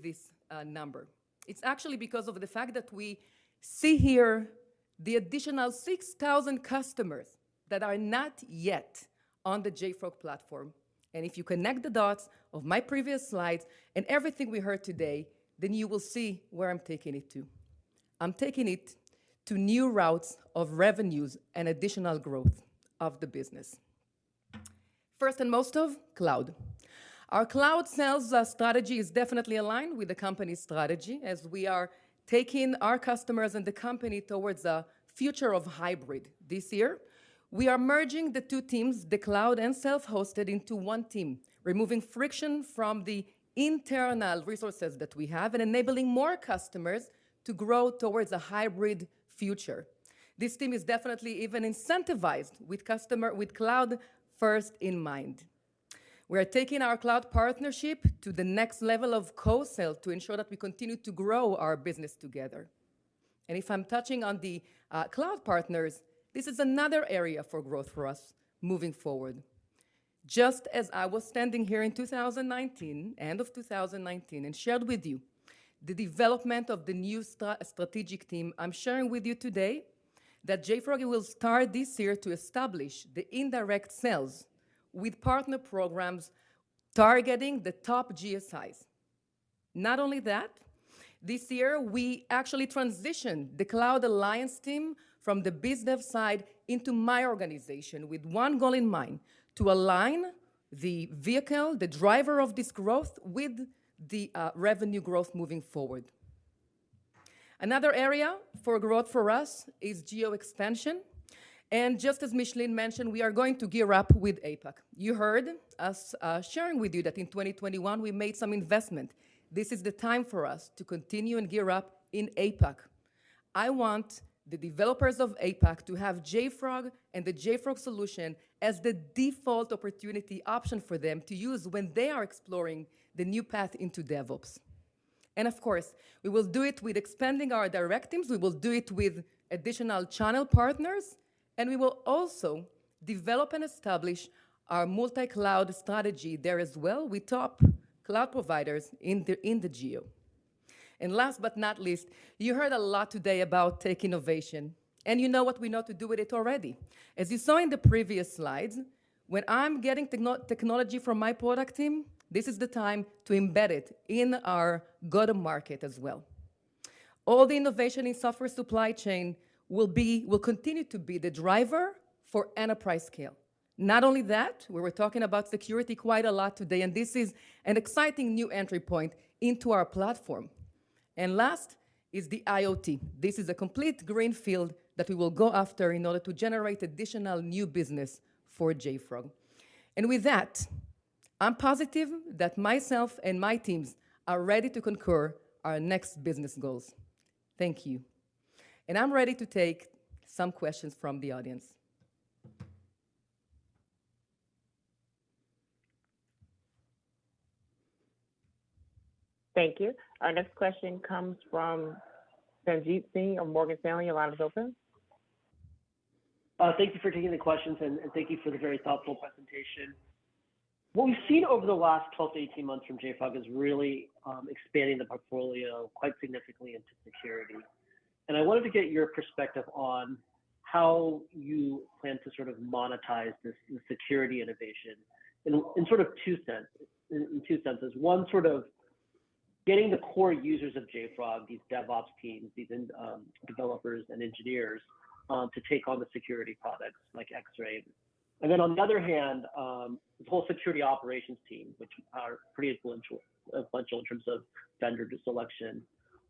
this number. It's actually because of the fact that we see here the additional 6,000 customers that are not yet on the JFrog platform, and if you connect the dots of my previous slides and everything we heard today, then you will see where I'm taking it to. I'm taking it to new routes of revenues and additional growth of the business. First and foremost, cloud. Our cloud sales strategy is definitely aligned with the company's strategy as we are taking our customers and the company towards a future of hybrid this year. We are merging the two teams, the cloud and self-hosted, into one team, removing friction from the internal resources that we have and enabling more customers to grow towards a hybrid future. This team is definitely even incentivized with cloud first in mind. We are taking our cloud partnership to the next level of co-sales to ensure that we continue to grow our business together. If I'm touching on the cloud partners, this is another area for growth for us moving forward. Just as I was standing here in 2019, end of 2019, and shared with you the development of the new strategic team, I'm sharing with you today that JFrog will start this year to establish the indirect sales with partner programs targeting the top GSIs. Not only that, this year, we actually transitioned the cloud alliance team from the business side into my organization with one goal in mind, to align the vehicle, the driver of this growth, with the revenue growth moving forward. Another area for growth for us is geo expansion. Just as Micheline mentioned, we are going to gear up with APAC. You heard us sharing with you that in 2021 we made some investment. This is the time for us to continue and gear up in APAC. I want the developers of APAC to have JFrog and the JFrog solution as the default opportunity option for them to use when they are exploring the new path into DevOps. Of course, we will do it with expanding our direct teams, we will do it with additional channel partners, and we will also develop and establish our multi-cloud strategy there as well with top cloud providers in the geo. Last but not least, you heard a lot today about tech innovation, and you know what we know to do with it already. As you saw in the previous slides, when I'm getting technology from my product team, this is the time to embed it in our go-to-market as well. All the innovation in software supply chain will be, will continue to be the driver for enterprise scale. Not only that, we were talking about security quite a lot today, and this is an exciting new entry point into our platform. Last is the IoT. This is a complete greenfield that we will go after in order to generate additional new business for JFrog. With that, I'm positive that myself and my teams are ready to conquer our next business goals. Thank you. I'm ready to take some questions from the audience. Thank you. Our next question comes from Sanjit Singh of Morgan Stanley. Your line is open. Thank you for taking the questions and thank you for the very thoughtful presentation. What we've seen over the last 12-18 months from JFrog is really expanding the portfolio quite significantly into security. I wanted to get your perspective on how you plan to sort of monetize this security innovation in two senses. One, sort of getting the core users of JFrog, these DevOps teams, these developers and engineers, to take on the security products like Xray. Then on the other hand, the whole security operations team, which are pretty influential in terms of vendor selection.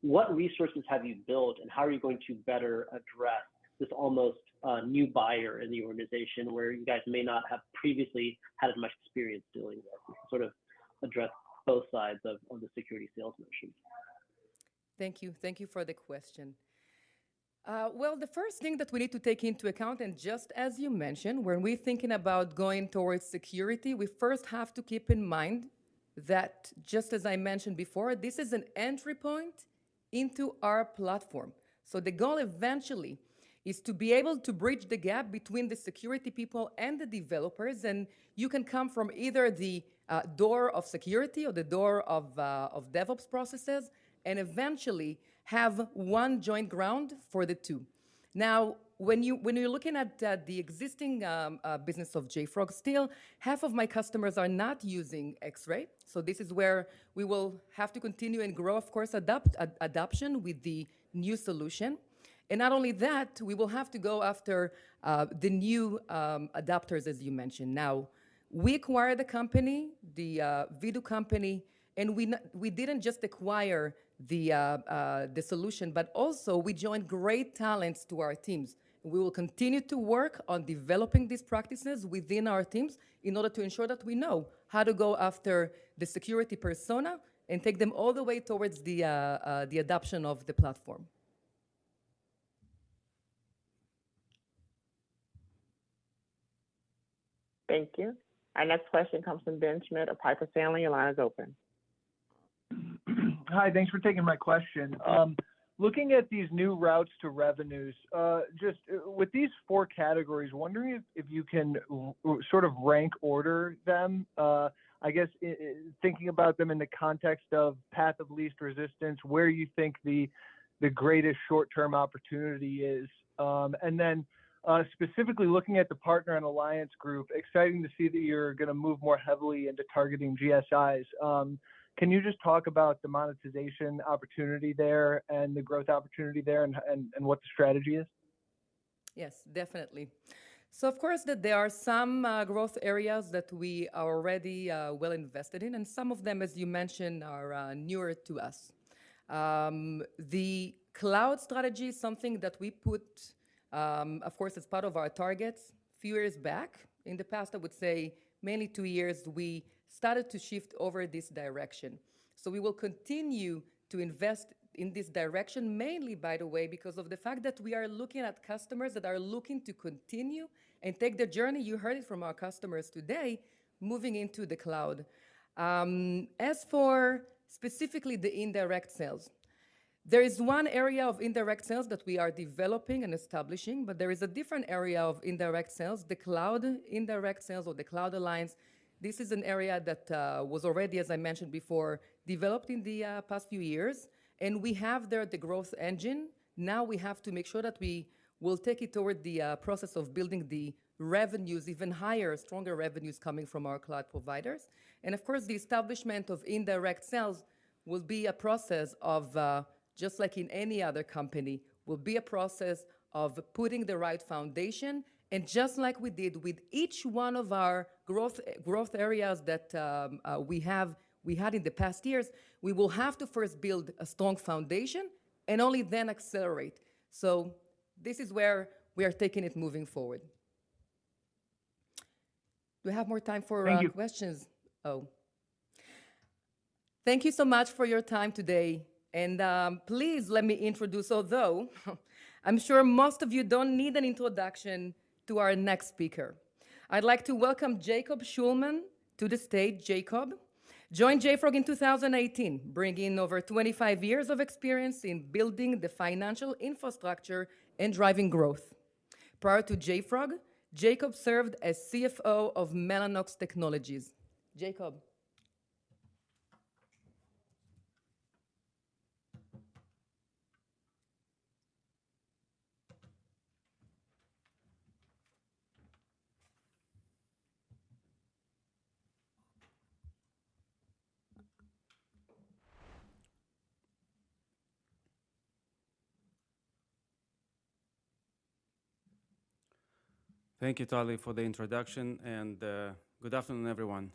What resources have you built, and how are you going to better address this almost new buyer in the organization where you guys may not have previously had as much experience dealing with, sort of address both sides of the security sales motion? Thank you for the question. Well, the first thing that we need to take into account, and just as you mentioned, when we're thinking about going towards security, we first have to keep in mind that just as I mentioned before, this is an entry point into our platform. The goal eventually is to be able to bridge the gap between the security people and the developers, and you can come from either the door of security or the door of DevOps processes and eventually have one joint ground for the two. Now, when you're looking at the existing business of JFrog still, half of my customers are not using Xray. This is where we will have to continue and grow, of course, adoption with the new solution. Not only that, we will have to go after the new adopters, as you mentioned. Now, we acquired the Vdoo company, and we didn't just acquire the solution, but also we joined great talents to our teams. We will continue to work on developing these practices within our teams in order to ensure that we know how to go after the security persona and take them all the way towards the adoption of the platform. Thank you. Our next question from Benjamin of Piper Sandler. Your line is open. Hi, thanks for taking my question. Looking at these new routes to revenues, just with these four categories, wondering if you can sort of rank order them. I guess thinking about them in the context of path of least resistance, where you think the greatest short-term opportunity is. Specifically looking at the partner and alliance group, exciting to see that you're gonna move more heavily into targeting GSIs. Can you just talk about the monetization opportunity there and the growth opportunity there and what the strategy is? Yes, definitely. Of course there are some growth areas that we are already well invested in, and some of them, as you mentioned, are newer to us. The cloud strategy is something that, of course, as part of our targets few years back in the past, I would say mainly two years, we started to shift over this direction. We will continue to invest in this direction, mainly by the way, because of the fact that we are looking at customers that are looking to continue and take the journey, you heard it from our customers today, moving into the cloud. As for specifically the indirect sales, there is one area of indirect sales that we are developing and establishing, but there is a different area of indirect sales, the cloud indirect sales or the cloud alliance. This is an area that was already, as I mentioned before, developed in the past few years, and we have there the growth engine. Now we have to make sure that we will take it toward the process of building the revenues even higher, stronger revenues coming from our cloud providers. Of course, the establishment of indirect sales will be a process of just like in any other company, will be a process of putting the right foundation. Just like we did with each one of our growth areas that we had in the past years, we will have to first build a strong foundation and only then accelerate. This is where we are taking it moving forward. Do we have more time for Thank you. Questions? Oh. Thank you so much for your time today, and please let me introduce, although I'm sure most of you don't need an introduction to our next speaker. I'd like to welcome Jacob Shulman to the stage. Jacob joined JFrog in 2018, bringing over 25 years of experience in building the financial infrastructure and driving growth. Prior to JFrog, Jacob served as CFO of Mellanox Technologies. Jacob. Thank you, Tali, for the introduction, and good afternoon, everyone.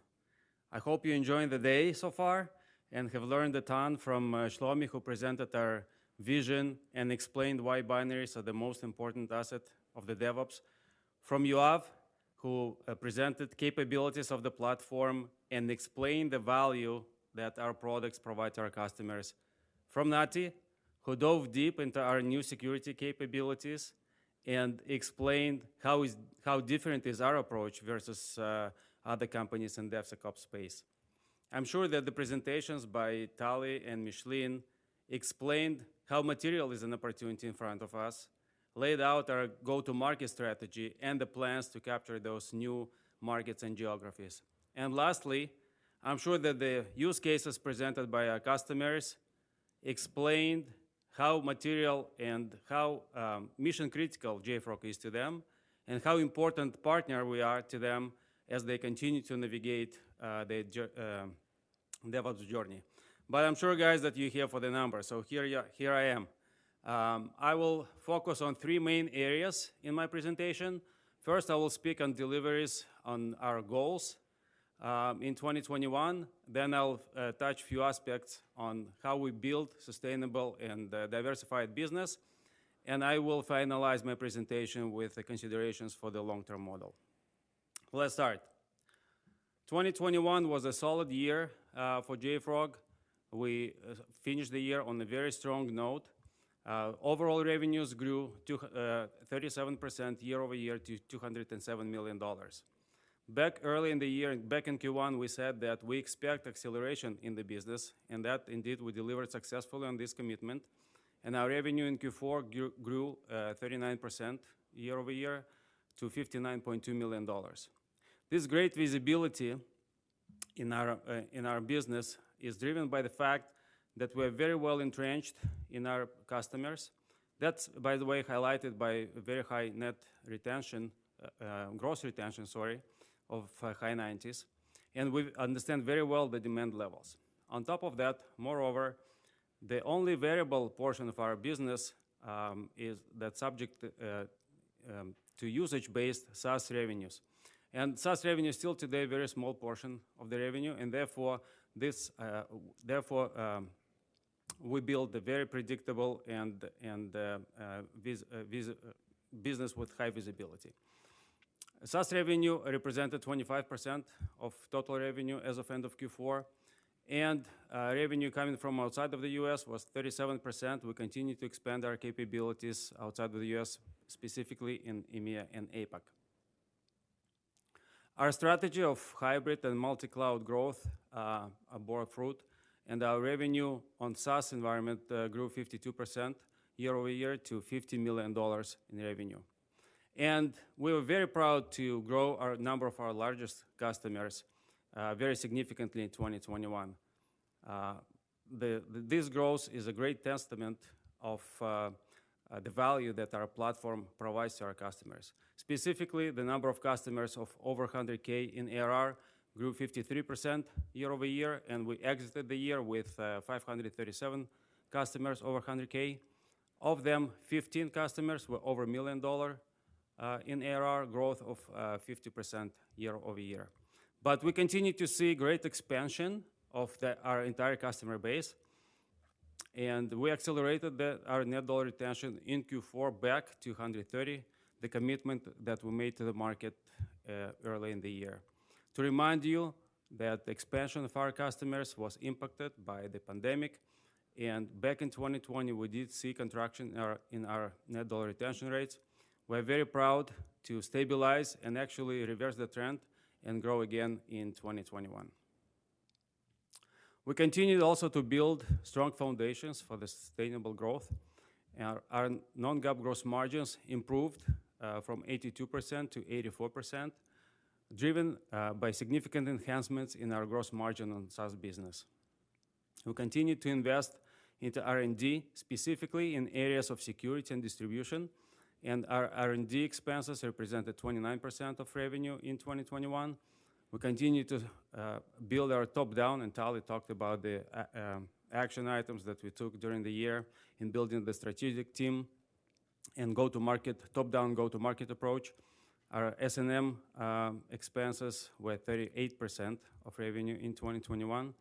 I hope you're enjoying the day so far and have learned a ton from Shlomi, who presented our vision and explained why binaries are the most important asset of the DevOps. From Yoav, who presented capabilities of the platform and explained the value that our products provide to our customers. From Nati, who dove deep into our new security capabilities and explained how different is our approach versus other companies in DevSecOps space. I'm sure that the presentations by Tali and Micheline explained how material is an opportunity in front of us, laid out our go-to-market strategy, and the plans to capture those new markets and geographies. Lastly, I'm sure that the use cases presented by our customers explained how material and how mission-critical JFrog is to them, and how important partner we are to them as they continue to navigate their DevOps journey. I'm sure, guys, that you're here for the numbers, so here I am. I will focus on three main areas in my presentation. First, I will speak on deliveries on our goals in 2021. Then I'll touch a few aspects on how we build sustainable and diversified business. I will finalize my presentation with the considerations for the long-term model. Let's start. 2021 was a solid year for JFrog. We finished the year on a very strong note. Overall revenues grew 37% year-over-year to $207 million. Back early in the year, back in Q1, we said that we expect acceleration in the business, and that indeed we delivered successfully on this commitment. Our revenue in Q4 grew 39% year-over-year to $59.2 million. This great visibility in our business is driven by the fact that we're very well entrenched in our customers. That's, by the way, highlighted by very high net retention, gross retention, sorry, of high 90s, and we understand very well the demand levels. On top of that, moreover, the only variable portion of our business is that subject to usage-based SaaS revenues. SaaS revenue is still today a very small portion of the revenue, and therefore this, therefore, we build a very predictable and visible business with high visibility. SaaS revenue represented 25% of total revenue as of end of Q4, and revenue coming from outside of the U.S. was 37%. We continue to expand our capabilities outside of the U.S., specifically in EMEA and APAC. Our strategy of hybrid and multi-cloud growth bore fruit, and our revenue on SaaS environment grew 52% year-over-year to $50 million in revenue. We're very proud to grow our number of our largest customers very significantly in 2021. This growth is a great testament of the value that our platform provides to our customers. Specifically, the number of customers of over 100K in ARR grew 53% year-over-year, and we exited the year with 537 customers over 100,000. Of them, 15 customers were over a million-dollar in ARR growth of 50% year-over-year. We continue to see great expansion of our entire customer base. We accelerated our net dollar retention in Q4 back to 130%, the commitment that we made to the market early in the year. To remind you that the expansion of our customers was impacted by the pandemic, back in 2020 we did see contraction in our net dollar retention rates. We're very proud to stabilize and actually reverse the trend and grow again in 2021. We continued also to build strong foundations for the sustainable growth. Our non-GAAP gross margins improved from 82% to 84%, driven by significant enhancements in our gross margin on SaaS business. We continue to invest into R&D, specifically in areas of security and distribution, and our R&D expenses represented 29% of revenue in 2021. We continue to build our top-down, and Tali talked about the action items that we took during the year in building the strategic team and go-to-market, top-down go-to-market approach. Our S&M expenses were 38% of revenue in 2021.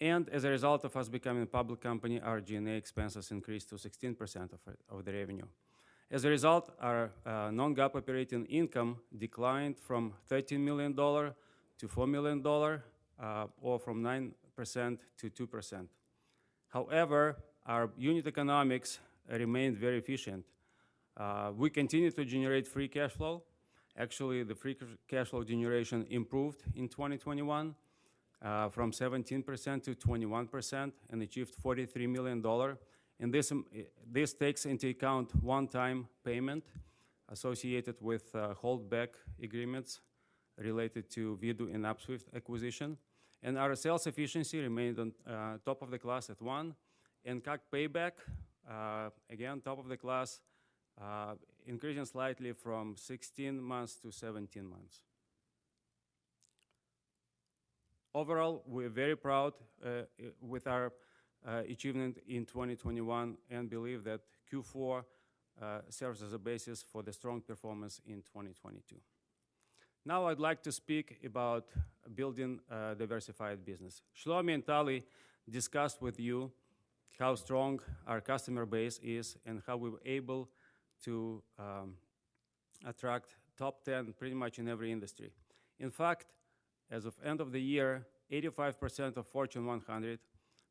As a result of us becoming a public company, our G&A expenses increased to 16% of the revenue. As a result, our non-GAAP operating income declined from $13 million to $4 million, or from 9% to 2%. However, our unit economics remained very efficient. We continue to generate free cash flow. Actually, the free cash flow generation improved in 2021 from 17% to 21% and achieved $43 million. This takes into account one-time payment associated with holdback agreements related to Vdoo and Upswift acquisition. Our sales efficiency remained on top of the class at one. In CAC payback, again, top of the class, increasing slightly from 16 months to 17 months. Overall, we're very proud with our achievement in 2021 and believe that Q4 serves as a basis for the strong performance in 2022. Now I'd like to speak about building a diversified business. Shlomi and Tali discussed with you how strong our customer base is and how we were able to attract top ten pretty much in every industry. In fact, as of end of the year, 85% of Fortune 100,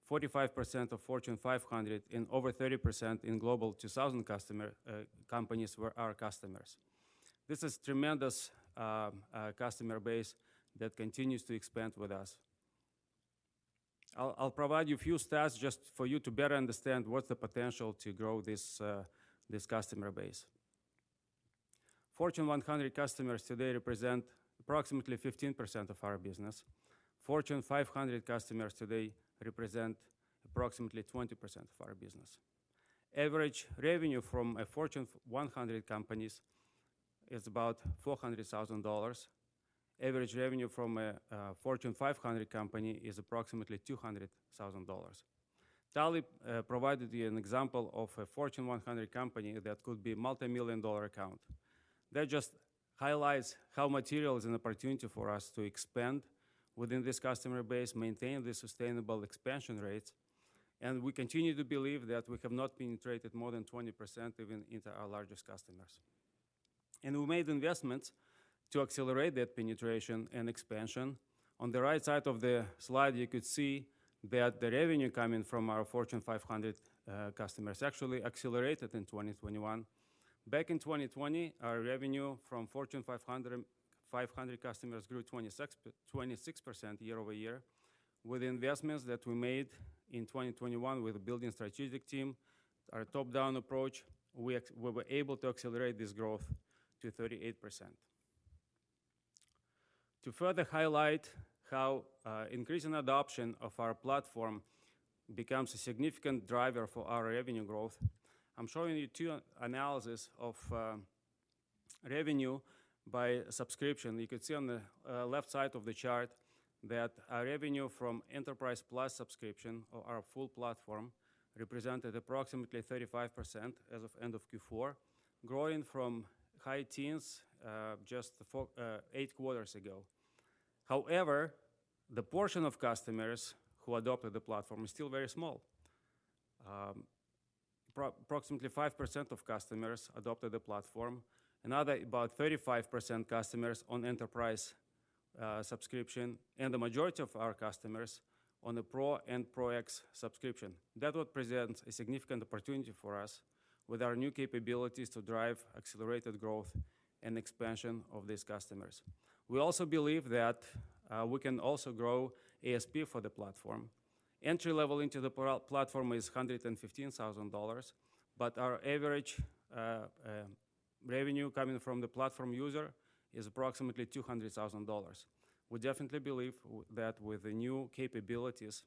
45% of Fortune 500, and over 30% in Global 2000 customer companies were our customers. This is tremendous customer base that continues to expand with us. I'll provide you a few stats just for you to better understand what's the potential to grow this customer base. Fortune 100 customers today represent approximately 15% of our business. Fortune 500 customers today represent approximately 20% of our business. Average revenue from a Fortune 100 companies is about $400,000. Average revenue from a Fortune 500 company is approximately $200,000. Tali provided you an example of a Fortune 100 company that could be multimillion-dollar account. That just highlights how material is an opportunity for us to expand within this customer base, maintain the sustainable expansion rates, and we continue to believe that we have not penetrated more than 20% even into our largest customers. We made investments to accelerate that penetration and expansion. On the right side of the slide, you could see that the revenue coming from our Fortune 500 customers actually accelerated in 2021. Back in 2020, our revenue from Fortune 500 customers grew 26% year over year. With investments that we made in 2021 with building strategic team, our top-down approach, we were able to accelerate this growth to 38%. To further highlight how increasing adoption of our platform becomes a significant driver for our revenue growth, I'm showing you two analysis of revenue by subscription. You could see on the left side of the chart that our revenue from Enterprise+ subscription or our full platform represented approximately 35% as of end of Q4, growing from high teens just for eight quarters ago. However, the portion of customers who adopted the platform is still very small. Approximately 5% of customers adopted the platform. Another about 35% customers on Enterprise subscription, and the majority of our customers on the Pro and Pro X subscription. That would present a significant opportunity for us with our new capabilities to drive accelerated growth and expansion of these customers. We also believe that we can also grow ASP for the platform. Entry level into the platform is $115,000, but our average revenue coming from the platform user is approximately $200,000. We definitely believe that with the new capabilities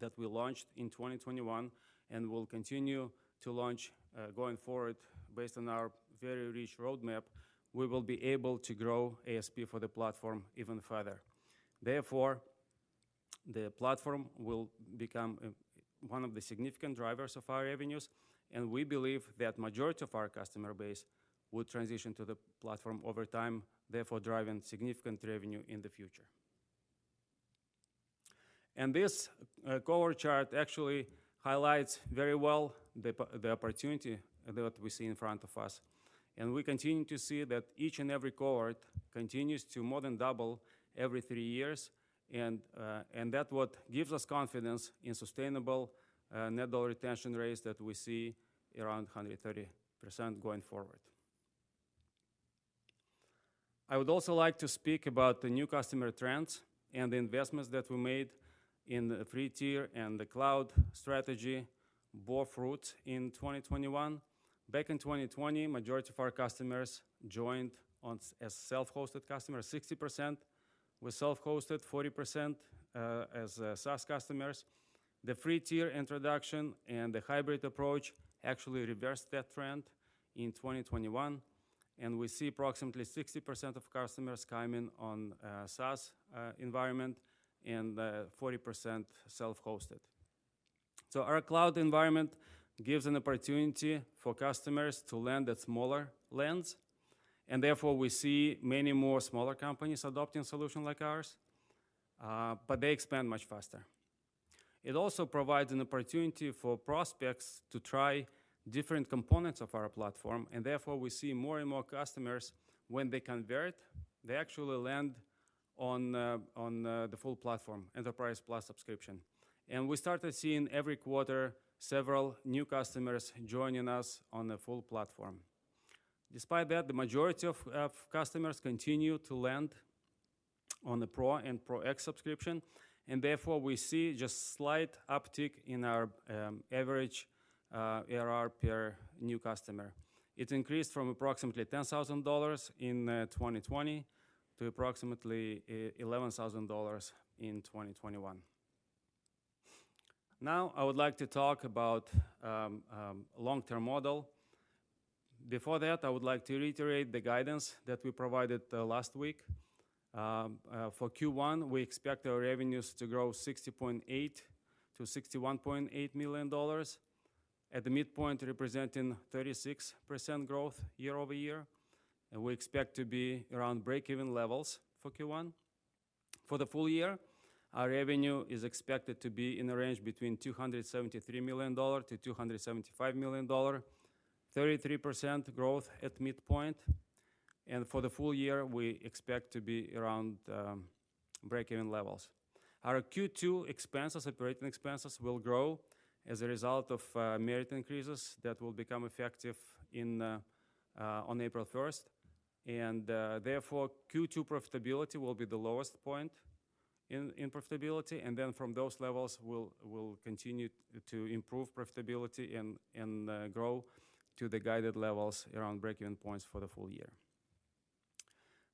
that we launched in 2021 and will continue to launch going forward based on our very rich roadmap, we will be able to grow ASP for the platform even further. Therefore, the platform will become one of the significant drivers of our revenues, and we believe that majority of our customer base will transition to the platform over time, therefore driving significant revenue in the future. This cohort chart actually highlights very well the opportunity that we see in front of us. We continue to see that each and every cohort continues to more than double every three years and that what gives us confidence in sustainable net dollar retention rates that we see around 130% going forward. I would also like to speak about the new customer trends and the investments that we made in the free tier and the cloud strategy bore fruit in 2021. Back in 2020, majority of our customers joined on as self-hosted customers, 60% was self-hosted, 40% as SaaS customers. The free tier introduction and the hybrid approach actually reversed that trend in 2021, and we see approximately 60% of customers coming on SaaS environment and 40% self-hosted. Our cloud environment gives an opportunity for customers to land at smaller lands, and therefore we see many more smaller companies adopting solution like ours, but they expand much faster. It also provides an opportunity for prospects to try different components of our platform, and therefore we see more and more customers when they convert, they actually land on the full platform, Enterprise+ subscription. We started seeing every quarter several new customers joining us on the full platform. Despite that, the majority of customers continue to land on the Pro and Pro X subscription, and therefore we see just slight uptick in our average ARR per new customer. It increased from approximately $10,000 in 2020 to approximately $11,000 in 2021. Now I would like to talk about long-term model. Before that, I would like to reiterate the guidance that we provided last week. For Q1, we expect our revenues to grow $60.8 million-$61.8 million at the midpoint, representing 36% growth year-over-year. We expect to be around breakeven levels for Q1. For the full year, our revenue is expected to be in the range between $273 million-$275 million, 33% growth at midpoint. For the full year, we expect to be around breakeven levels. Our Q2 expenses, operating expenses will grow as a result of merit increases that will become effective in on April 1. Therefore, Q2 profitability will be the lowest point in profitability. Then from those levels, we'll continue to improve profitability and grow to the guided levels around breakeven points for the full year.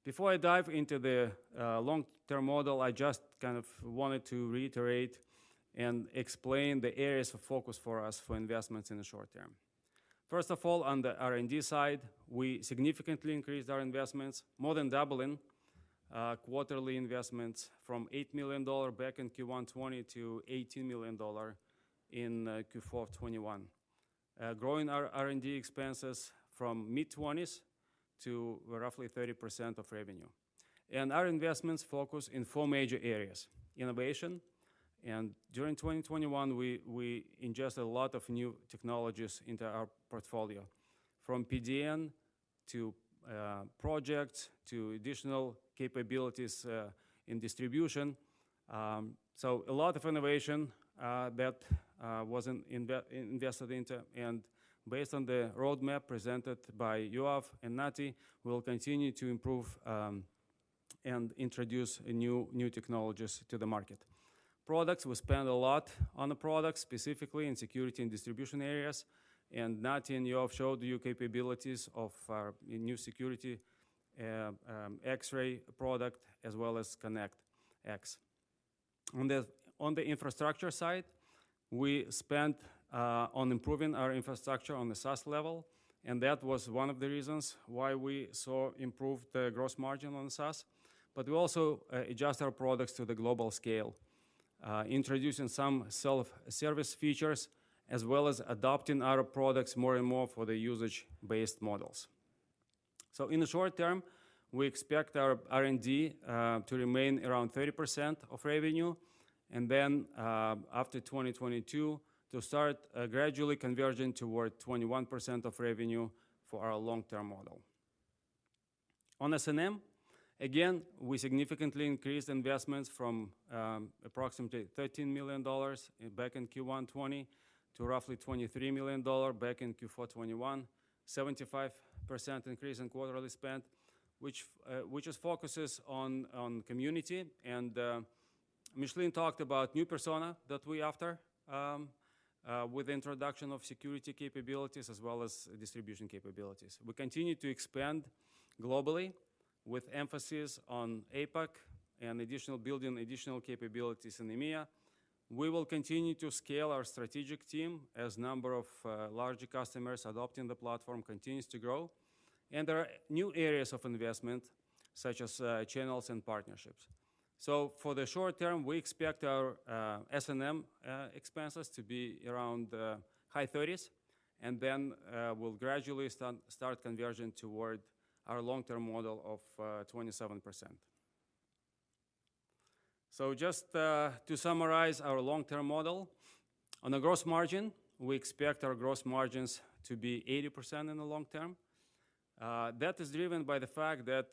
Before I dive into the long-term model, I just kind of wanted to reiterate and explain the areas of focus for us for investments in the short term. First of all, on the R&D side, we significantly increased our investments, more than doubling quarterly investments from $8 million back in Q1 2020 to $18 million in Q4 2021. Growing our R&D expenses from mid-20s to roughly 30% of revenue. Our investments focus in four major areas, innovation, and during 2021, we ingest a lot of new technologies into our portfolio, from PDN to project to additional capabilities in distribution. A lot of innovation that was invested into, and based on the roadmap presented by Yoav and Nati, we'll continue to improve and introduce new technologies to the market. Products, we spend a lot on the products, specifically in security and distribution areas. Nati and Yoav showed you capabilities of our new security Xray product as well as Connect. On the infrastructure side, we spent on improving our infrastructure on the SaaS level, and that was one of the reasons why we saw improved gross margin on SaaS. We also adjust our products to the global scale, introducing some self-service features as well as adopting our products more and more for the usage-based models. In the short term, we expect our R&D to remain around 30% of revenue, and then, after 2022, to start gradually converging toward 21% of revenue for our long-term model. On S&M, again, we significantly increased investments from approximately $13 million back in Q1 2020 to roughly $23 million back in Q4 2021, 75% increase in quarterly spend, which focuses on community. Micheline talked about new personas that we are after with introduction of security capabilities as well as distribution capabilities. We continue to expand globally with emphasis on APAC and additional building capabilities in EMEA. We will continue to scale our strategic team as the number of larger customers adopting the platform continues to grow. There are new areas of investment such as channels and partnerships. For the short term, we expect our S&M expenses to be around high 30s%, and then we'll gradually start conversion toward our long-term model of 27%. Just to summarize our long-term model. On the gross margin, we expect our gross margins to be 80% in the long term. That is driven by the fact that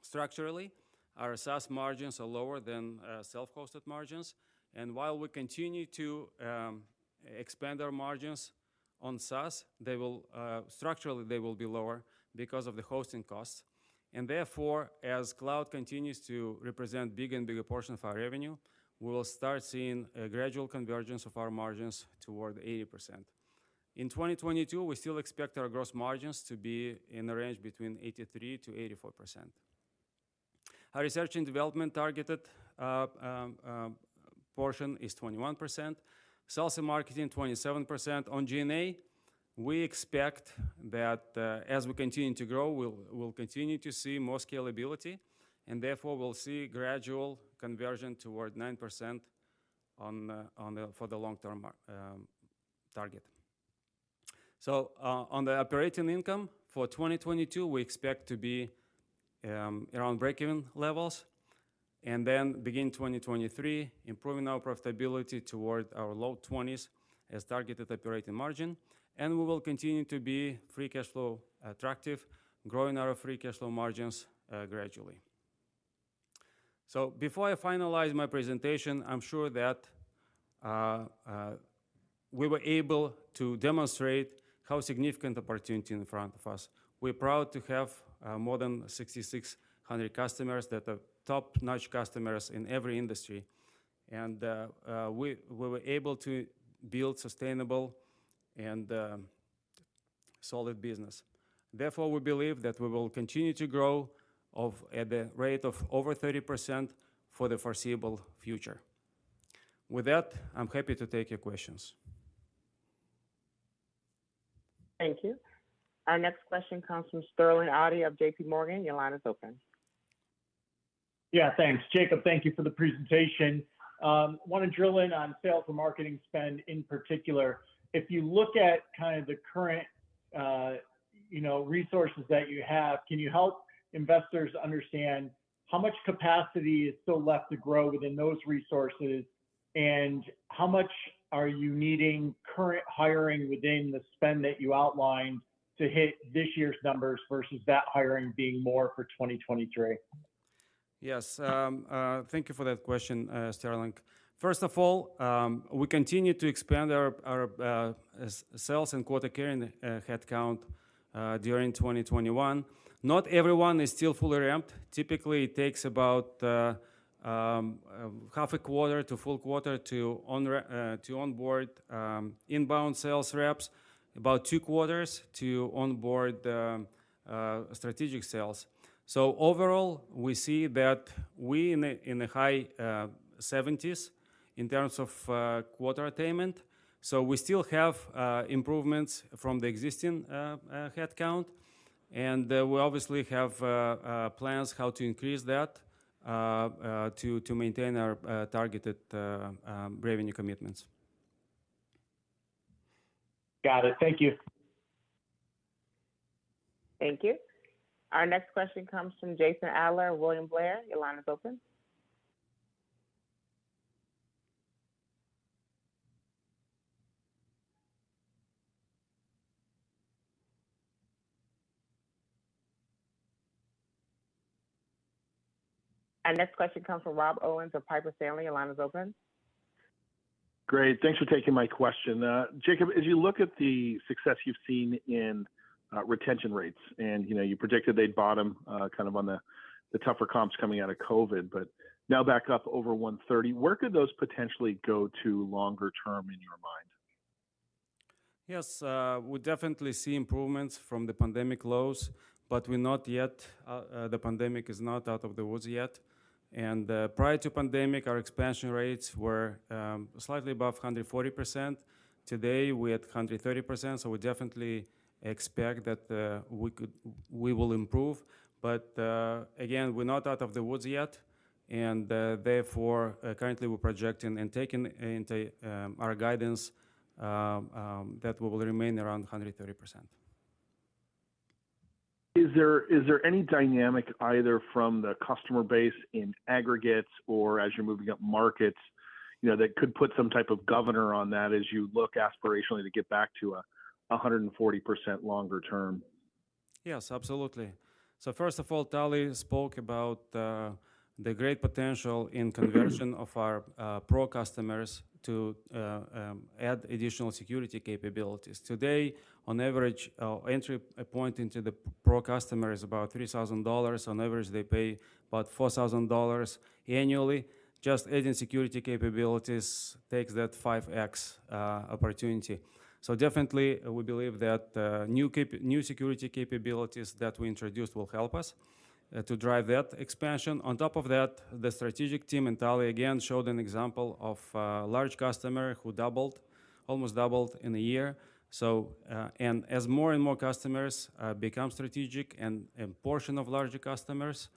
structurally our SaaS margins are lower than self-hosted margins. While we continue to expand our margins on SaaS, they will structurally be lower because of the hosting costs. Therefore, as cloud continues to represent bigger and bigger portion of our revenue, we will start seeing a gradual convergence of our margins toward 80%. In 2022, we still expect our gross margins to be in the range between 83%-84%. Our research and development targeted portion is 21%. Sales and marketing, 27%. On G&A, we expect that as we continue to grow, we'll continue to see more scalability, and therefore we'll see gradual conversion toward 9% for the long term target. On the operating income for 2022, we expect to be around breakeven levels, and then beginning 2023, improving our profitability toward our low 20s as targeted operating margin. We will continue to be free cash flow attractive, growing our free cash flow margins gradually. Before I finalize my presentation, I'm sure that we were able to demonstrate how significant opportunity in front of us. We're proud to have more than 6,600 customers that are top-notch customers in every industry. We were able to build sustainable and solid business. Therefore, we believe that we will continue to grow at the rate of over 30% for the foreseeable future. With that, I'm happy to take your questions. Thank you. Our next question comes from Sterling Auty of JPMorgan. Your line is open. Yeah, thanks. Jacob, thank you for the presentation. Wanna drill in on sales and marketing spend in particular. If you look at kind of the current, you know, resources that you have, can you help investors understand how much capacity is still left to grow within those resources? How much are you needing current hiring within the spend that you outlined to hit this year's numbers versus that hiring being more for 2023? Yes. Thank you for that question, Sterling. First of all, we continue to expand our sales and quota carrying headcount during 2021. Not everyone is still fully ramped. Typically, it takes about half a quarter to full quarter to onboard inbound sales reps, about two quarters to onboard strategic sales. Overall, we see that we in a high seventies in terms of quota attainment. We still have improvements from the existing headcount. We obviously have plans how to increase that to maintain our targeted revenue commitments. Got it. Thank you. Thank you. Our next question comes from Jason Ader, William Blair. Your line is open. Our next question comes from Rob Owens of Piper Sandler. Your line is open. Great. Thanks for taking my question. Jacob, as you look at the success you've seen in retention rates, and you know, you predicted they'd bottom kind of on the tougher comps coming out of COVID, but now back up over 130, where could those potentially go to longer term in your mind? Yes, we definitely see improvements from the pandemic lows, but the pandemic is not out of the woods yet. Prior to pandemic, our expansion rates were slightly above 140%. Today, we're at 130%, so we definitely expect that we will improve. Again, we're not out of the woods yet, and therefore, currently we're projecting and taking into our guidance that we will remain around 130%. Is there any dynamic either from the customer base in aggregates or as you're moving up markets, you know, that could put some type of governor on that as you look aspirationally to get back to 140% longer term? Yes, absolutely. First of all, Tali spoke about the great potential in conversion of our Pro customers to add additional security capabilities. Today, on average, entry point into the Pro customer is about $3,000. On average, they pay about $4,000 annually. Just adding security capabilities takes that 5x opportunity. Definitely, we believe that new security capabilities that we introduce will help us to drive that expansion. On top of that, the strategic team, and Tali again showed an example of a large customer who doubled, almost doubled in a year. As more and more customers become strategic and portion of larger customers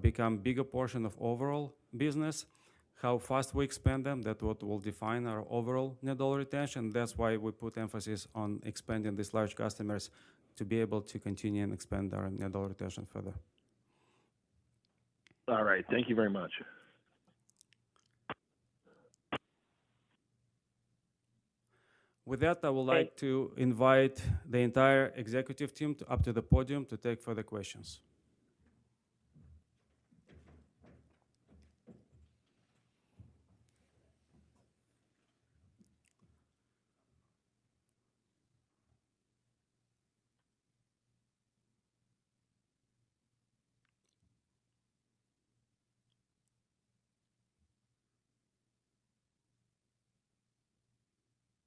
become bigger portion of overall business. How fast we expand them, that what will define our overall net dollar retention. That's why we put emphasis on expanding these large customers to be able to continue and expand our net dollar retention further. All right. Thank you very much. With that, I would like to invite the entire executive team up to the podium to take further questions.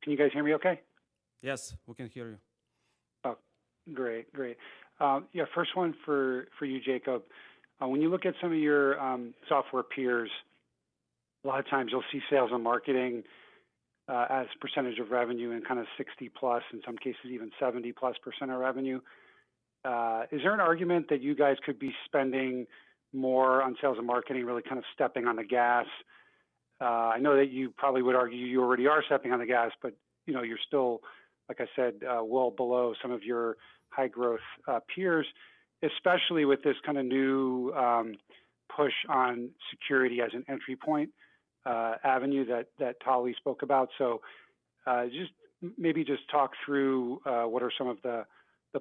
Can you guys hear me okay? Yes, we can hear you. Oh, great. Yeah, first one for you, Jacob. When you look at some of your software peers, a lot of times you'll see sales and marketing as percentage of revenue in kinda 60%+, in some cases even 70%+ of revenue. Is there an argument that you guys could be spending more on sales and marketing, really kind of stepping on the gas? I know that you probably would argue you already are stepping on the gas, but you know, you're still, like I said, well below some of your high growth peers, especially with this kinda new push on security as an entry point avenue that Tali spoke about. Just maybe just talk through what are some of the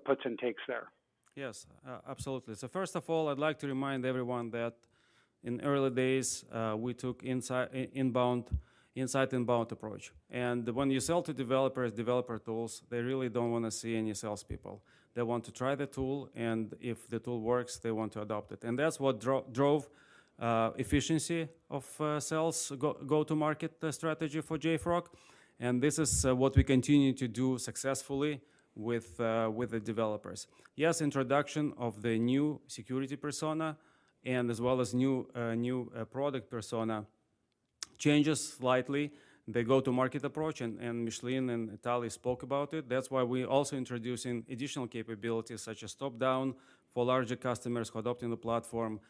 puts and takes there. Yes. Absolutely. First of all, I'd like to remind everyone that in early days, we took inbound approach. When you sell to developers developer tools, they really don't wanna see any salespeople. They want to try the tool, and if the tool works, they want to adopt it. That's what drove efficiency of sales go-to-market strategy for JFrog. This is what we continue to do successfully with the developers. Yes, introduction of the new security persona and as well as new product persona changes slightly the go-to-market approach, and Micheline and Tali spoke about it. That's why we also introducing additional capabilities such as top-down for larger customers who are adopting the platform,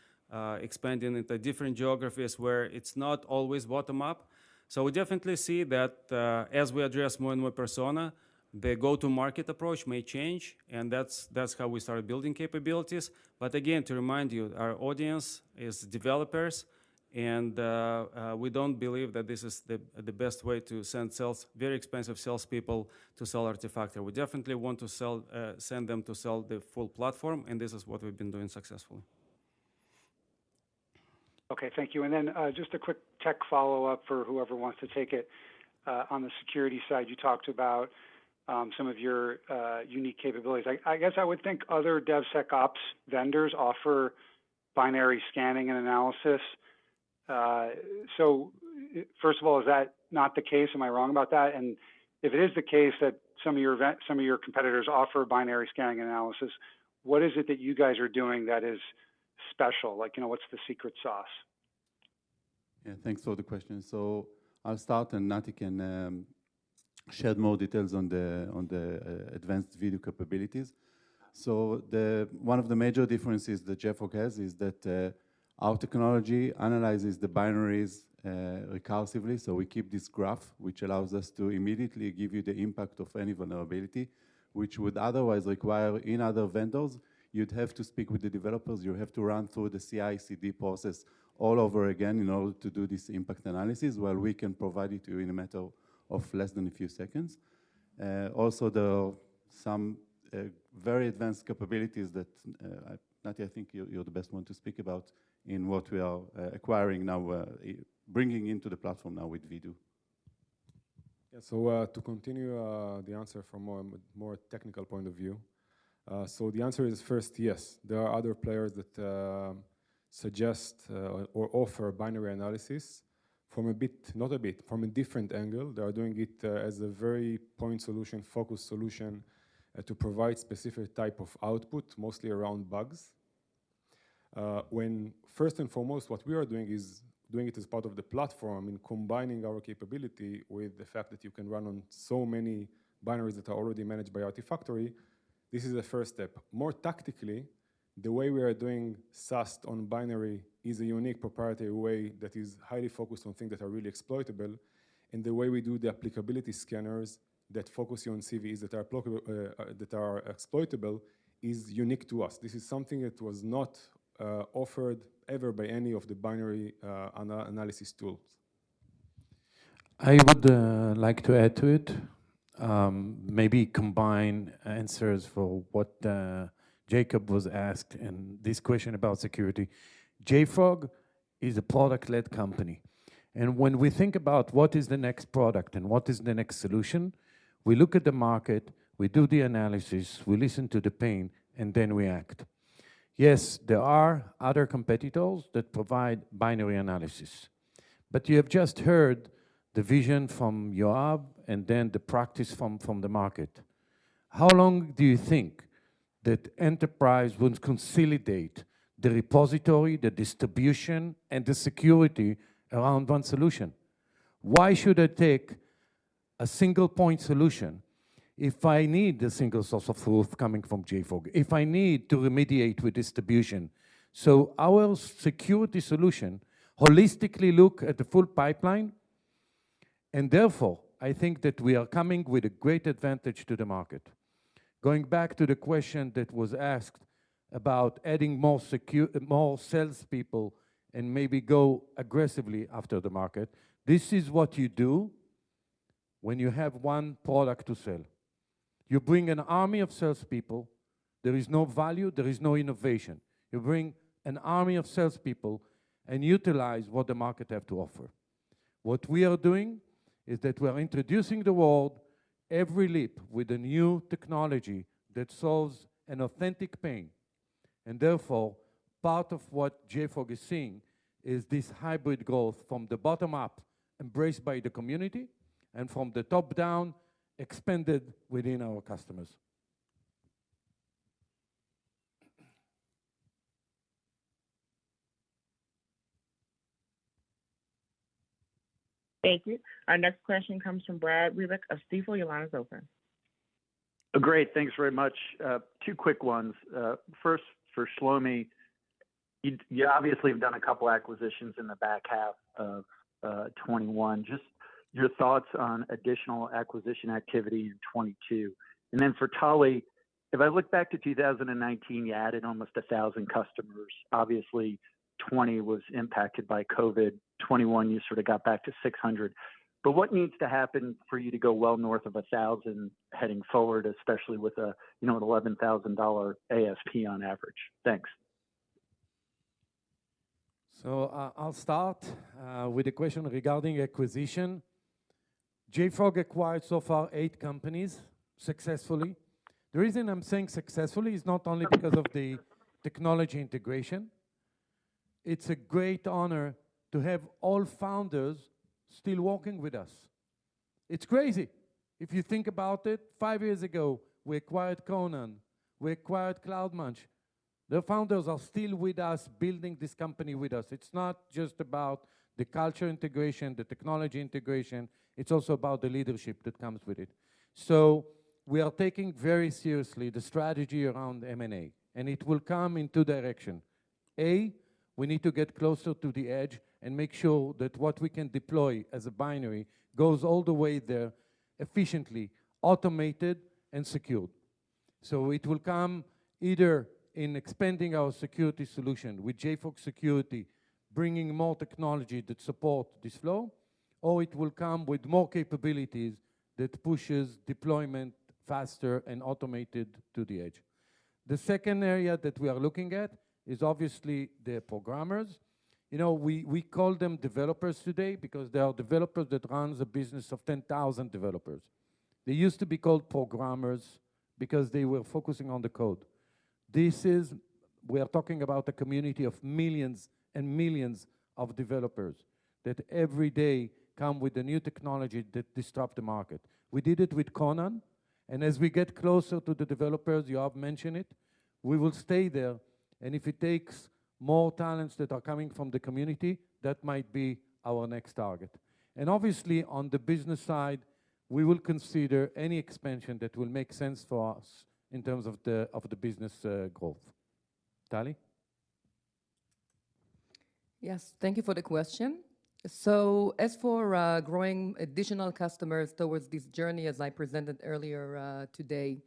expanding into different geographies where it's not always bottom-up. We definitely see that, as we address more and more personas, the go-to-market approach may change, and that's how we started building capabilities. Again, to remind you, our audience is developers and we don't believe that this is the best way to send salespeople, very expensive salespeople to sell Artifactory. We definitely want to send them to sell the full platform, and this is what we've been doing successfully. Okay. Thank you. Just a quick tech follow-up for whoever wants to take it. On the security side, you talked about some of your unique capabilities. I guess I would think other DevSecOps vendors offer binary scanning and analysis. First of all, is that not the case? Am I wrong about that? If it is the case that some of your competitors offer binary scanning analysis, what is it that you guys are doing that is special? Like, you know, what's the secret sauce? Yeah. Thanks for the question. I'll start, and Nati can share more details on the advanced Vdoo capabilities. One of the major differences that JFrog has is that our technology analyzes the binaries recursively. We keep this graph, which allows us to immediately give you the impact of any vulnerability, which would otherwise require, in other vendors, you'd have to speak with the developers, you have to run through the CI/CD process all over again in order to do this impact analysis, while we can provide it to you in a matter of less than a few seconds. Also, some very advanced capabilities that Nati, I think you're the best one to speak about in what we are acquiring now, bringing into the platform now with Vdoo. Yeah. To continue, the answer from a more technical point of view. The answer is first, yes, there are other players that suggest or offer binary analysis from a different angle. They are doing it as a very point solution, focused solution to provide specific type of output, mostly around bugs. When first and foremost, what we are doing is doing it as part of the platform and combining our capability with the fact that you can run on so many binaries that are already managed by Artifactory. This is the first step. More tactically, the way we are doing SaaS on binary is a unique proprietary way that is highly focused on things that are really exploitable, and the way we do the applicability scanners that focus you on CVEs that are exploitable is unique to us. This is something that was not offered ever by any of the binary analysis tools. I would like to add to it. Maybe combine answers for what Jacob was asked and this question about security. JFrog is a product-led company, and when we think about what is the next product and what is the next solution, we look at the market, we do the analysis, we listen to the pain, and then we act. Yes, there are other competitors that provide binary analysis, but you have just heard the vision from Yoav and then the practice from the market. How long do you think that enterprise would consolidate the repository, the distribution, and the security around one solution? Why should I take A single point solution. If I need a single source of truth coming from JFrog, if I need to remediate with distribution. Our security solution holistically look at the full pipeline, and therefore, I think that we are coming with a great advantage to the market. Going back to the question that was asked about adding more salespeople and maybe go aggressively after the market, this is what you do when you have one product to sell. You bring an army of salespeople. There is no value, there is no innovation. You bring an army of salespeople and utilize what the market have to offer. What we are doing is that we are introducing the world every leap with a new technology that solves an authentic pain. Therefore, part of what JFrog is seeing is this hybrid growth from the bottom up, embraced by the community and from the top down, expanded within our customers. Thank you. Our next question comes from Brad Reback of Stifel. Your line is open. Great. Thanks very much. Two quick ones. First for Shlomi, you obviously have done a couple acquisitions in the back half of 2021. Just your thoughts on additional acquisition activity in 2022. And then for Tali, if I look back to 2019, you added almost 1,000 customers. Obviously, 2020 was impacted by COVID. 2021, you sort of got back to 600. What needs to happen for you to go well north of 1,000 heading forward, especially with a, you know, $11,000 ASP on average? Thanks. I'll start with the question regarding acquisition. JFrog acquired so far eight companies successfully. The reason I'm saying successfully is not only because of the technology integration. It's a great honor to have all founders still working with us. It's crazy. If you think about it, five years ago, we acquired Conan, we acquired CloudMunch. The founders are still with us, building this company with us. It's not just about the culture integration, the technology integration, it's also about the leadership that comes with it. We are taking very seriously the strategy around M&A, and it will come in two direction. A, we need to get closer to the edge and make sure that what we can deploy as a binary goes all the way there efficiently, automated and secured. It will come either in expanding our security solution with JFrog Security, bringing more technology that support this flow, or it will come with more capabilities that pushes deployment faster and automated to the edge. The second area that we are looking at is obviously the programmers. You know, we call them developers today because they are developers that runs a business of 10,000 developers. They used to be called programmers because they were focusing on the code. We are talking about a community of millions and millions of developers that every day come with a new technology that disrupt the market. We did it with Conan, and as we get closer to the developers, you have mentioned it, we will stay there. If it takes more talents that are coming from the community, that might be our next target. Obviously, on the business side, we will consider any expansion that will make sense for us in terms of the business growth. Tali? Yes. Thank you for the question. As for growing additional customers towards this journey, as I presented earlier today,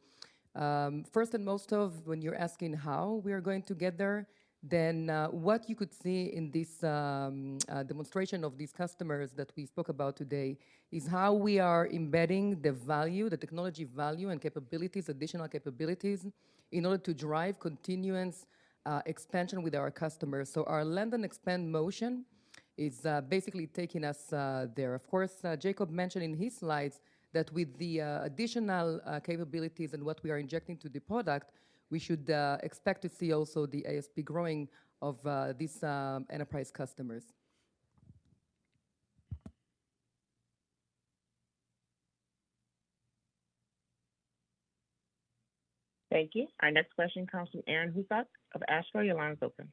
first and foremost when you're asking how we are going to get there, what you could see in this demonstration of these customers that we spoke about today is how we are embedding the value, the technology value and capabilities, additional capabilities in order to drive continuous expansion with our customers. Our land and expand motion is basically taking us there. Of course, Jacob mentioned in his slides that with the additional capabilities and what we are injecting into the product, we should expect to see also the ASP growth of these enterprise customers. Thank you. Our next question comes from Aaron Husock of Ashler. Your line is open.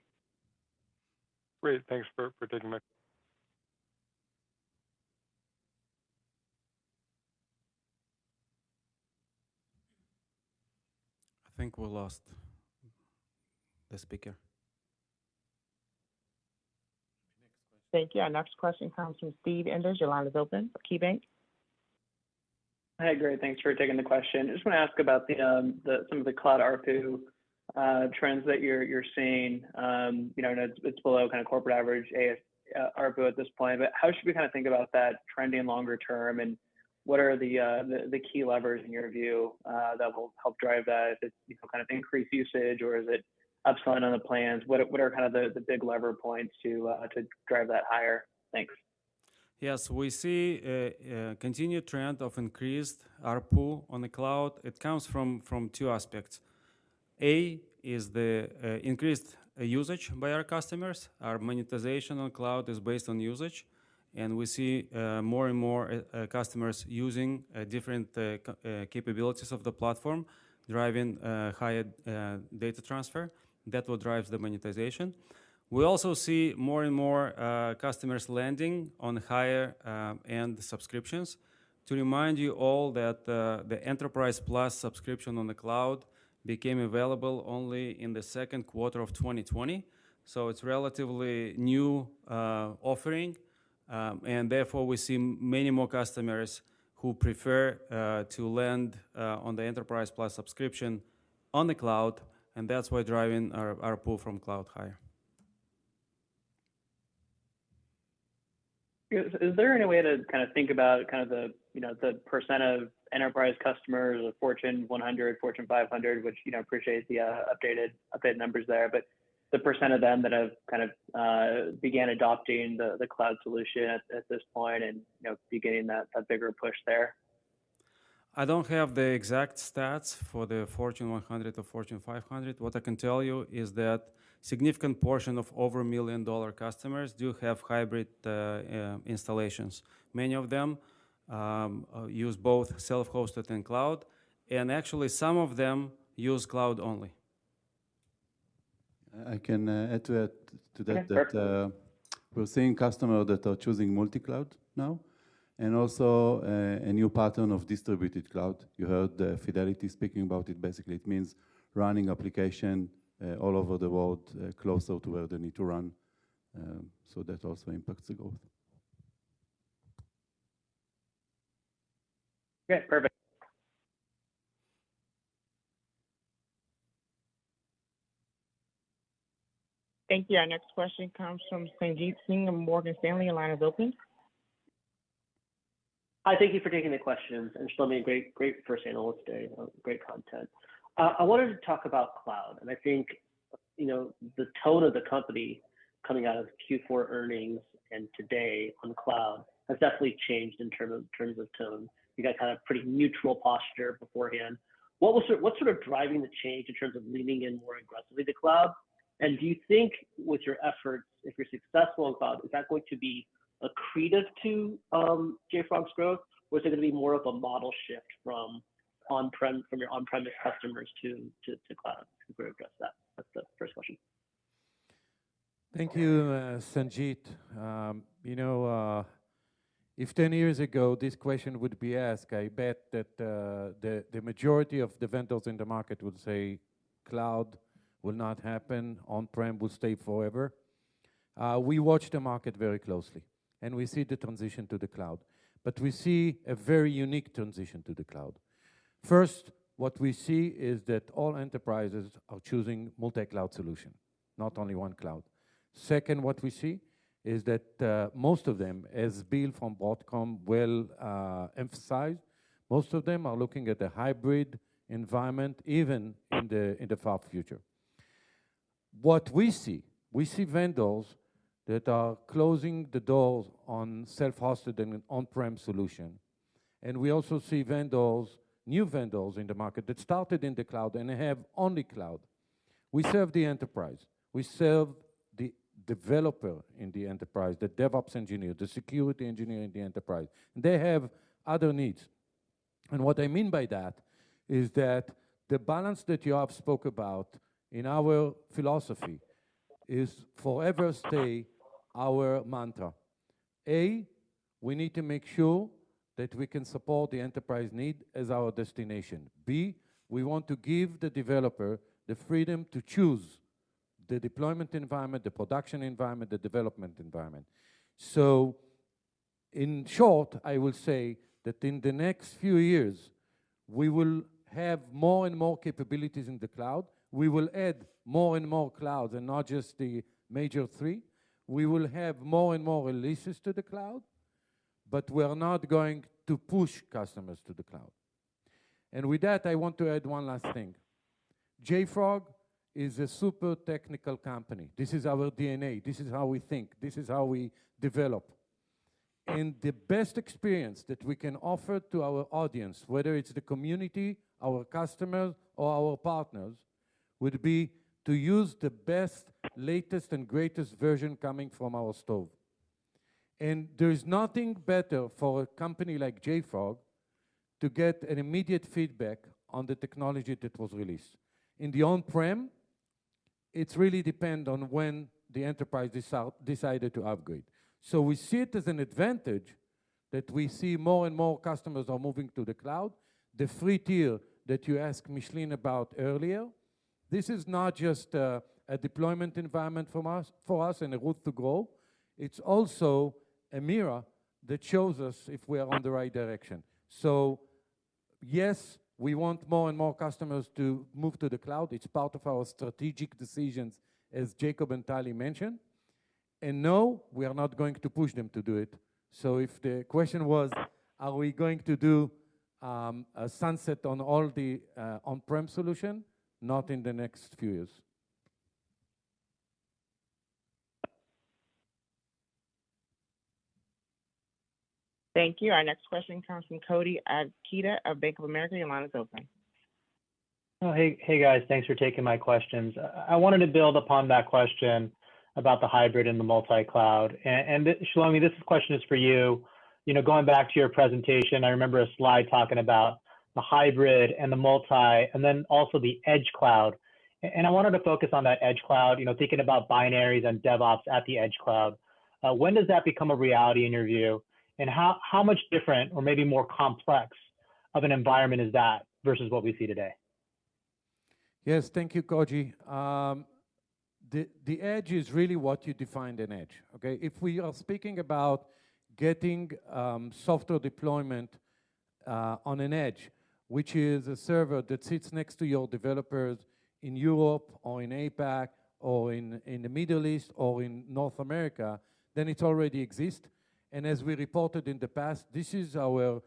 Great. Thanks for taking my- I think we lost the speaker. Thank you. Our next question comes from Steve Enders. Your line is open for KeyBanc. Hi. Great. Thanks for taking the question. I just want to ask about some of the cloud ARPU trends that you're seeing. You know, it's below kind of corporate average ARPU at this point, but how should we kind of think about that trending longer term? What are the key levers in your view that will help drive that? If it's you know kind of increased usage or is it upselling on the plans? What are kind of the big lever points to drive that higher? Thanks. Yes, we see a continued trend of increased ARPU on the cloud. It comes from two aspects. One is the increased usage by our customers. Our monetization on cloud is based on usage, and we see more and more customers using different capabilities of the platform, driving higher data transfer. That's what drives the monetization. We also see more and more customers landing on higher end subscriptions. To remind you all that the Enterprise+ subscription on the cloud became available only in the second quarter of 2020, so it's relatively new offering. Therefore, we see many more customers who prefer to land on the Enterprise+ subscription on the cloud, and that's what driving our ARPU from cloud higher. Is there any way to kind of think about kind of the, you know, the percent of enterprise customers or Fortune 100, Fortune 500, which, you know, I appreciate the updated numbers there, but the percent of them that have kind of began adopting the cloud solution at this point and, you know, be getting that bigger push there? I don't have the exact stats for the Fortune 100 to Fortune 500. What I can tell you is that a significant portion of over $1 million customers do have hybrid installations. Many of them use both self-hosted and cloud, and actually, some of them use cloud only. I can add to that. Yeah, sure. We're seeing customer that are choosing multi-cloud now, and also a new pattern of distributed cloud. You heard Fidelity speaking about it. Basically, it means running application all over the world closer to where they need to run, so that also impacts the growth. Okay, perfect. Thank you. Our next question comes from Sanjit Singh of Morgan Stanley. Your line is open. Hi, thank you for taking the questions. Shlomi, a great first Analyst Day. Great content. I wanted to talk about cloud, and I think, you know, the tone of the company coming out of Q4 earnings and today on cloud has definitely changed in terms of tone. You guys had a pretty neutral posture beforehand. What's sort of driving the change in terms of leaning in more aggressively to cloud? Do you think with your efforts, if you're successful in cloud, is that going to be accretive to JFrog's growth? Or is it gonna be more of a model shift from on-prem, from your on-premise customers to cloud to address that? That's the first question. Thank you, Sanjit. You know, if 10 years ago this question would be asked, I bet that the majority of the vendors in the market would say cloud will not happen, on-prem will stay forever. We watch the market very closely, and we see the transition to the cloud, but we see a very unique transition to the cloud. First, what we see is that all enterprises are choosing multi-cloud solution, not only one cloud. Second, what we see is that most of them, as Bill from Broadcom well emphasized, are looking at a hybrid environment, even in the far future. What we see is vendors that are closing the doors on self-hosted and on-prem solution. We also see vendors, new vendors in the market that started in the cloud and have only cloud. We serve the enterprise. We serve the developer in the enterprise, the DevOps engineer, the security engineer in the enterprise. They have other needs. What I mean by that is that the balance that Yoav spoke about in our philosophy is forever stay our mantra. A, we need to make sure that we can support the enterprise need as our destination. B, we want to give the developer the freedom to choose the deployment environment, the production environment, the development environment. In short, I will say that in the next few years, we will have more and more capabilities in the cloud. We will add more and more clouds and not just the major three. We will have more and more releases to the cloud, but we're not going to push customers to the cloud. With that, I want to add one last thing. JFrog is a super technical company. This is our DNA. This is how we think. This is how we develop. The best experience that we can offer to our audience, whether it's the community, our customers, or our partners, would be to use the best, latest, and greatest version coming from our store. There is nothing better for a company like JFrog to get an immediate feedback on the technology that was released. In the on-prem, it really depend on when the enterprise decided to upgrade. We see it as an advantage that we see more and more customers are moving to the cloud. The free tier that you asked Micheline about earlier, this is not just a deployment environment for us and a route to grow, it's also a mirror that shows us if we're on the right direction. Yes, we want more and more customers to move to the cloud. It's part of our strategic decisions, as Jacob and Tali mentioned. No, we are not going to push them to do it. If the question was, are we going to do a sunset on all the on-prem solution? Not in the next few years. Thank you. Our next question comes from Koji Ikeda of Bank of America. Your line is open. Oh, hey guys. Thanks for taking my questions. I wanted to build upon that question about the hybrid and the multi-cloud. Shlomi, this question is for you. You know, going back to your presentation, I remember a slide talking about the hybrid and the multi, and then also the edge cloud. I wanted to focus on that edge cloud, you know, thinking about binaries and DevOps at the edge cloud. When does that become a reality in your view? How much different or maybe more complex of an environment is that versus what we see today? Yes. Thank you, Koji. The edge is really what you define an edge, okay? If we are speaking about getting software deployment on an edge, which is a server that sits next to your developers in Europe or in APAC or in the Middle East or in North America, then it already exist. As we reported in the past, this is the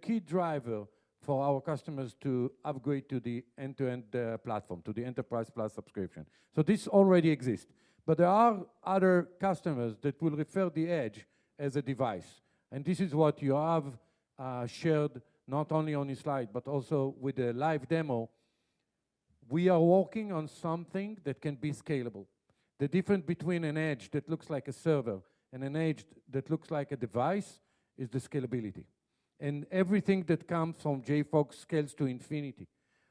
key driver for our customers to upgrade to the end-to-end platform, to the Enterprise+ subscription. This already exist. There are other customers that will refer the edge as a device, and this is what Yoav shared, not only on his slide, but also with a live demo. We are working on something that can be scalable. The difference between an edge that looks like a server and an edge that looks like a device is the scalability. Everything that comes from JFrog scales to infinity.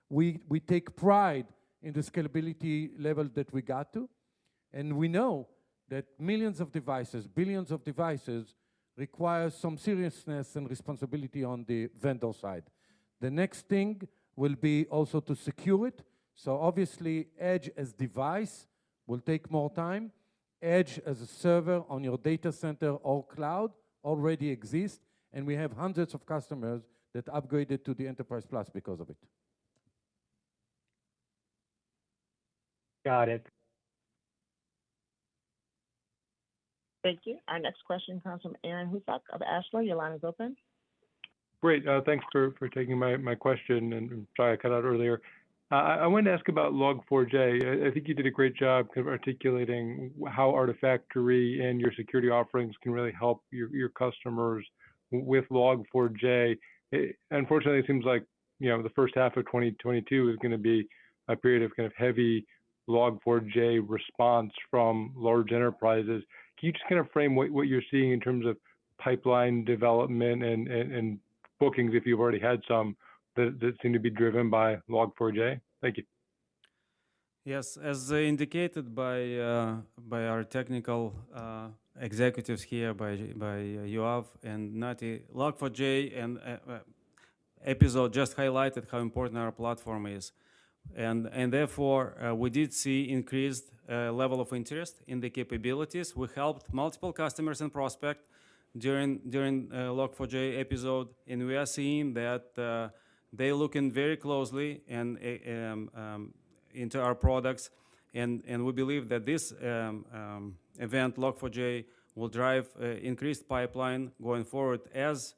We take pride in the scalability level that we got to, and we know that millions of devices, billions of devices require some seriousness and responsibility on the vendor side. The next thing will be also to secure it. Obviously, edge as device will take more time. Edge as a server on your data center or cloud already exist, and we have hundreds of customers that upgraded to the Enterprise+ because of it. Got it. Thank you. Our next question comes from Aaron Husock of Ashbury. Your line is open. Great. Thanks for taking my question, and sorry I cut out earlier. I wanted to ask about Log4j. I think you did a great job kind of articulating how Artifactory and your security offerings can really help your customers with Log4j. Unfortunately, it seems like, you know, the first half of 2022 is gonna be a period of kind of heavy Log4j response from large enterprises. Can you just kind of frame what you're seeing in terms of pipeline development and bookings, if you've already had some that seem to be driven by Log4j? Thank you. Yes. As indicated by our technical executives here, by Yoav and Nati, Log4j episode just highlighted how important our platform is. Therefore, we did see increased level of interest in the capabilities. We helped multiple customers and prospects during Log4j episode, and we are seeing that they are looking very closely into our products. We believe that this event, Log4j, will drive increased pipeline going forward as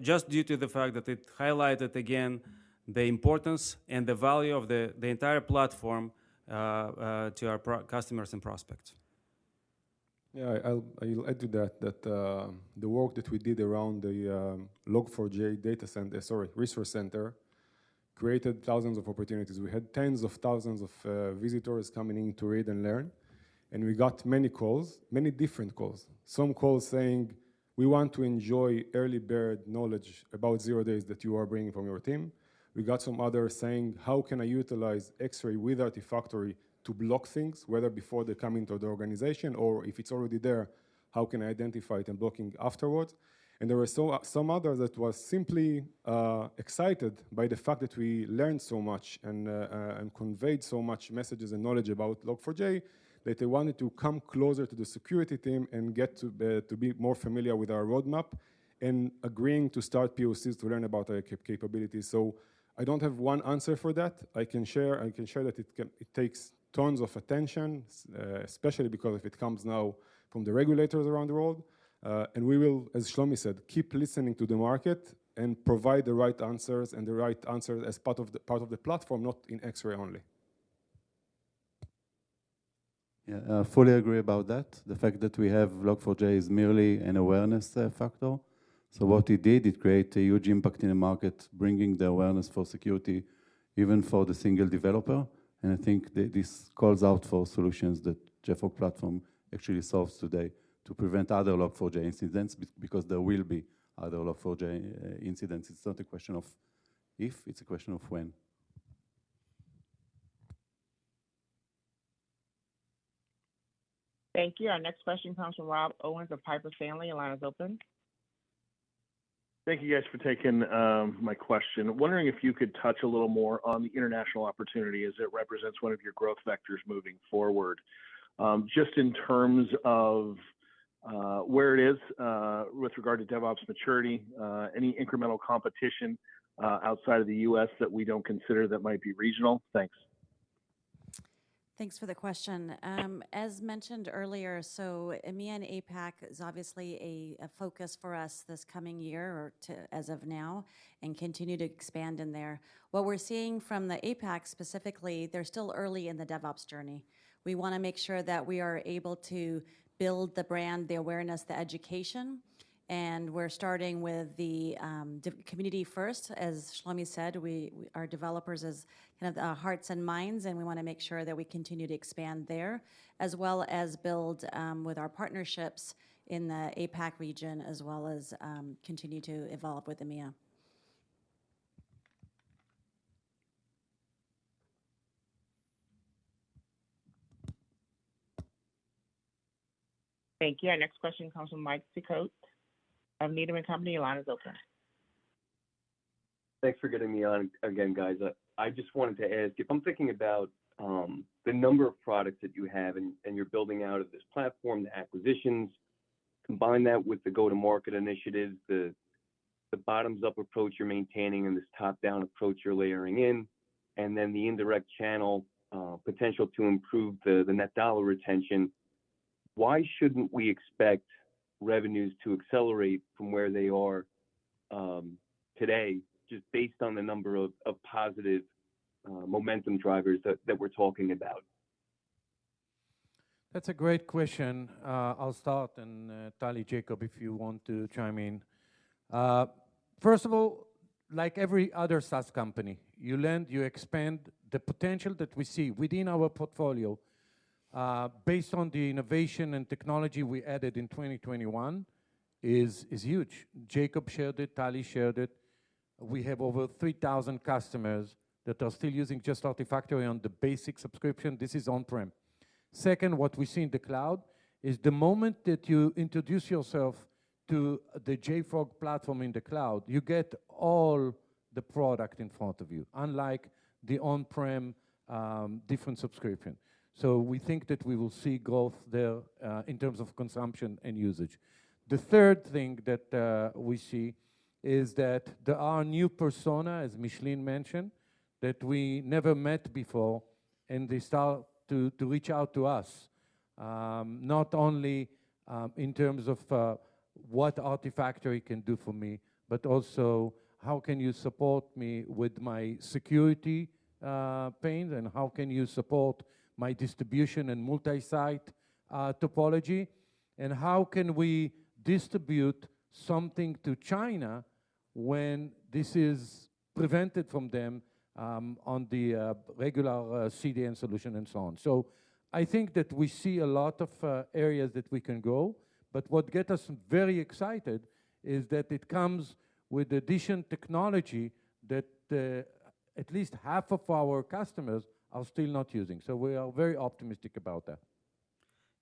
just due to the fact that it highlighted again the importance and the value of the entire platform to our customers and prospects. I'll add to that, the work that we did around the Log4j resource center created thousands of opportunities. We had tens of thousands of visitors coming in to read and learn, and we got many calls, many different calls. Some calls saying, "We want to enjoy early bird knowledge about zero days that you are bringing from your team." We got some others saying, "How can I utilize Xray with Artifactory to block things, whether before they come into the organization, or if it's already there, how can I identify it and blocking afterwards?" There were some others that was simply excited by the fact that we learned so much and conveyed so much messages and knowledge about Log4j, that they wanted to come closer to the security team and get to be more familiar with our roadmap and agreeing to start POCs to learn about our capabilities. I don't have one answer for that. I can share that it takes tons of attention, especially because it comes now from the regulators around the world. We will, as Shlomi said, keep listening to the market and provide the right answers and the right answer as part of the platform, not in Xray only. Yeah. Fully agree about that. The fact that we have Log4j is merely an awareness factor. What it did, it created a huge impact in the market, bringing the awareness for security even for the single developer. I think this calls out for solutions that JFrog platform actually solves today to prevent other Log4j incidents because there will be other Log4j incidents. It's not a question of if, it's a question of when. Thank you. Our next question comes from Rob Owens of Piper Sandler. Your line is open. Thank you guys for taking my question. I'm wondering if you could touch a little more on the international opportunity as it represents one of your growth vectors moving forward. Just in terms of where it is with regard to DevOps maturity, any incremental competition outside of the U.S. that we don't consider that might be regional? Thanks. Thanks for the question. As mentioned earlier, EMEA and APAC is obviously a focus for us this coming year or to as of now, and continue to expand in there. What we're seeing from the APAC specifically, they're still early in the DevOps journey. We wanna make sure that we are able to build the brand, the awareness, the education, and we're starting with the dev community first. As Shlomi said, our developers is kind of the hearts and minds, and we wanna make sure that we continue to expand there, as well as build with our partnerships in the APAC region, as well as continue to evolve with EMEA. Thank you. Our next question comes from Mike Cikos of Needham & Company. Your line is open. Thanks for getting me on again, guys. I just wanted to ask, if I'm thinking about the number of products that you have and you're building out of this platform, the acquisitions, combine that with the go-to-market initiatives, the bottoms-up approach you're maintaining and this top-down approach you're layering in, and then the indirect channel potential to improve the net dollar retention, why shouldn't we expect revenues to accelerate from where they are today, just based on the number of positive momentum drivers that we're talking about? That's a great question. I'll start and, Tali, Jacob, if you want to chime in. First of all, like every other SaaS company, you lend, you expand. The potential that we see within our portfolio, based on the innovation and technology we added in 2021 is huge. Jacob shared it, Tali shared it. We have over 3,000 customers that are still using just Artifactory on the basic subscription. This is on-prem. Second, what we see in the cloud is the moment that you introduce yourself to the JFrog platform in the cloud, you get all the product in front of you, unlike the on-prem, different subscription. We think that we will see growth there, in terms of consumption and usage. The third thing that we see is that there are new persona, as Micheline mentioned, that we never met before, and they start to reach out to us, not only in terms of what Artifactory can do for me, but also how can you support me with my security pains, and how can you support my distribution and multi-site topology, and how can we distribute something to China when this is prevented from them on the regular CDN solution and so on. I think that we see a lot of areas that we can grow, but what get us very excited is that it comes with additional technology that at least half of our customers are still not using. We are very optimistic about that.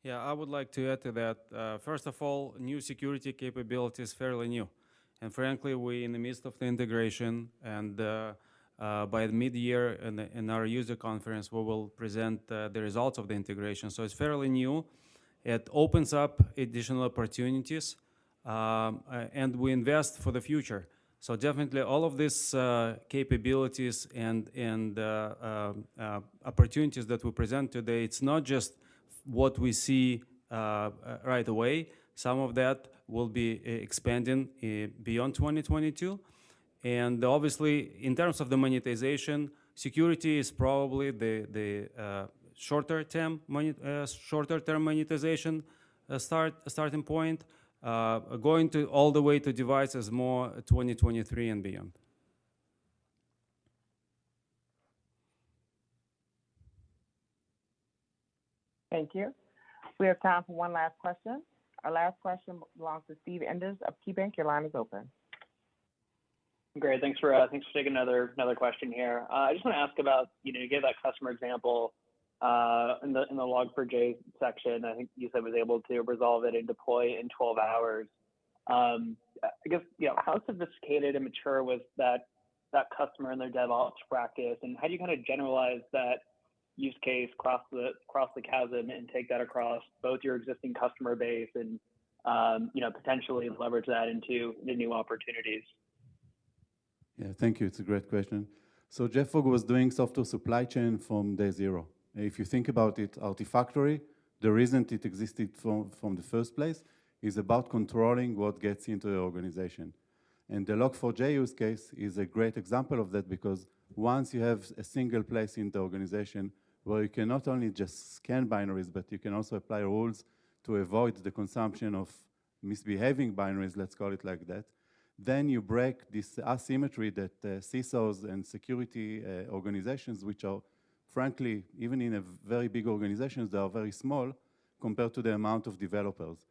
Yeah, I would like to add to that. First of all, new security capability is fairly new, and frankly, we're in the midst of the integration and by mid-year in our user conference, we will present the results of the integration. So, it's fairly new. It opens up additional opportunities, and we invest for the future. So definitely all of these capabilities and opportunities that we present today, it's not just what we see right away. Some of that will be expanding beyond 2022. Obviously, in terms of the monetization, security is probably the shorter term monetization starting point, going all the way to devices more 2023 and beyond. Thank you. We have time for one last question. Our last question belongs to Steve Enders of KeyBanc. Your line is open. Great. Thanks for taking another question here. I just wanna ask about, you know, you gave that customer example in the Log4j section. I think you said was able to resolve it and deploy in 12 hours. I guess, you know, how sophisticated and mature was that customer and their DevOps practice, and how do you kinda generalize that use case across the chasm and take that across both your existing customer base and, you know, potentially leverage that into the new opportunities? Yeah. Thank you. It's a great question. JFrog was doing software supply chain from day zero. If you think about it, Artifactory, the reason it existed from the first place is about controlling what gets into the organization. The Log4j use case is a great example of that because once you have a single place in the organization where you can not only just scan binaries, but you can also apply rules to avoid the consumption of misbehaving binaries, let's call it like that, then you break this asymmetry that CISOs and security organizations, which are frankly, even in a very big organizations, they are very small compared to the amount of developers.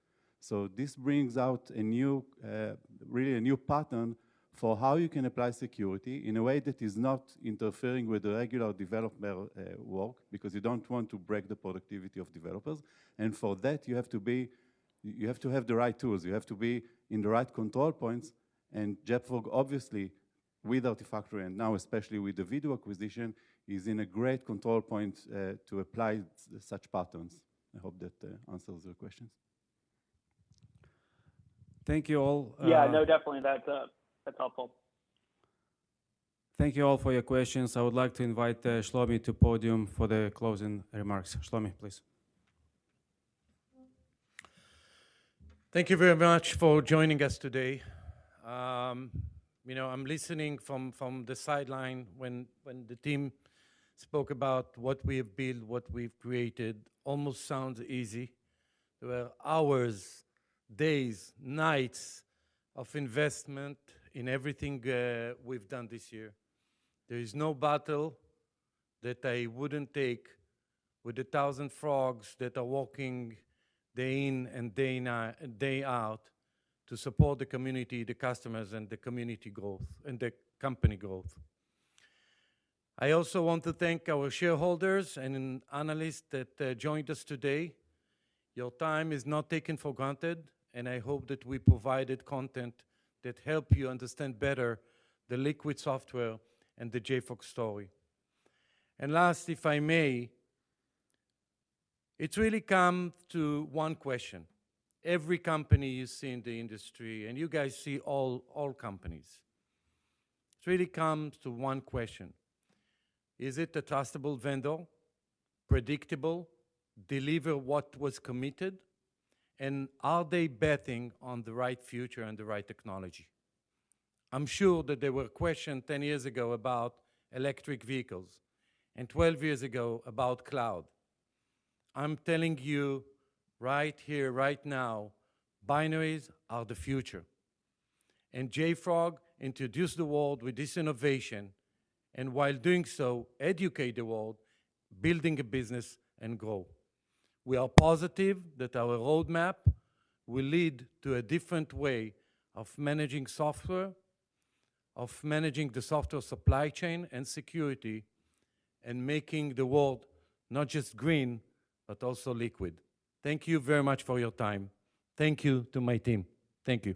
This brings out a new, really a new pattern for how you can apply security in a way that is not interfering with the regular development, work, because you don't want to break the productivity of developers. For that you have to have the right tools. You have to be in the right control points, and JFrog obviously with Artifactory, and now especially with the Vdoo acquisition, is in a great control point, to apply such patterns. I hope that answers your questions. Thank you all. Yeah, no, definitely that's helpful. Thank you all for your questions. I would like to invite Shlomi to the podium for the closing remarks. Shlomi, please. Thank you very much for joining us today. You know, I'm listening from the sideline when the team spoke about what we have built, what we've created almost sounds easy. There were hours, days, nights of investment in everything we've done this year. There is no battle that I wouldn't take with a thousand frogs that are working day in and day out to support the community, the customers, and the community growth, and the company growth. I also want to thank our shareholders and analysts that joined us today. Your time is not taken for granted, and I hope that we provided content that help you understand better the Liquid Software and the JFrog story. Last, if I may, it's really come to one question. Every company you see in the industry, and you guys see all companies, it really comes to one question: Is it a trustable vendor, predictable, deliver what was committed, and are they betting on the right future and the right technology? I'm sure that there were questions 10 years ago about electric vehicles, and 12 years ago about cloud. I'm telling you right here, right now, binaries are the future, and JFrog introduced the world with this innovation, and while doing so, educate the world, building a business and grow. We are positive that our roadmap will lead to a different way of managing software, of managing the software supply chain and security, and making the world not just green, but also liquid. Thank you very much for your time. Thank you to my team. Thank you.